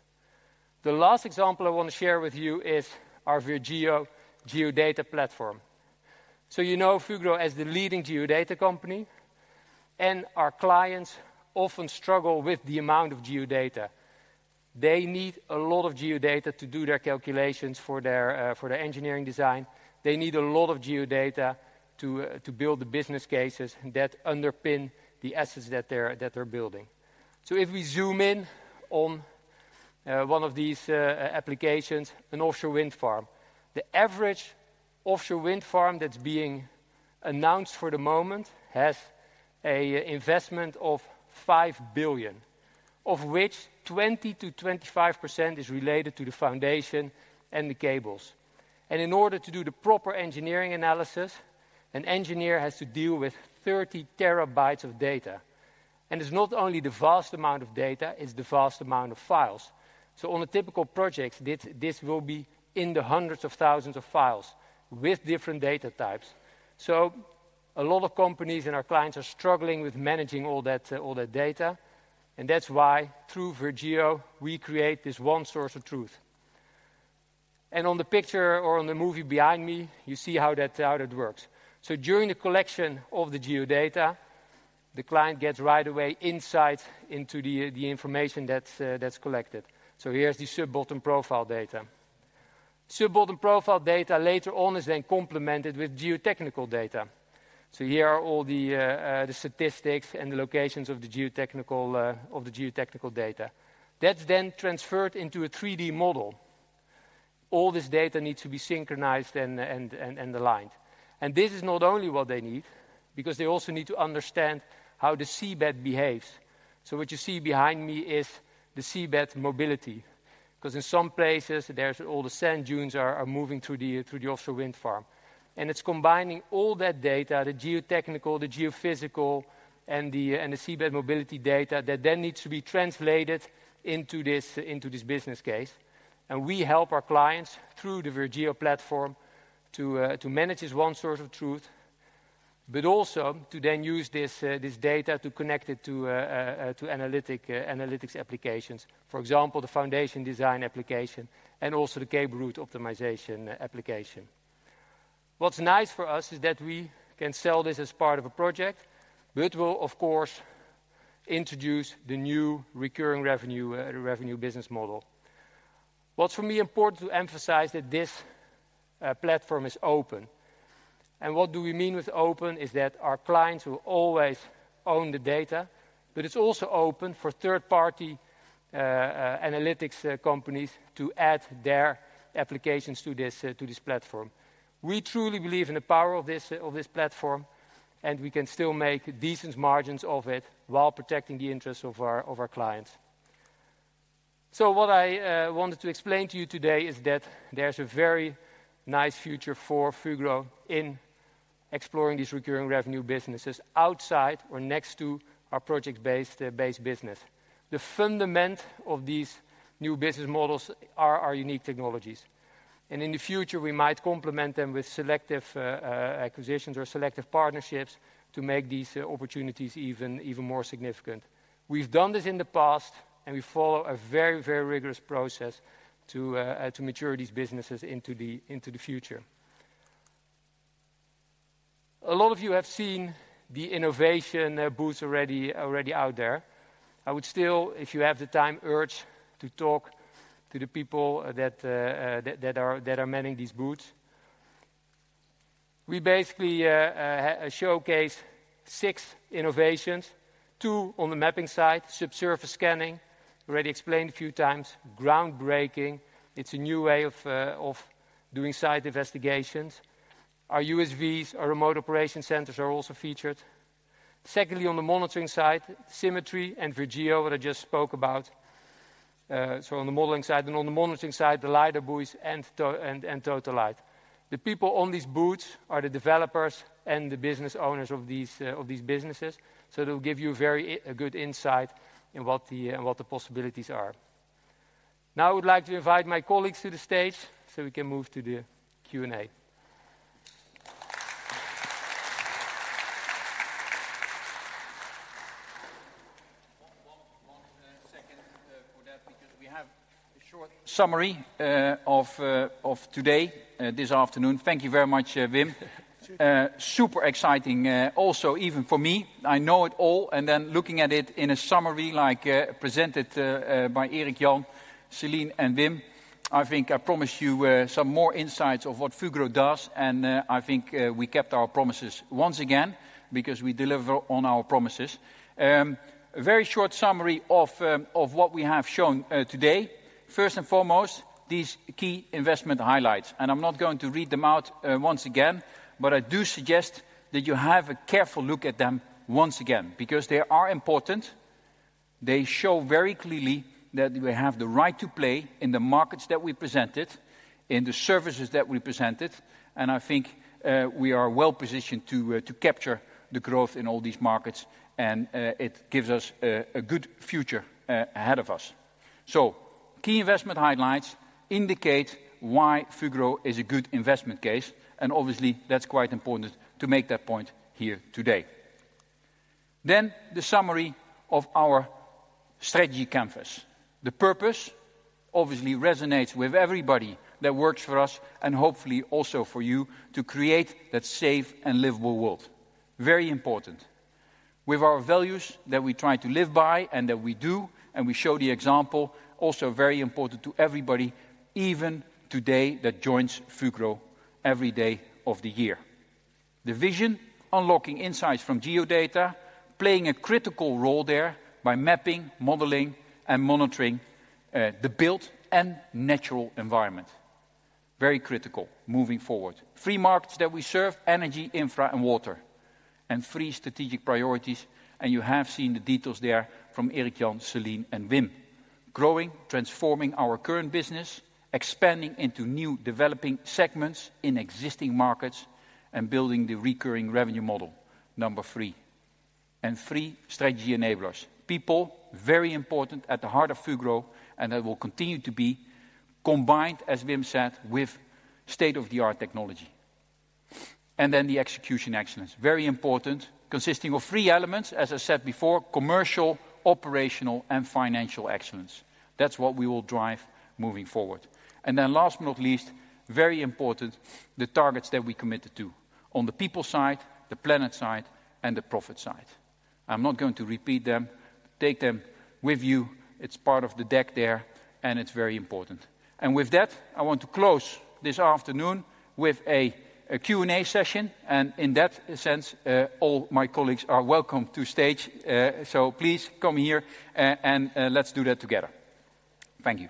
The last example I want to share with you is our VirGeo geodata platform. You know Fugro as the leading geodata company, and our clients often struggle with the amount of geodata. They need a lot of geodata to do their calculations for their, for their engineering design. They need a lot of geodata to, to build the business cases that underpin the assets that they're, that they're building. If we zoom in on, one of these, applications, an offshore wind farm. The average offshore wind farm that's being announced for the moment has a investment of 5 billion, of which 20% to 25 is related to the foundation and the cables. In order to do the proper engineering analysis, an engineer has to deal with 30 TB of data. It's not only the vast amount of data, it's the vast amount of files. On a typical project, this will be in the hundreds of thousands of files with different data types. A lot of companies and our clients are struggling with managing all that data, and that's why through VirGeo, we create this one source of truth. On the picture or on the movie behind me, you see how that works. During the collection of the geodata, the client gets right away insight into the information that's collected. Here's the sub-bottom profile data. Sub-bottom profile data later on is then complemented with geotechnical data. Here are all the statistics and the locations of the geotechnical data. That's then transferred into a 3D model. All this data needs to be synchronized and, and, and aligned. And this is not only what they need, because they also need to understand how the seabed behaves. So what you see behind me is the seabed mobility, 'cause in some places, there's all the sand dunes are, are moving through the, through the offshore wind farm. And it's combining all that data, the geotechnical, the geophysical, and the, and the seabed mobility data, that then needs to be translated into this, into this business case. And we help our clients through the VirGeo platform to manage this one source of truth, but also to then use this data to connect it to analytics applications. For example, the foundation design application, and also the cable route optimization application. What's nice for us is that we can sell this as part of a project, but we'll, of course, introduce the new recurring revenue, revenue business model. What's for me important to emphasize that this platform is open. And what do we mean with open? Is that our clients will always own the data, but it's also open for third-party analytics companies to add their applications to this, to this platform. We truly believe in the power of this, of this platform, and we can still make decent margins of it while protecting the interests of our, of our clients. So what I wanted to explain to you today is that there's a very nice future for Fugro in-... exploring these recurring revenue businesses outside or next to our project-based, based business. The foundation of these new business models are our unique technologies, and in the future, we might complement them with selective acquisitions or selective partnerships to make these opportunities even more significant. We've done this in the past, and we follow a very rigorous process to mature these businesses into the future. A lot of you have seen the innovation booths already out there. I would still, if you have the time, urge to talk to the people that are manning these booths. We basically showcase six innovations, two on the mapping side, subsurface scanning, already explained a few times, groundbreaking. It's a new way of doing site investigations. Our USVs, our remote operation centers are also featured. Secondly, on the monitoring side, Symmetry and VirGeo, that I just spoke about, so on the modeling side. And on the monitoring side, the LiDAR buoys and TotaLite. The people on these booths are the developers and the business owners of these businesses, so they'll give you a very good insight in what the possibilities are. Now, I would like to invite my colleagues to the stage so we can move to the Q&A. One second for that, because we have a short summary of today, this afternoon. Thank you very much, Wim. Super exciting, also even for me. I know it all, and then looking at it in a summary like presented by Erik Jan, Celine, and Wim, I think I promised you some more insights of what Fugro does, and I think we kept our promises once again, because we deliver on our promises. A very short summary of what we have shown today. First and foremost, these key investment highlights, and I'm not going to read them out once again, but I do suggest that you have a careful look at them once again, because they are important. They show very clearly that we have the right to play in the markets that we presented, in the services that we presented, and I think we are well-positioned to capture the growth in all these markets, and it gives us a good future ahead of us. So key investment highlights indicate why Fugro is a good investment case, and obviously that's quite important to make that point here today. Then the summary of our strategy canvas. The purpose obviously resonates with everybody that works for us, and hopefully also for you, to create that safe and livable world. Very important. With our values that we try to live by, and that we do, and we show the example, also very important to everybody, even today, that joins Fugro every day of the year. The vision, unlocking insights from geodata, playing a critical role there by mapping, modeling, and monitoring the built and natural environment. Very critical moving forward. Three markets that we serve: energy, infra, and water, and three strategic priorities, and you have seen the details there from Erik-Jan, Céline, and Wim. Growing, transforming our current business, expanding into new developing segments in existing markets, and building the recurring revenue model, number three. And three strategy enablers. People, very important, at the heart of Fugro, and they will continue to be, combined, as Wim said, with state-of-the-art technology. And then the execution excellence, very important, consisting of three elements, as I said before: commercial, operational, and financial excellence. That's what we will drive moving forward. And then last but not least, very important, the targets that we committed to on the people side, the planet side, and the profit side. I'm not going to repeat them. Take them with you. It's part of the deck there, and it's very important. And with that, I want to close this afternoon with a Q&A session, and in that sense, all my colleagues are welcome to stage, so please come here and let's do that together. Thank you.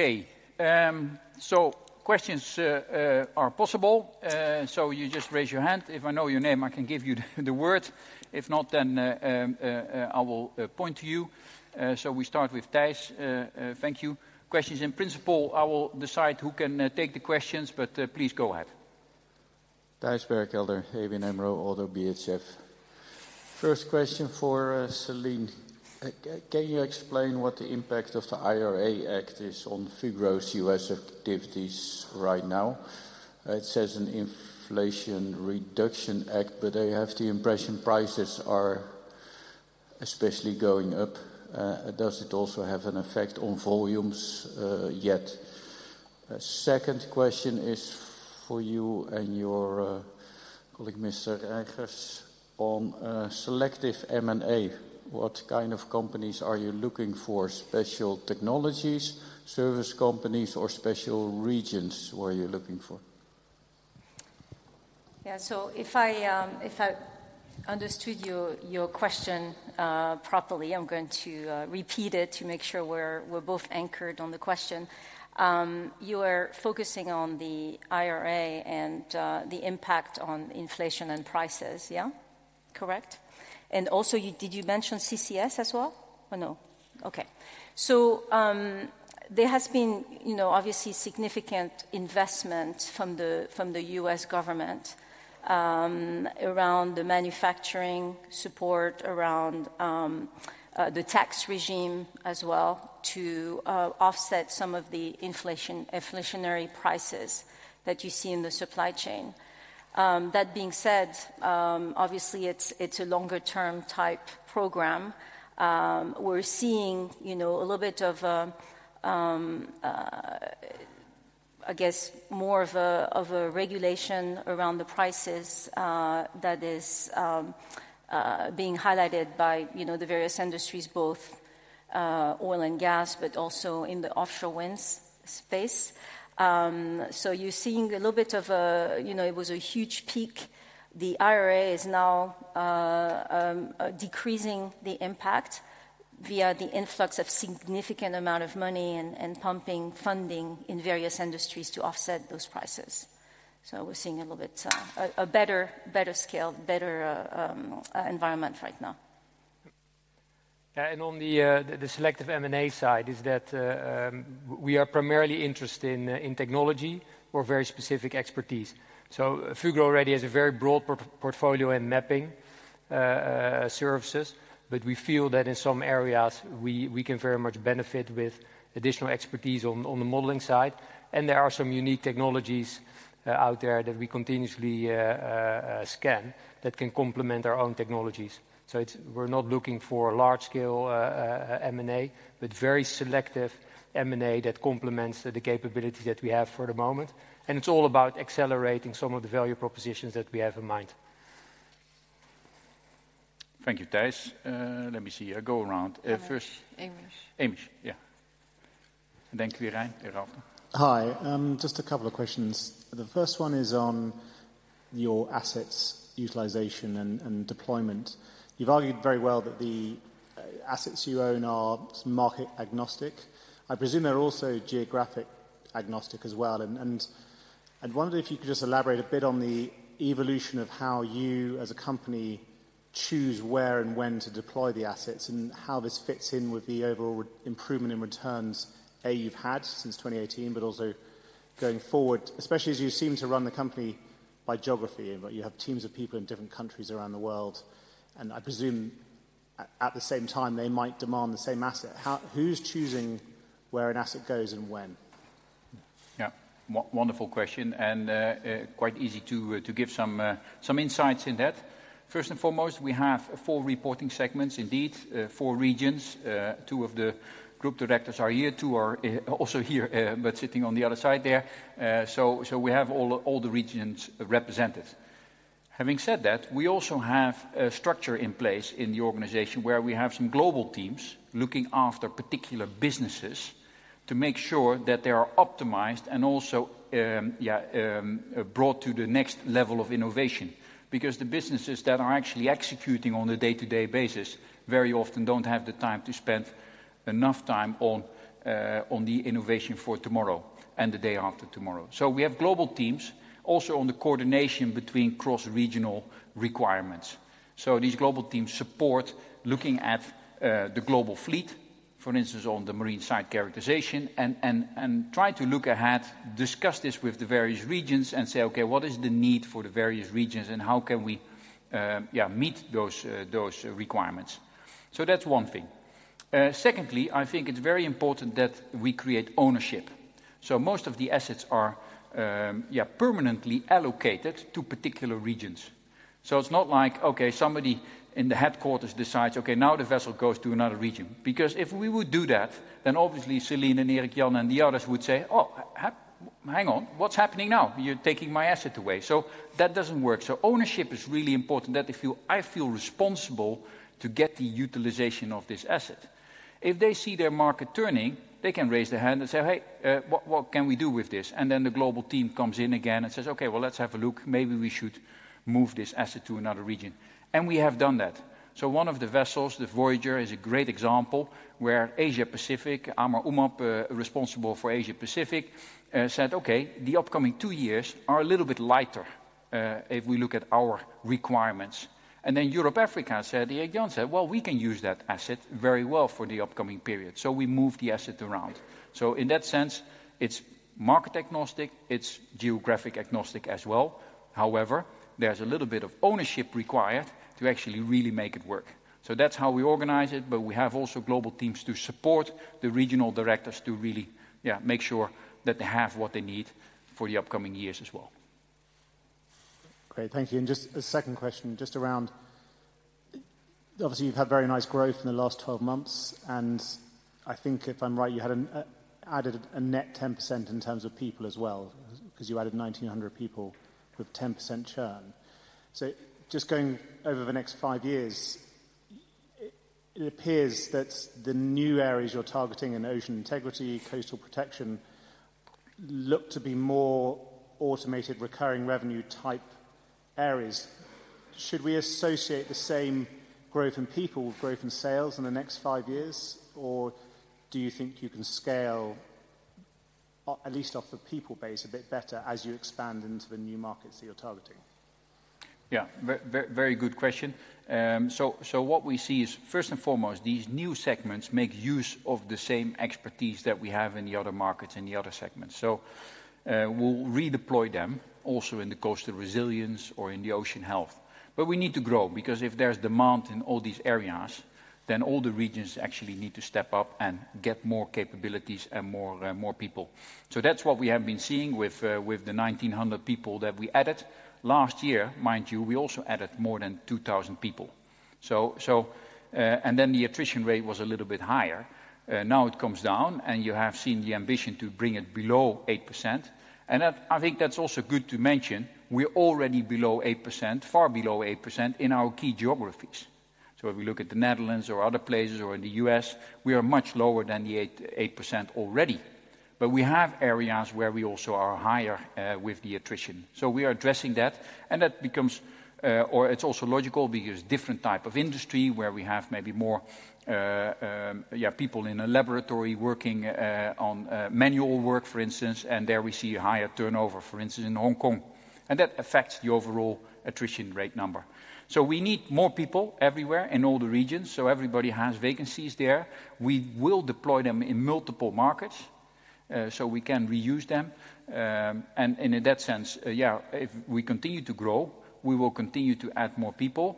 Hey, where did that thing go? Yes. This one. Yeah. Okay, so questions are possible, so you just raise your hand. If I know your name, I can give you the word. If not, then, I will point to you. So we start with Thijs. Thank you. Questions in principle, I will decide who can take the questions, but, please go ahead. Thijs Berkelder, ABN AMRO ODDO BHF. First question for Celine. Can you explain what the impact of the IRA Act is on Fugro's U.S. activities right now? It says an inflation reduction act, but I have the impression prices are especially going up. Does it also have an effect on volumes yet? Second question is for you and your colleague, Mr. Herijgers, on selective M&A, what kind of companies are you looking for? Special technologies, service companies, or special regions were you looking for? Yeah, so if I, if I understood your, your question, properly, I'm going to, repeat it to make sure we're, we're both anchored on the question. You are focusing on the IRA and, the impact on inflation and prices, yeah? Correct. And also, you, did you mention CCS as well, or no? Okay. So, there has been, you know, obviously significant investment from the, from the U.S. government, around the manufacturing support, around, the tax regime as well, to, offset some of the inflation- inflationary prices that you see in the supply chain. That being said, obviously it's, it's a longer term type program. We're seeing, you know, a little bit of, I guess more of a, of a regulation around the prices, that is, being highlighted by, you know, the various industries, both, oil and gas, but also in the offshore wind space. So you're seeing a little bit of a... You know, it was a huge peak. The IRA is now, decreasing the impact via the influx of significant amount of money and, and pumping funding in various industries to offset those prices. So we're seeing a little bit, a, a better, better scale, better, environment right now. Yeah, and on the selective M&A side is that we are primarily interested in technology or very specific expertise. So Fugro already has a very broad portfolio in mapping services, but we feel that in some areas we can very much benefit with additional expertise on the modeling side. And there are some unique technologies out there that we continuously scan that can complement our own technologies. So it's... We're not looking for large scale M&A, but very selective M&A that complements the capabilities that we have for the moment. And it's all about accelerating some of the value propositions that we have in mind. Thank you, Thijs. Let me see. I go around, first- Hamish. Hamish, yeah. Thank you, Ryan. Hi, just a couple of questions. The first one is on your assets, utilization, and deployment. You've argued very well that the assets you own are market agnostic. I presume they're also geographic agnostic as well, and I wondered if you could just elaborate a bit on the evolution of how you, as a company, choose where and when to deploy the assets, and how this fits in with the overall improvement in returns you've had since 2018, but also going forward, especially as you seem to run the company by geography, but you have teams of people in different countries around the world. And I presume at the same time, they might demand the same asset. Who's choosing where an asset goes and when? Yeah. Wonderful question, and quite easy to give some insights in that. First and foremost, we have four reporting segments, indeed, four regions. Two of the group directors are here, two are also here, but sitting on the other side there. So we have all the regions represented. Having said that, we also have a structure in place in the organization where we have some global teams looking after particular businesses, to make sure that they are optimized and also brought to the next level of innovation. Because the businesses that are actually executing on a day-to-day basis, very often don't have the time to spend enough time on the innovation for tomorrow and the day after tomorrow. So we have global teams also on the coordination between cross-regional requirements. So these global teams support looking at the global fleet, for instance, on the Marine Site Characterization, and try to look ahead, discuss this with the various regions and say, "Okay, what is the need for the various regions, and how can we, yeah, meet those requirements?" So that's one thing. Secondly, I think it's very important that we create ownership. So most of the assets are, yeah, permanently allocated to particular regions. So it's not like, okay, somebody in the headquarters decides, "Okay, now the vessel goes to another region." Because if we would do that, then obviously Céline and Erik-Jan and the others would say, "Oh, hang on, what's happening now? You're taking my asset away." So that doesn't work. So ownership is really important, that I feel responsible to get the utilization of this asset. If they see their market turning, they can raise their hand and say, "Hey, what, what can we do with this?" And then the global team comes in again and says, "Okay, well, let's have a look. Maybe we should move this asset to another region." And we have done that. So one of the vessels, the Voyager, is a great example, where Asia Pacific, Amar Umap, responsible for Asia Pacific, said, "Okay, the upcoming two years are a little bit lighter, if we look at our requirements." And then Europe, Africa, said, Erik-Jan said, "Well, we can use that asset very well for the upcoming period." So we moved the asset around. So in that sense, it's market agnostic, it's geographic agnostic as well. However, there's a little bit of ownership required to actually really make it work. That's how we organize it, but we have also global teams to support the regional directors to really, yeah, make sure that they have what they need for the upcoming years as well. Great. Thank you. Just a second question, just around-... Obviously, you've had very nice growth in the last 12 months, and I think if I'm right, you had an added a net 10% in terms of people as well, 'cause you added 1,900 people with 10% churn. So just going over the next five years, it, it appears that the new areas you're targeting in Ocean Integrity, Coastal Protection, look to be more automated, recurring revenue type areas. Should we associate the same growth in people with growth in sales in the next five years? Or do you think you can scale, at least off the people base, a bit better as you expand into the new markets that you're targeting? Yeah. Very good question. So what we see is, first and foremost, these new segments make use of the same expertise that we have in the other markets and the other segments. So we'll redeploy them also in the coastal resilience or in the Ocean Health. But we need to grow, because if there's demand in all these areas, then all the regions actually need to step up and get more capabilities and more people. So that's what we have been seeing with the 1,900 people that we added. Last year, mind you, we also added more than 2,000 people. And then the attrition rate was a little bit higher. Now it comes down, and you have seen the ambition to bring it below 8%. And that, I think that's also good to mention, we're already below 8%, far below 8%, in our key geographies. So if we look at the Netherlands or other places or in the US, we are much lower than the 8, 8% already. But we have areas where we also are higher with the attrition, so we are addressing that. And that becomes, or it's also logical because different type of industry, where we have maybe more people in a laboratory working on manual work, for instance, and there we see a higher turnover, for instance, in Hong Kong. And that affects the overall attrition rate number. So we need more people everywhere, in all the regions, so everybody has vacancies there. We will deploy them in multiple markets, so we can reuse them. In that sense, yeah, if we continue to grow, we will continue to add more people.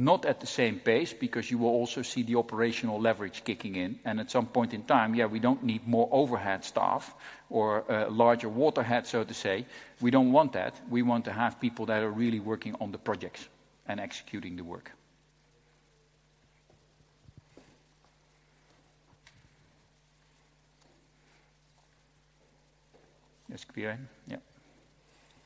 Not at the same pace, because you will also see the operational leverage kicking in, and at some point in time, yeah, we don't need more overhead staff or larger waterhead, so to say. We don't want that. We want to have people that are really working on the projects and executing the work. Yes, Quirijn? Yeah.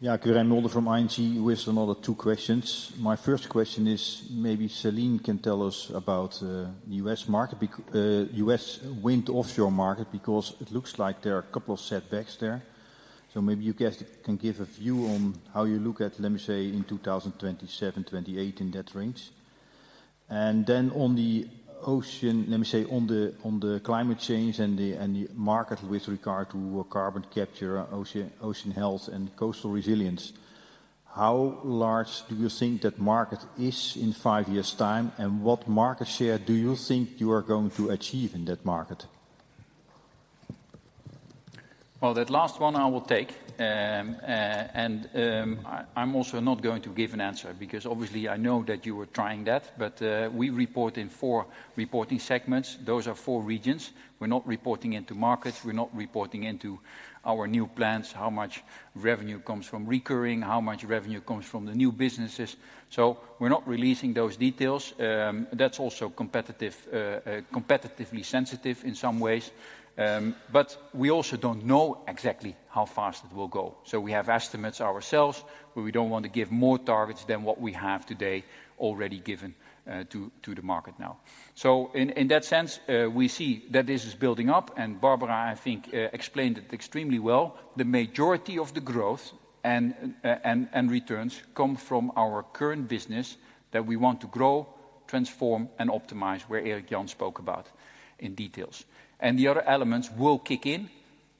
Yeah, Quirijn Mulder from ING with another two questions. My first question is, maybe Céline can tell us about the U.S. market, U.S. offshore wind market, because it looks like there are a couple of setbacks there. So maybe you guys can give a view on how you look at, let me say, in 2027-2028, in that range. And then on the ocean, let me say, on the climate change and the market with regard to carbon capture, Ocean Health, and coastal resilience, how large do you think that market is in five years' time? And what market share do you think you are going to achieve in that market? Well, that last one I will take. I'm also not going to give an answer because obviously I know that you were trying that, but we report in four reporting segments. Those are four regions. We're not reporting into markets. We're not reporting into our new plans, how much revenue comes from recurring, how much revenue comes from the new businesses. So we're not releasing those details. That's also competitive, competitively sensitive in some ways. But we also don't know exactly how fast it will go. So we have estimates ourselves, but we don't want to give more targets than what we have today already given, to the market now. So in that sense, we see that this is building up, and Barbara, I think, explained it extremely well. The majority of the growth and, and returns come from our current business that we want to grow, transform, and optimize, where Erik-Jan spoke about in details. The other elements will kick in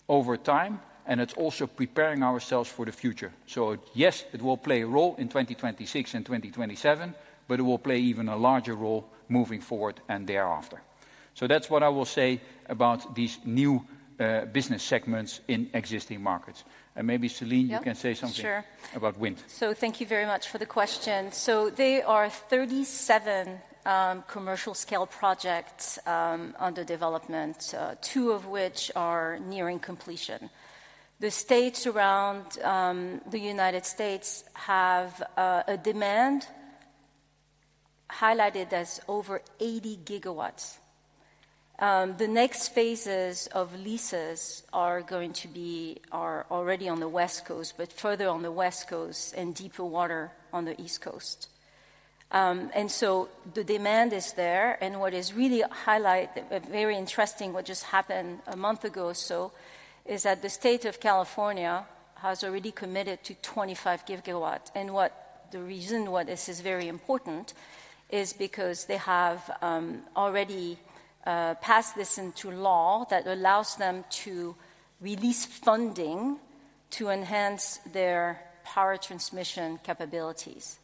over time, and it's also preparing ourselves for the future. So yes, it will play a role in 2026 and 2027, but it will play even a larger role moving forward and thereafter. So that's what I will say about these new, business segments in existing markets. And maybe, Céline, you can say something. Yep, sure. -about wind. So thank you very much for the question. There are 37 commercial scale projects under development, two of which are nearing completion. The states around the United States have a demand highlighted as over 80 gigawatts. The next phases of leases are already on the West Coast, but further on the West Coast and deeper water on the East Coast. And so the demand is there, and what is really highlight very interesting, what just happened a month ago or so, is that the state of California has already committed to 25 gigawatts. And what the reason why this is very important is because they have already passed this into law that allows them to release funding to enhance their power transmission capabilities.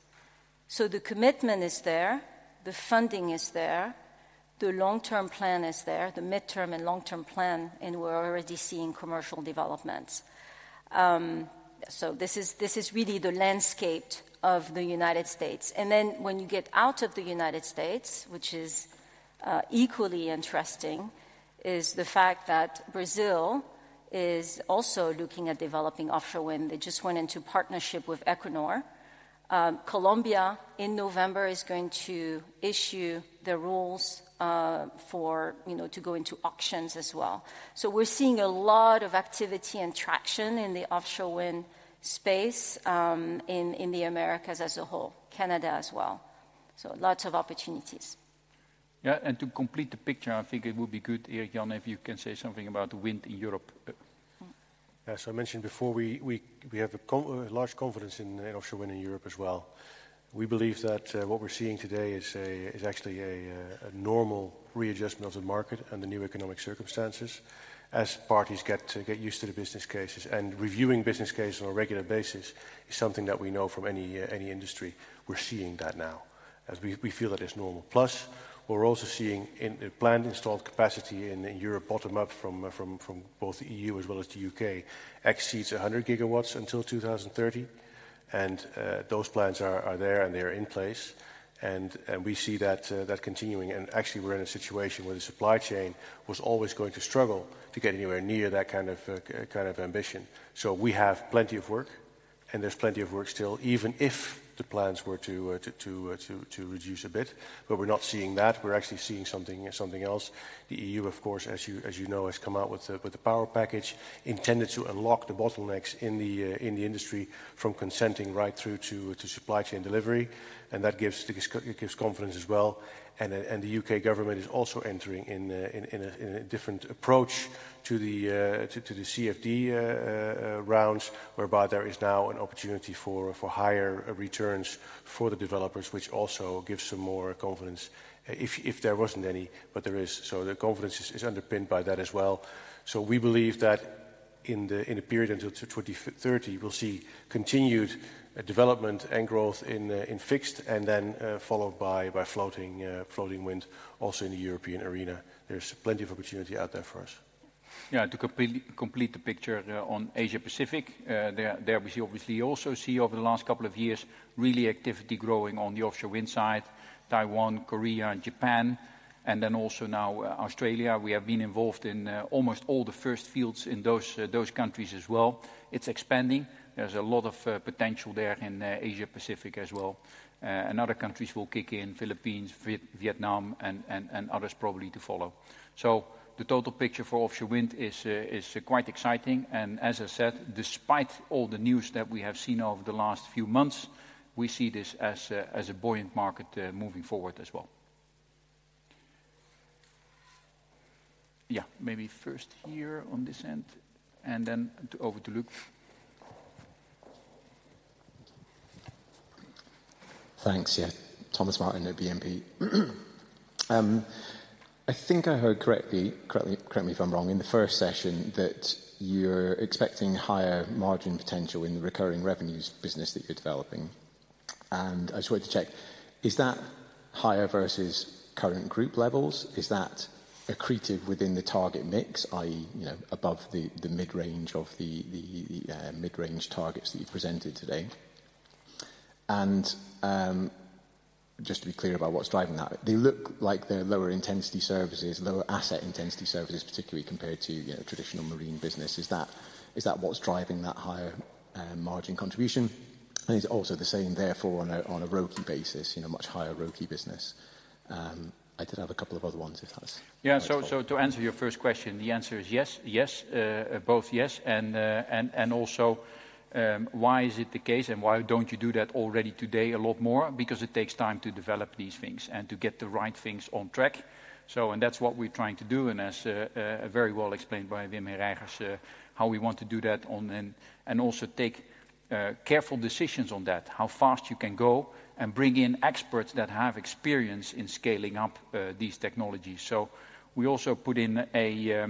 So the commitment is there, the funding is there, the long-term plan is there, the midterm and long-term plan, and we're already seeing commercial developments. So this is really the landscape of the United States. And then when you get out of the United States, which is equally interesting, is the fact that Brazil is also looking at developing offshore wind. They just went into partnership with Equinor. Colombia, in November, is going to issue the rules, you know, to go into auctions as well. So we're seeing a lot of activity and traction in the offshore wind space, in the Americas as a whole, Canada as well. So lots of opportunities. Yeah, and to complete the picture, I think it would be good, Erik-Jan, if you can say something about wind in Europe. Yeah. So I mentioned before, we have a large confidence in offshore wind in Europe as well. We believe that what we're seeing today is actually a normal readjustment of the market and the new economic circumstances as parties get used to the business cases. And reviewing business cases on a regular basis is something that we know from any industry. We're seeing that now, as we feel that it's normal. Plus, we're also seeing in the planned installed capacity in Europe, bottom-up from both the EU as well as the UK, exceeds 100 gigawatts until 2030. And those plans are there, and they are in place, and we see that continuing. Actually, we're in a situation where the supply chain was always going to struggle to get anywhere near that kind of ambition. So we have plenty of work, and there's plenty of work still, even if the plans were to reduce a bit. But we're not seeing that. We're actually seeing something else. The EU, of course, as you know, has come out with the power package intended to unlock the bottlenecks in the industry from consenting right through to supply chain delivery, and that gives confidence as well. And the UK government is also entering in a different approach to the CFD rounds, whereby there is now an opportunity for higher returns for the developers, which also gives some more confidence if there wasn't any, but there is. So the confidence is underpinned by that as well. So we believe that in the period until 2030, we'll see continued development and growth in fixed and then followed by floating wind also in the European arena. There's plenty of opportunity out there for us. Yeah, to complete the picture, on Asia Pacific, there we obviously also see over the last couple of years, really activity growing on the offshore wind side, Taiwan, Korea, and Japan, and then also now, Australia. We have been involved in, almost all the first fields in those, those countries as well. It's expanding. There's a lot of, potential there in, Asia Pacific as well. And other countries will kick in, Philippines, Vietnam, and others probably to follow. So the total picture for offshore wind is, quite exciting. And as I said, despite all the news that we have seen over the last few months, we see this as a buoyant market, moving forward as well. Yeah, maybe first here on this end, and then to over to Luuk. Thanks. Yeah. Thomas Martin at BNP. I think I heard correctly, correct me, correct me if I'm wrong, in the first session, that you're expecting higher margin potential in the recurring revenues business that you're developing. And I just wanted to check, is that higher versus current group levels? Is that accretive within the target mix, i.e., you know, above the mid-range of the mid-range targets that you've presented today? And just to be clear about what's driving that, they look like they're lower intensity services, lower asset intensity services, particularly compared to, you know, traditional marine business. Is that what's driving that higher margin contribution? And is it also the same, therefore, on a ROPI basis, you know, much higher ROPI business? I did have a couple of other ones, if that's- Yeah. So to answer your first question, the answer is yes, yes, both yes and, and also, why is it the case, and why don't you do that already today a lot more? Because it takes time to develop these things and to get the right things on track. So... And that's what we're trying to do, and as, very well explained by Wim Herijgers, how we want to do that on an- and also take, careful decisions on that, how fast you can go, and bring in experts that have experience in scaling up, these technologies. So we also put in a, a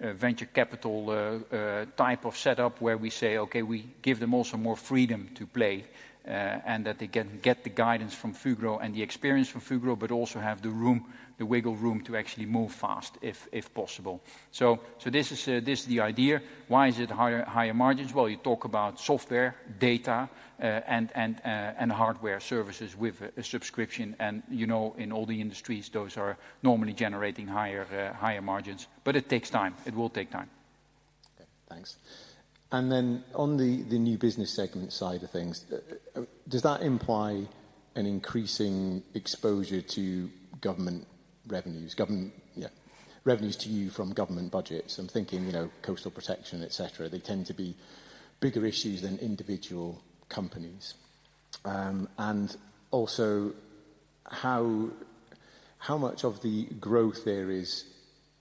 venture capital, type of setup, where we say, "Okay, we give them also more freedom to play," and that they can get the guidance from Fugro and the experience from Fugro, but also have the room, the wiggle room to actually move fast, if, if possible. So, so this is, this is the idea. Why is it higher, higher margins? Well, you talk about software, data, and, and, and hardware services with a, a subscription. And, you know, in all the industries, those are normally generating higher, higher margins, but it takes time. It will take time. Okay, thanks. And then on the new business segment side of things, does that imply an increasing exposure to government revenues, government Yeah, revenues to you from government budgets? I'm thinking, you know, coastal protection, et cetera. They tend to be bigger issues than individual companies. And also, how much of the growth there is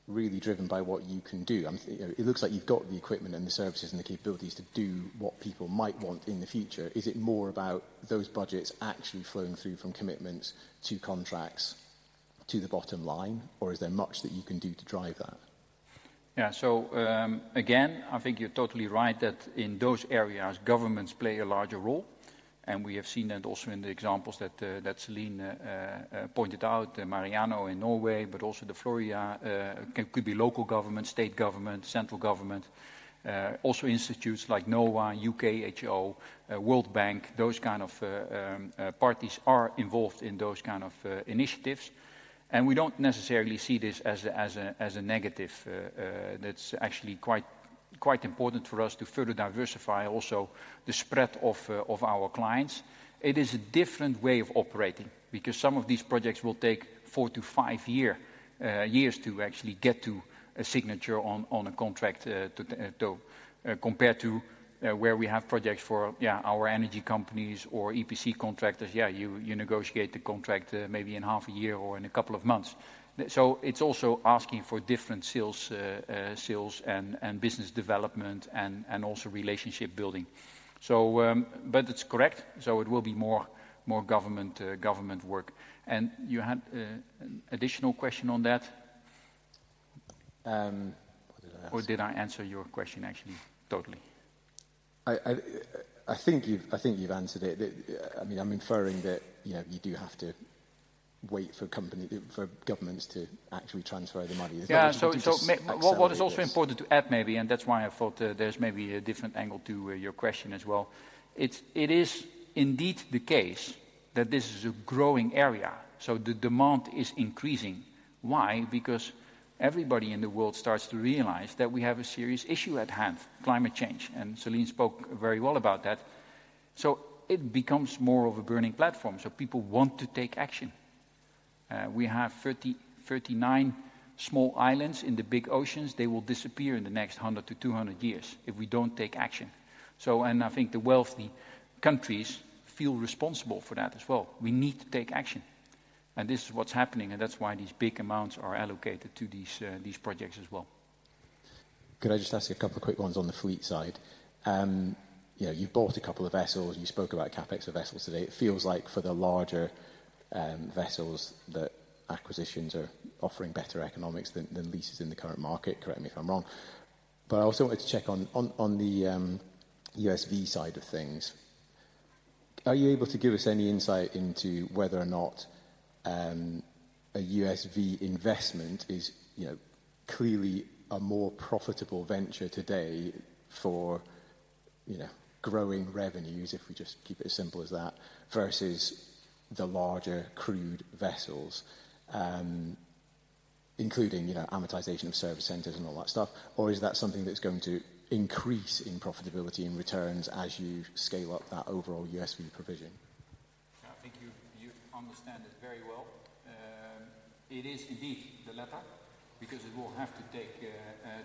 really driven by what you can do? You know, it looks like you've got the equipment and the services and the capabilities to do what people might want in the future. Is it more about those budgets actually flowing through from commitments to contracts to the bottom line, or is there much that you can do to drive that? Yeah. So, again, I think you're totally right that in those areas, governments play a larger role, and we have seen that also in the examples that Céline pointed out, Mariano in Norway, but also the Florida. It could be local government, state government, central government, also institutes like NOAA, UKHO, World Bank. Those kind of parties are involved in those kind of initiatives, and we don't necessarily see this as a negative. That's actually quite important for us to further diversify also the spread of our clients. It is a different way of operating, because some of these projects will take 4-5 years to actually get to a signature on a contract, compared to where we have projects for, yeah, our energy companies or EPC contractors. Yeah, you negotiate the contract, maybe in half a year or in a couple of months. So it's also asking for different sales and business development and also relationship building. So, but it's correct, so it will be more government work. And you had an additional question on that? What did I ask? Or did I answer your question, actually, totally? I think you've answered it. That, I mean, I'm inferring that, you know, you do have to wait for company, for governments to actually transfer the money. Yeah. Can you just accelerate this- So what is also important to add maybe, and that's why I thought there's maybe a different angle to your question as well. It is indeed the case that this is a growing area, so the demand is increasing. Why? Because everybody in the world starts to realize that we have a serious issue at hand, climate change, and Céline spoke very well about that. So it becomes more of a burning platform, so people want to take action. We have 39 small islands in the big oceans, they will disappear in the next 100-200 years if we don't take action. So. And I think the wealthy countries feel responsible for that as well. We need to take action, and this is what's happening, and that's why these big amounts are allocated to these projects as well. Could I just ask you a couple of quick ones on the fleet side? You know, you've bought a couple of vessels, and you spoke about CapEx of vessels today. It feels like for the larger vessels, that acquisitions are offering better economics than leases in the current market. Correct me if I'm wrong. I also wanted to check on the USV side of things. Are you able to give us any insight into whether or not a USV investment is, you know, clearly a more profitable venture today for, you know, growing revenues, if we just keep it as simple as that, versus the larger crewed vessels? Including, you know, amortization of service centers and all that stuff, or is that something that's going to increase in profitability and returns as you scale up that overall USV provision? I think you, you understand it very well. It is indeed the latter, because it will have to take,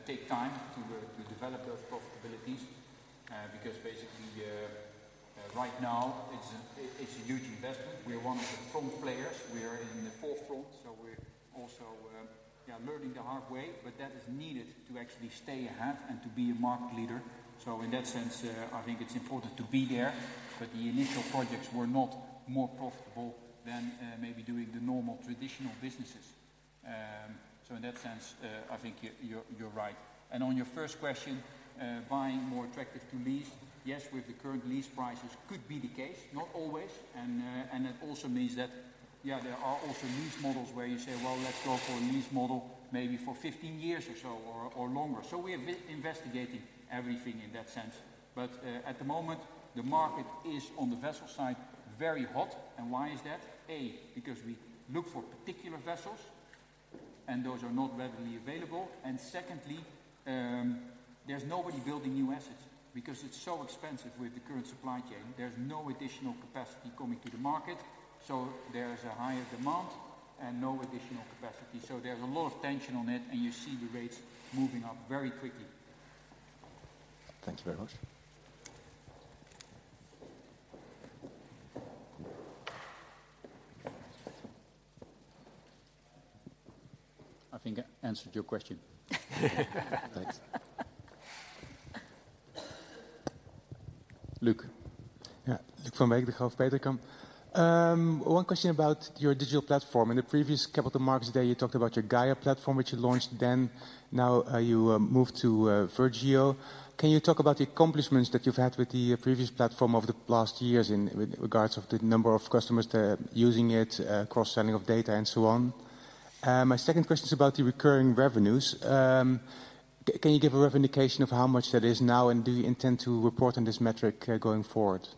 take time to, to develop those profitabilities. Because basically, right now, it's a, it's a huge investment. We are one of the front players. We are in the forefront, so we're also, yeah, learning the hard way, but that is needed to actually stay ahead and to be a market leader. So in that sense, I think it's important to be there, but the initial projects were not more profitable than, maybe doing the normal traditional businesses. So in that sense, I think you, you're, you're right. And on your first question, buying more attractive to lease, yes, with the current lease prices, could be the case, not always. And it also means that, yeah, there are also lease models where you say, "Well, let's go for a lease model, maybe for 15 years or so, or longer." So we are reinvestigating everything in that sense, but at the moment, the market is, on the vessel side, very hot. And why is that? A, because we look for particular vessels, and those are not readily available. And secondly, there's nobody building new assets because it's so expensive with the current supply chain. There's no additional capacity coming to the market, so there is a higher demand and no additional capacity. So there's a lot of tension on it, and you see the rates moving up very quickly. Thanks very much. I think I answered your question. Thanks. Luuk? Yeah, Luuk from Degroof Petercam. One question about your digital platform. In the previous capital markets day, you talked about your Gaia platform, which you launched then. Now, you moved to VirGeo. Can you talk about the accomplishments that you've had with the previous platform over the last years in, with regards of the number of customers that are using it, cross-selling of data, and so on? My second question is about the recurring revenues. Can you give a rough indication of how much that is now, and do you intend to report on this metric, going forward?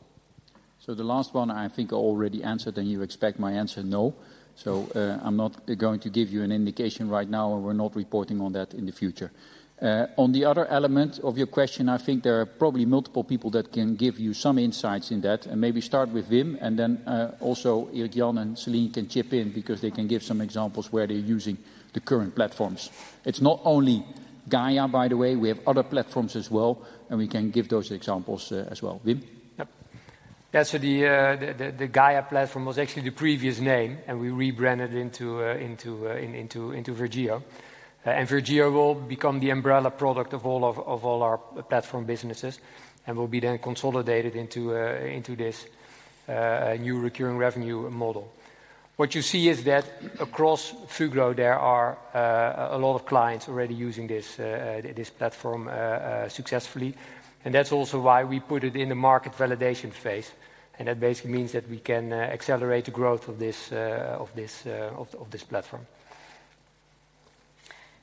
So the last one, I think I already answered, and you expect my answer, no. So, I'm not going to give you an indication right now, and we're not reporting on that in the future. On the other element of your question, I think there are probably multiple people that can give you some insights in that, and maybe start with Wim, and then, also Erik-Jan and Céline can chip in because they can give some examples where they're using the current platforms. It's not only Gaia, by the way. We have other platforms as well, and we can give those examples, as well. Wim? Yep. Yeah, so the Gaia platform was actually the previous name, and we rebranded into VirGeo. VirGeo will become the umbrella product of all of our platform businesses, and will be then consolidated into this new recurring revenue model. What you see is that across Fugro, there are a lot of clients already using this platform successfully, and that's also why we put it in the market validation phase. That basically means that we can accelerate the growth of this platform.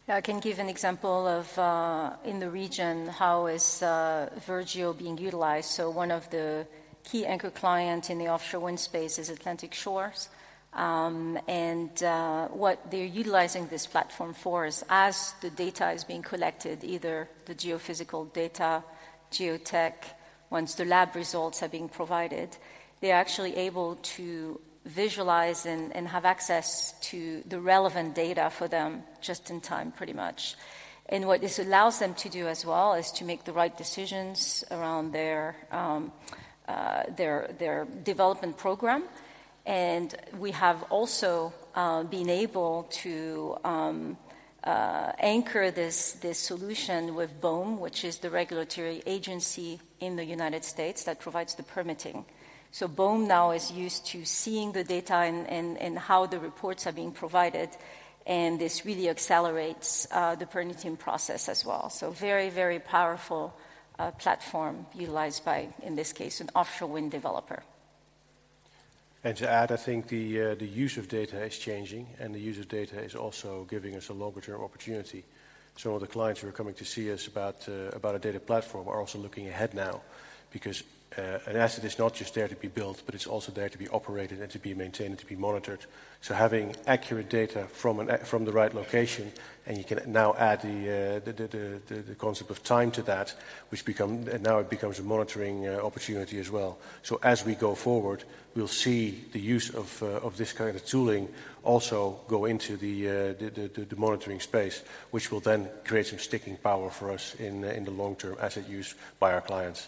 Yeah, I can give an example of, in the region, how VirGeo is being utilized. So one of the key anchor client in the offshore wind space is Atlantic Shores. And, what they're utilizing this platform for is, as the data is being collected, either the geophysical data, geotech-... once the lab results are being provided, they're actually able to visualize and have access to the relevant data for them just in time, pretty much. And what this allows them to do as well is to make the right decisions around their development program. And we have also been able to anchor this solution with BOEM, which is the regulatory agency in the United States that provides the permitting. So BOEM now is used to seeing the data and how the reports are being provided, and this really accelerates the permitting process as well. So very, very powerful platform utilized by, in this case, an offshore wind developer. To add, I think the use of data is changing, and the use of data is also giving us a longer-term opportunity. Some of the clients who are coming to see us about a data platform are also looking ahead now, because an asset is not just there to be built, but it's also there to be operated and to be maintained and to be monitored. So having accurate data from the right location, and you can now add the concept of time to that, which become... Now it becomes a monitoring opportunity as well. So as we go forward, we'll see the use of this kind of tooling also go into the monitoring space, which will then create some sticking power for us in the long term as it used by our clients.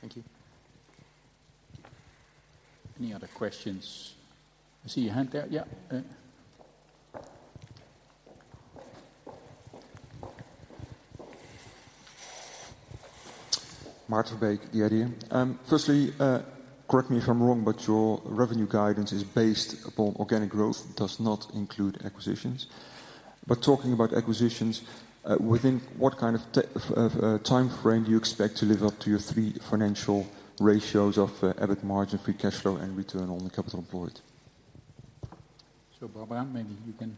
Thank you. Any other questions? I see your hand there. Yeah, Martin Beek, ING. Firstly, correct me if I'm wrong, but your revenue guidance is based upon organic growth, does not include acquisitions. But talking about acquisitions, within what kind of time frame do you expect to live up to your three financial ratios of EBIT margin, free cash flow, and return on the capital employed? Barbara, maybe you can-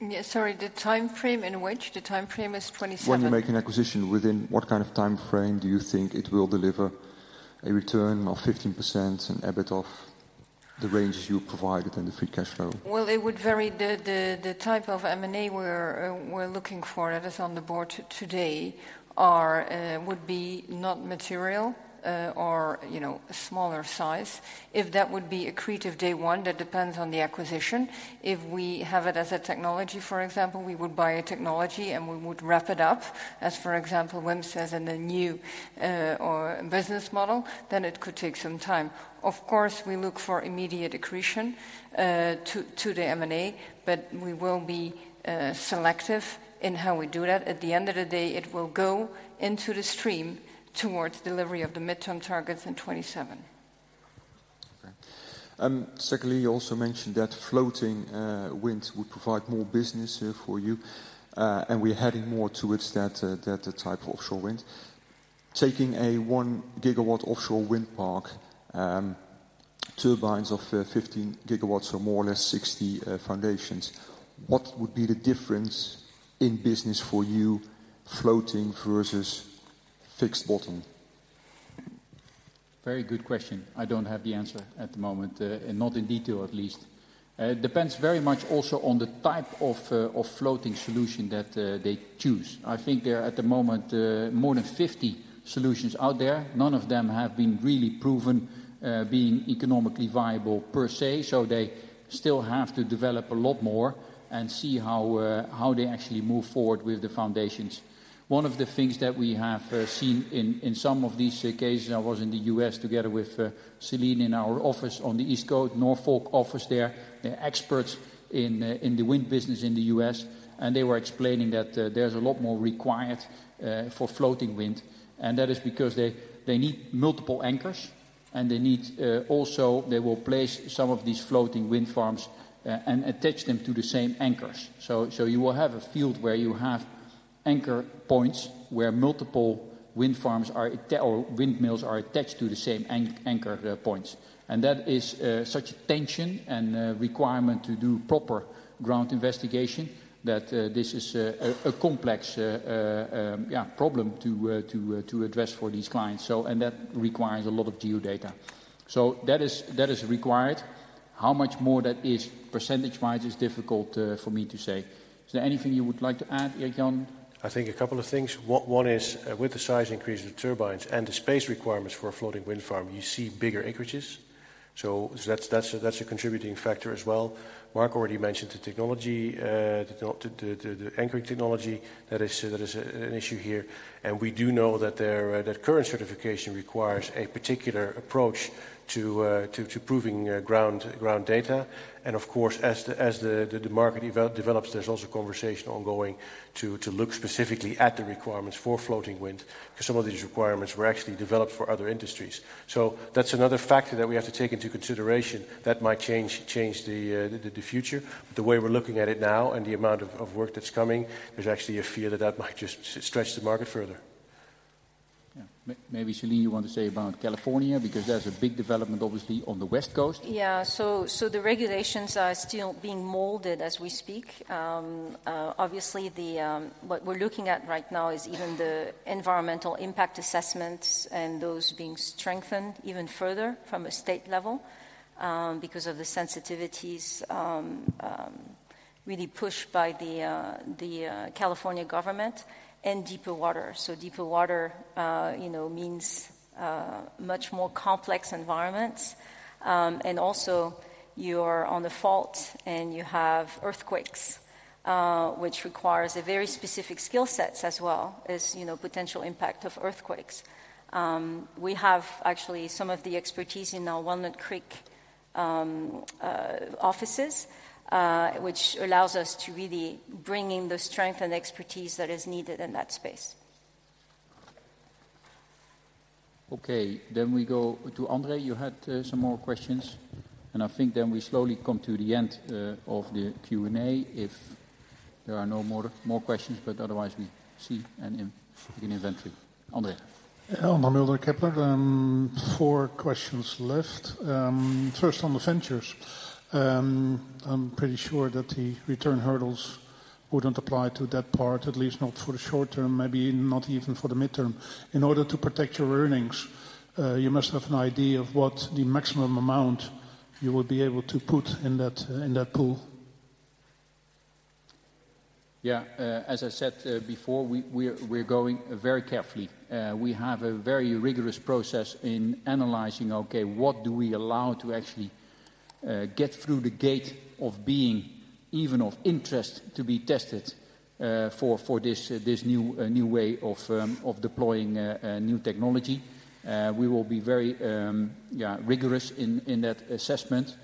Yeah, sorry, the time frame in which? The time frame is 27- When you make an acquisition, within what kind of time frame do you think it will deliver a return of 15% and EBIT of the ranges you provided and the free cash flow? Well, it would vary. The type of M&A we're looking for that is on the board today would be not material, or, you know, smaller size. If that would be accretive day one, that depends on the acquisition. If we have it as a technology, for example, we would buy a technology and we would wrap it up, as, for example, Wim says, in a new, or business model, then it could take some time. Of course, we look for immediate accretion to the M&A, but we will be selective in how we do that. At the end of the day, it will go into the stream towards delivery of the midterm targets in 2027. Okay. Secondly, you also mentioned that floating wind would provide more business for you, and we're heading more towards that type of offshore wind. Taking a 1 gigawatt offshore wind park, turbines of 15 gigawatts or more or less 60 foundations, what would be the difference in business for you, floating versus fixed bottom? Very good question. I don't have the answer at the moment, and not in detail, at least. It depends very much also on the type of floating solution that they choose. I think there are, at the moment, more than 50 solutions out there. None of them have been really proven being economically viable per se, so they still have to develop a lot more and see how they actually move forward with the foundations. One of the things that we have seen in some of these occasions, I was in the U.S. together with Céline in our office on the East Coast, Norfolk office there. They're experts in the wind business in the U.S., and they were explaining that there's a lot more required for Floating Wind. That is because they, they need multiple anchors, and they need also, they will place some of these floating wind farms, and attach them to the same anchors. So, so you will have a field where you have anchor points, where multiple wind farms are or windmills are attached to the same anchor points. And that is such a tension and requirement to do proper ground investigation, that this is a complex problem to address for these clients. So, and that requires a lot of Geo-data. So that is required. How much more that is percentage-wise is difficult for me to say. Is there anything you would like to add, Erik-Jan? I think a couple of things. One is, with the size increase of turbines and the space requirements for a floating wind farm, you see bigger acreages. So that's a contributing factor as well. Mark already mentioned the technology, the anchoring technology. That is an issue here. And we do know that current certification requires a particular approach to proving ground data. And of course, as the market develops, there's also conversation ongoing to look specifically at the requirements for floating wind, because some of these requirements were actually developed for other industries. So that's another factor that we have to take into consideration that might change the future. The way we're looking at it now and the amount of work that's coming, there's actually a fear that that might just stretch the market further. Yeah. Maybe, Céline, you want to say about California, because there's a big development, obviously, on the West Coast. Yeah. So, so the regulations are still being molded as we speak. Obviously, what we're looking at right now is even the environmental impact assessments and those being strengthened even further from a state level, because of the sensitivities.... really pushed by the California government and deeper water. So deeper water, you know, means much more complex environments. And also you're on the fault, and you have earthquakes, which requires a very specific skill sets as well as, you know, potential impact of earthquakes. We have actually some of the expertise in our Walnut Creek offices, which allows us to really bring in the strength and expertise that is needed in that space. Okay, then we go to André. You had some more questions, and I think then we slowly come to the end of the Q&A if there are no more more questions, but otherwise we see and in begin inventory. André? Yeah. André Mulder, Kepler. Four questions left. First, on the ventures. I'm pretty sure that the return hurdles wouldn't apply to that part, at least not for the short term, maybe not even for the midterm. In order to protect your earnings, you must have an idea of what the maximum amount you will be able to put in that, in that pool. As I said, before, we're going very carefully. We have a very rigorous process in analyzing what do we allow to actually get through the gate of being even of interest to be tested for this new way of deploying a new technology? We will be very rigorous in that assessment,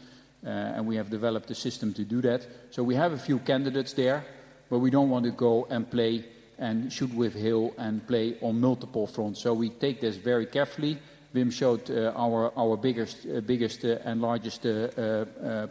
and we have developed a system to do that. So we have a few candidates there, but we don't want to go and play and shoot with hill and play on multiple fronts. So we take this very carefully. Wim showed our biggest and largest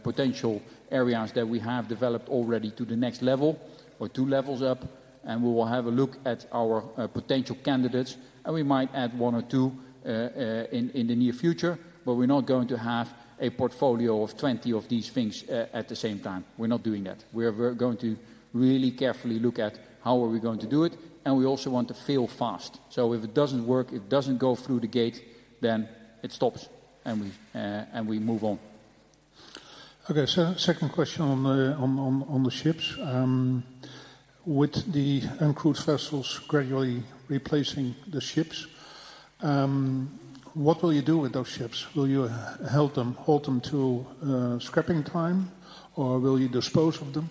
potential areas that we have developed already to the next level or two levels up, and we will have a look at our potential candidates, and we might add one or two in the near future. But we're not going to have a portfolio of 20 of these things at the same time. We're not doing that. We're going to really carefully look at how are we going to do it, and we also want to fail fast. So if it doesn't work, it doesn't go through the gate, then it stops, and we move on. Okay. So second question on the ships. With the uncrewed vessels gradually replacing the ships, what will you do with those ships? Will you hold them to scrapping time, or will you dispose of them?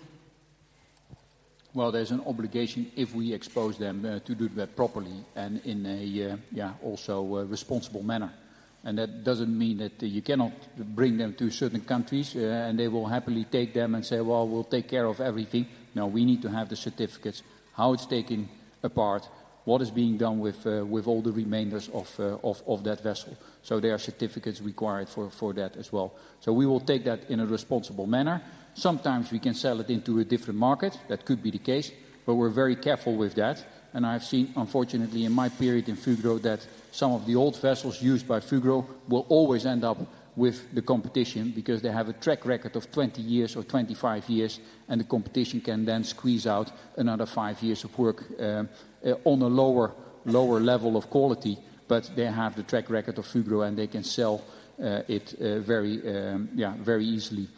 Well, there's an obligation if we expose them to do that properly and in a, yeah, also a responsible manner. And that doesn't mean that you cannot bring them to certain countries, and they will happily take them and say, "Well, we'll take care of everything." No, we need to have the certificates, how it's taken apart, what is being done with, with all the remainders of, of, of that vessel. So there are certificates required for that as well. So we will take that in a responsible manner. Sometimes we can sell it into a different market, that could be the case, but we're very careful with that. I've seen, unfortunately, in my period in Fugro, that some of the old vessels used by Fugro will always end up with the competition because they have a track record of 20 years or 25 years, and the competition can then squeeze out another 5 years of work on a lower, lower level of quality. But they have the track record of Fugro, and they can sell it very yeah very easily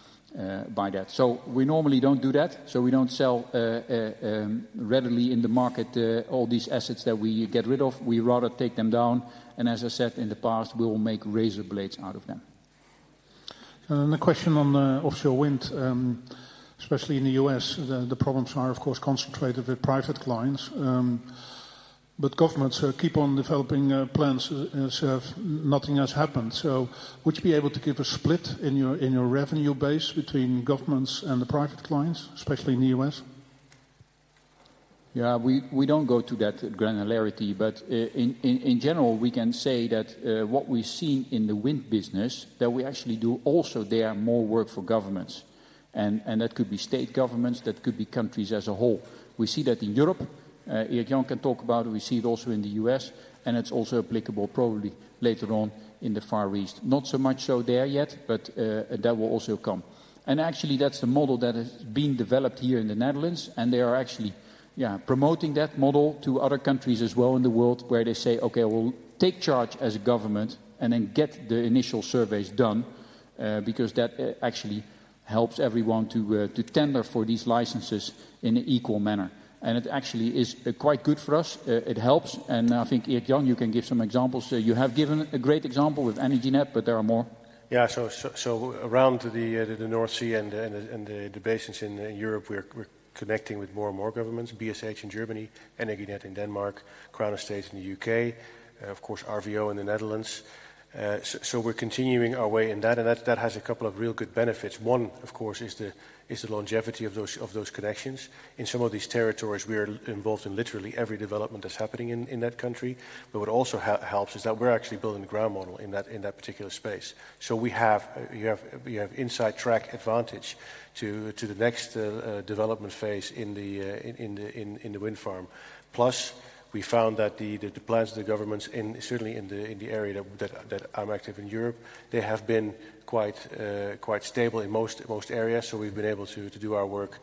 by that. So we normally don't do that, so we don't sell readily in the market all these assets that we get rid of. We rather take them down, and as I said, in the past, we will make razor blades out of them. The question on the offshore wind, especially in the U.S., the problems are, of course, concentrated with private clients, but governments keep on developing plans as if nothing has happened. So would you be able to give a split in your revenue base between governments and the private clients, especially in the U.S.? Yeah, we don't go to that granularity, but in general, we can say that what we've seen in the wind business, that we actually do also there more work for governments, and that could be state governments, that could be countries as a whole. We see that in Europe, Erik-Jan can talk about, we see it also in the U.S., and it's also applicable probably later on in the Far East. Not so much so there yet, but that will also come. Actually, that's the model that has been developed here in the Netherlands, and they are actually, yeah, promoting that model to other countries as well in the world, where they say, "Okay, we'll take charge as a government and then get the initial surveys done," because that actually helps everyone to tender for these licenses in an equal manner. And it actually is quite good for us. It helps, and I think, Erik-Jan, you can give some examples. So you have given a great example with Energinet, but there are more. Yeah, so around the North Sea and the basins in Europe, we're connecting with more and more governments, BSH in Germany, Energinet in Denmark, Crown Estate in the UK, of course, RVO in the Netherlands. So we're continuing our way in that, and that has a couple of real good benefits. One, of course, is the longevity of those connections. In some of these territories, we are involved in literally every development that's happening in that country. But what also helps is that we're actually building a ground model in that particular space. So we have inside track advantage to the next development phase in the wind farm. Plus, we found that the plans of the governments in, certainly in the area that I'm active in Europe, they have been quite stable in most areas, so we've been able to do our work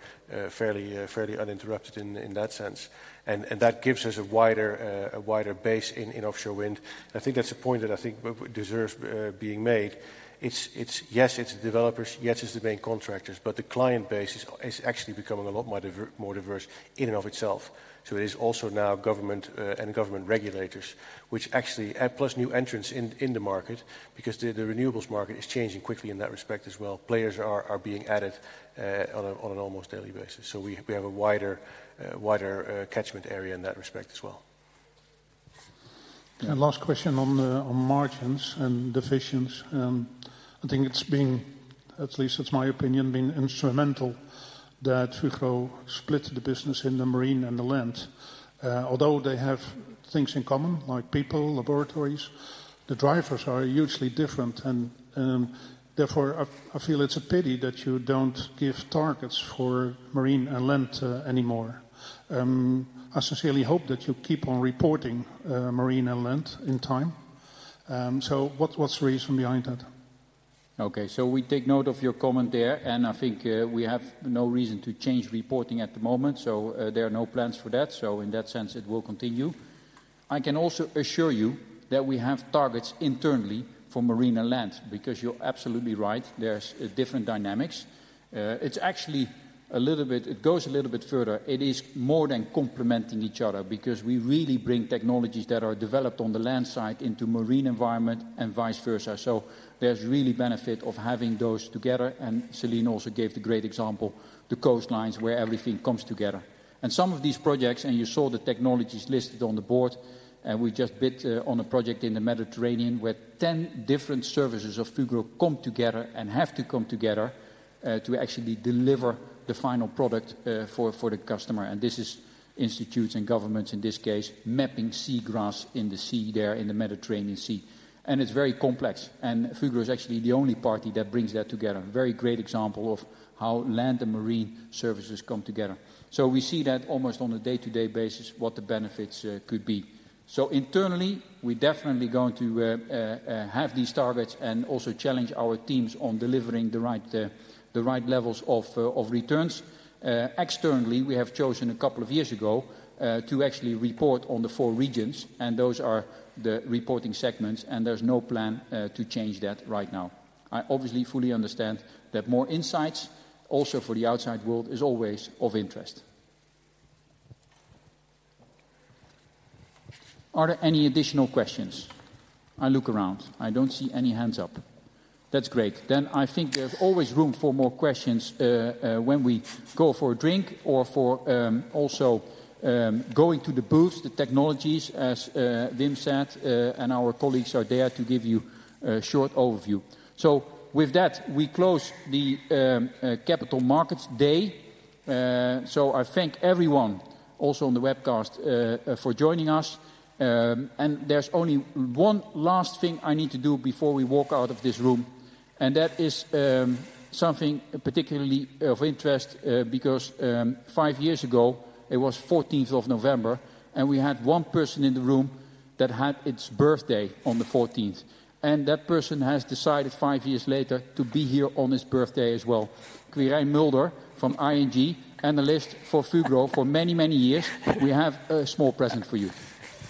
fairly uninterrupted in that sense. And that gives us a wider base in offshore wind. I think that's a point that I think deserves being made. It's... Yes, it's the developers, yes, it's the main contractors, but the client base is actually becoming a lot more diverse in and of itself. So it is also now government and government regulators, which actually... Plus, new entrants in the market, because the renewables market is changing quickly in that respect as well. Players are being added on an almost daily basis. So we have a wider catchment area in that respect as well. Last question on the margins and divisions. I think it's been, at least it's my opinion, instrumental that Fugro split the business in the marine and the land. Although they have things in common, like people, laboratories, the drivers are hugely different, and therefore, I feel it's a pity that you don't give targets for marine and land anymore. I sincerely hope that you keep on reporting marine and land in time. So what is the reason behind that? Okay, so we take note of your comment there, and I think we have no reason to change reporting at the moment. So there are no plans for that. So in that sense, it will continue. I can also assure you that we have targets internally for marine and land, because you're absolutely right, there's different dynamics. It's actually a little bit. It goes a little bit further. It is more than complementing each other, because we really bring technologies that are developed on the land side into marine environment and vice versa. So there's really benefit of having those together, and Céline also gave the great example, the coastlines, where everything comes together. Some of these projects, and you saw the technologies listed on the board, and we just bid on a project in the Mediterranean, where 10 different services of Fugro come together and have to come together to actually deliver the final product for, for the customer. This is institutes and governments, in this case, mapping seagrass in the sea there, in the Mediterranean Sea. It's very complex, and Fugro is actually the only party that brings that together. A very great example of how land and marine services come together. We see that almost on a day-to-day basis, what the benefits could be. Internally, we're definitely going to have these targets and also challenge our teams on delivering the right the right levels of of returns. Externally, we have chosen a couple of years ago to actually report on the four regions, and those are the reporting segments, and there's no plan to change that right now. I obviously fully understand that more insights, also for the outside world, is always of interest. Are there any additional questions? I look around. I don't see any hands up. That's great. Then I think there's always room for more questions when we go for a drink or for also going to the booths, the technologies, as Wim said, and our colleagues are there to give you a short overview. So with that, we close the Capital Markets Day. So I thank everyone, also on the webcast, for joining us. And there's only one last thing I need to do before we walk out of this room, and that is something particularly of interest, because five years ago, it was fourteenth of November, and we had one person in the room that had its birthday on the fourteenth, and that person has decided five years later to be here on his birthday as well. Quirijn Mulder from ING, analyst for Fugro for many, many years, we have a small present for you.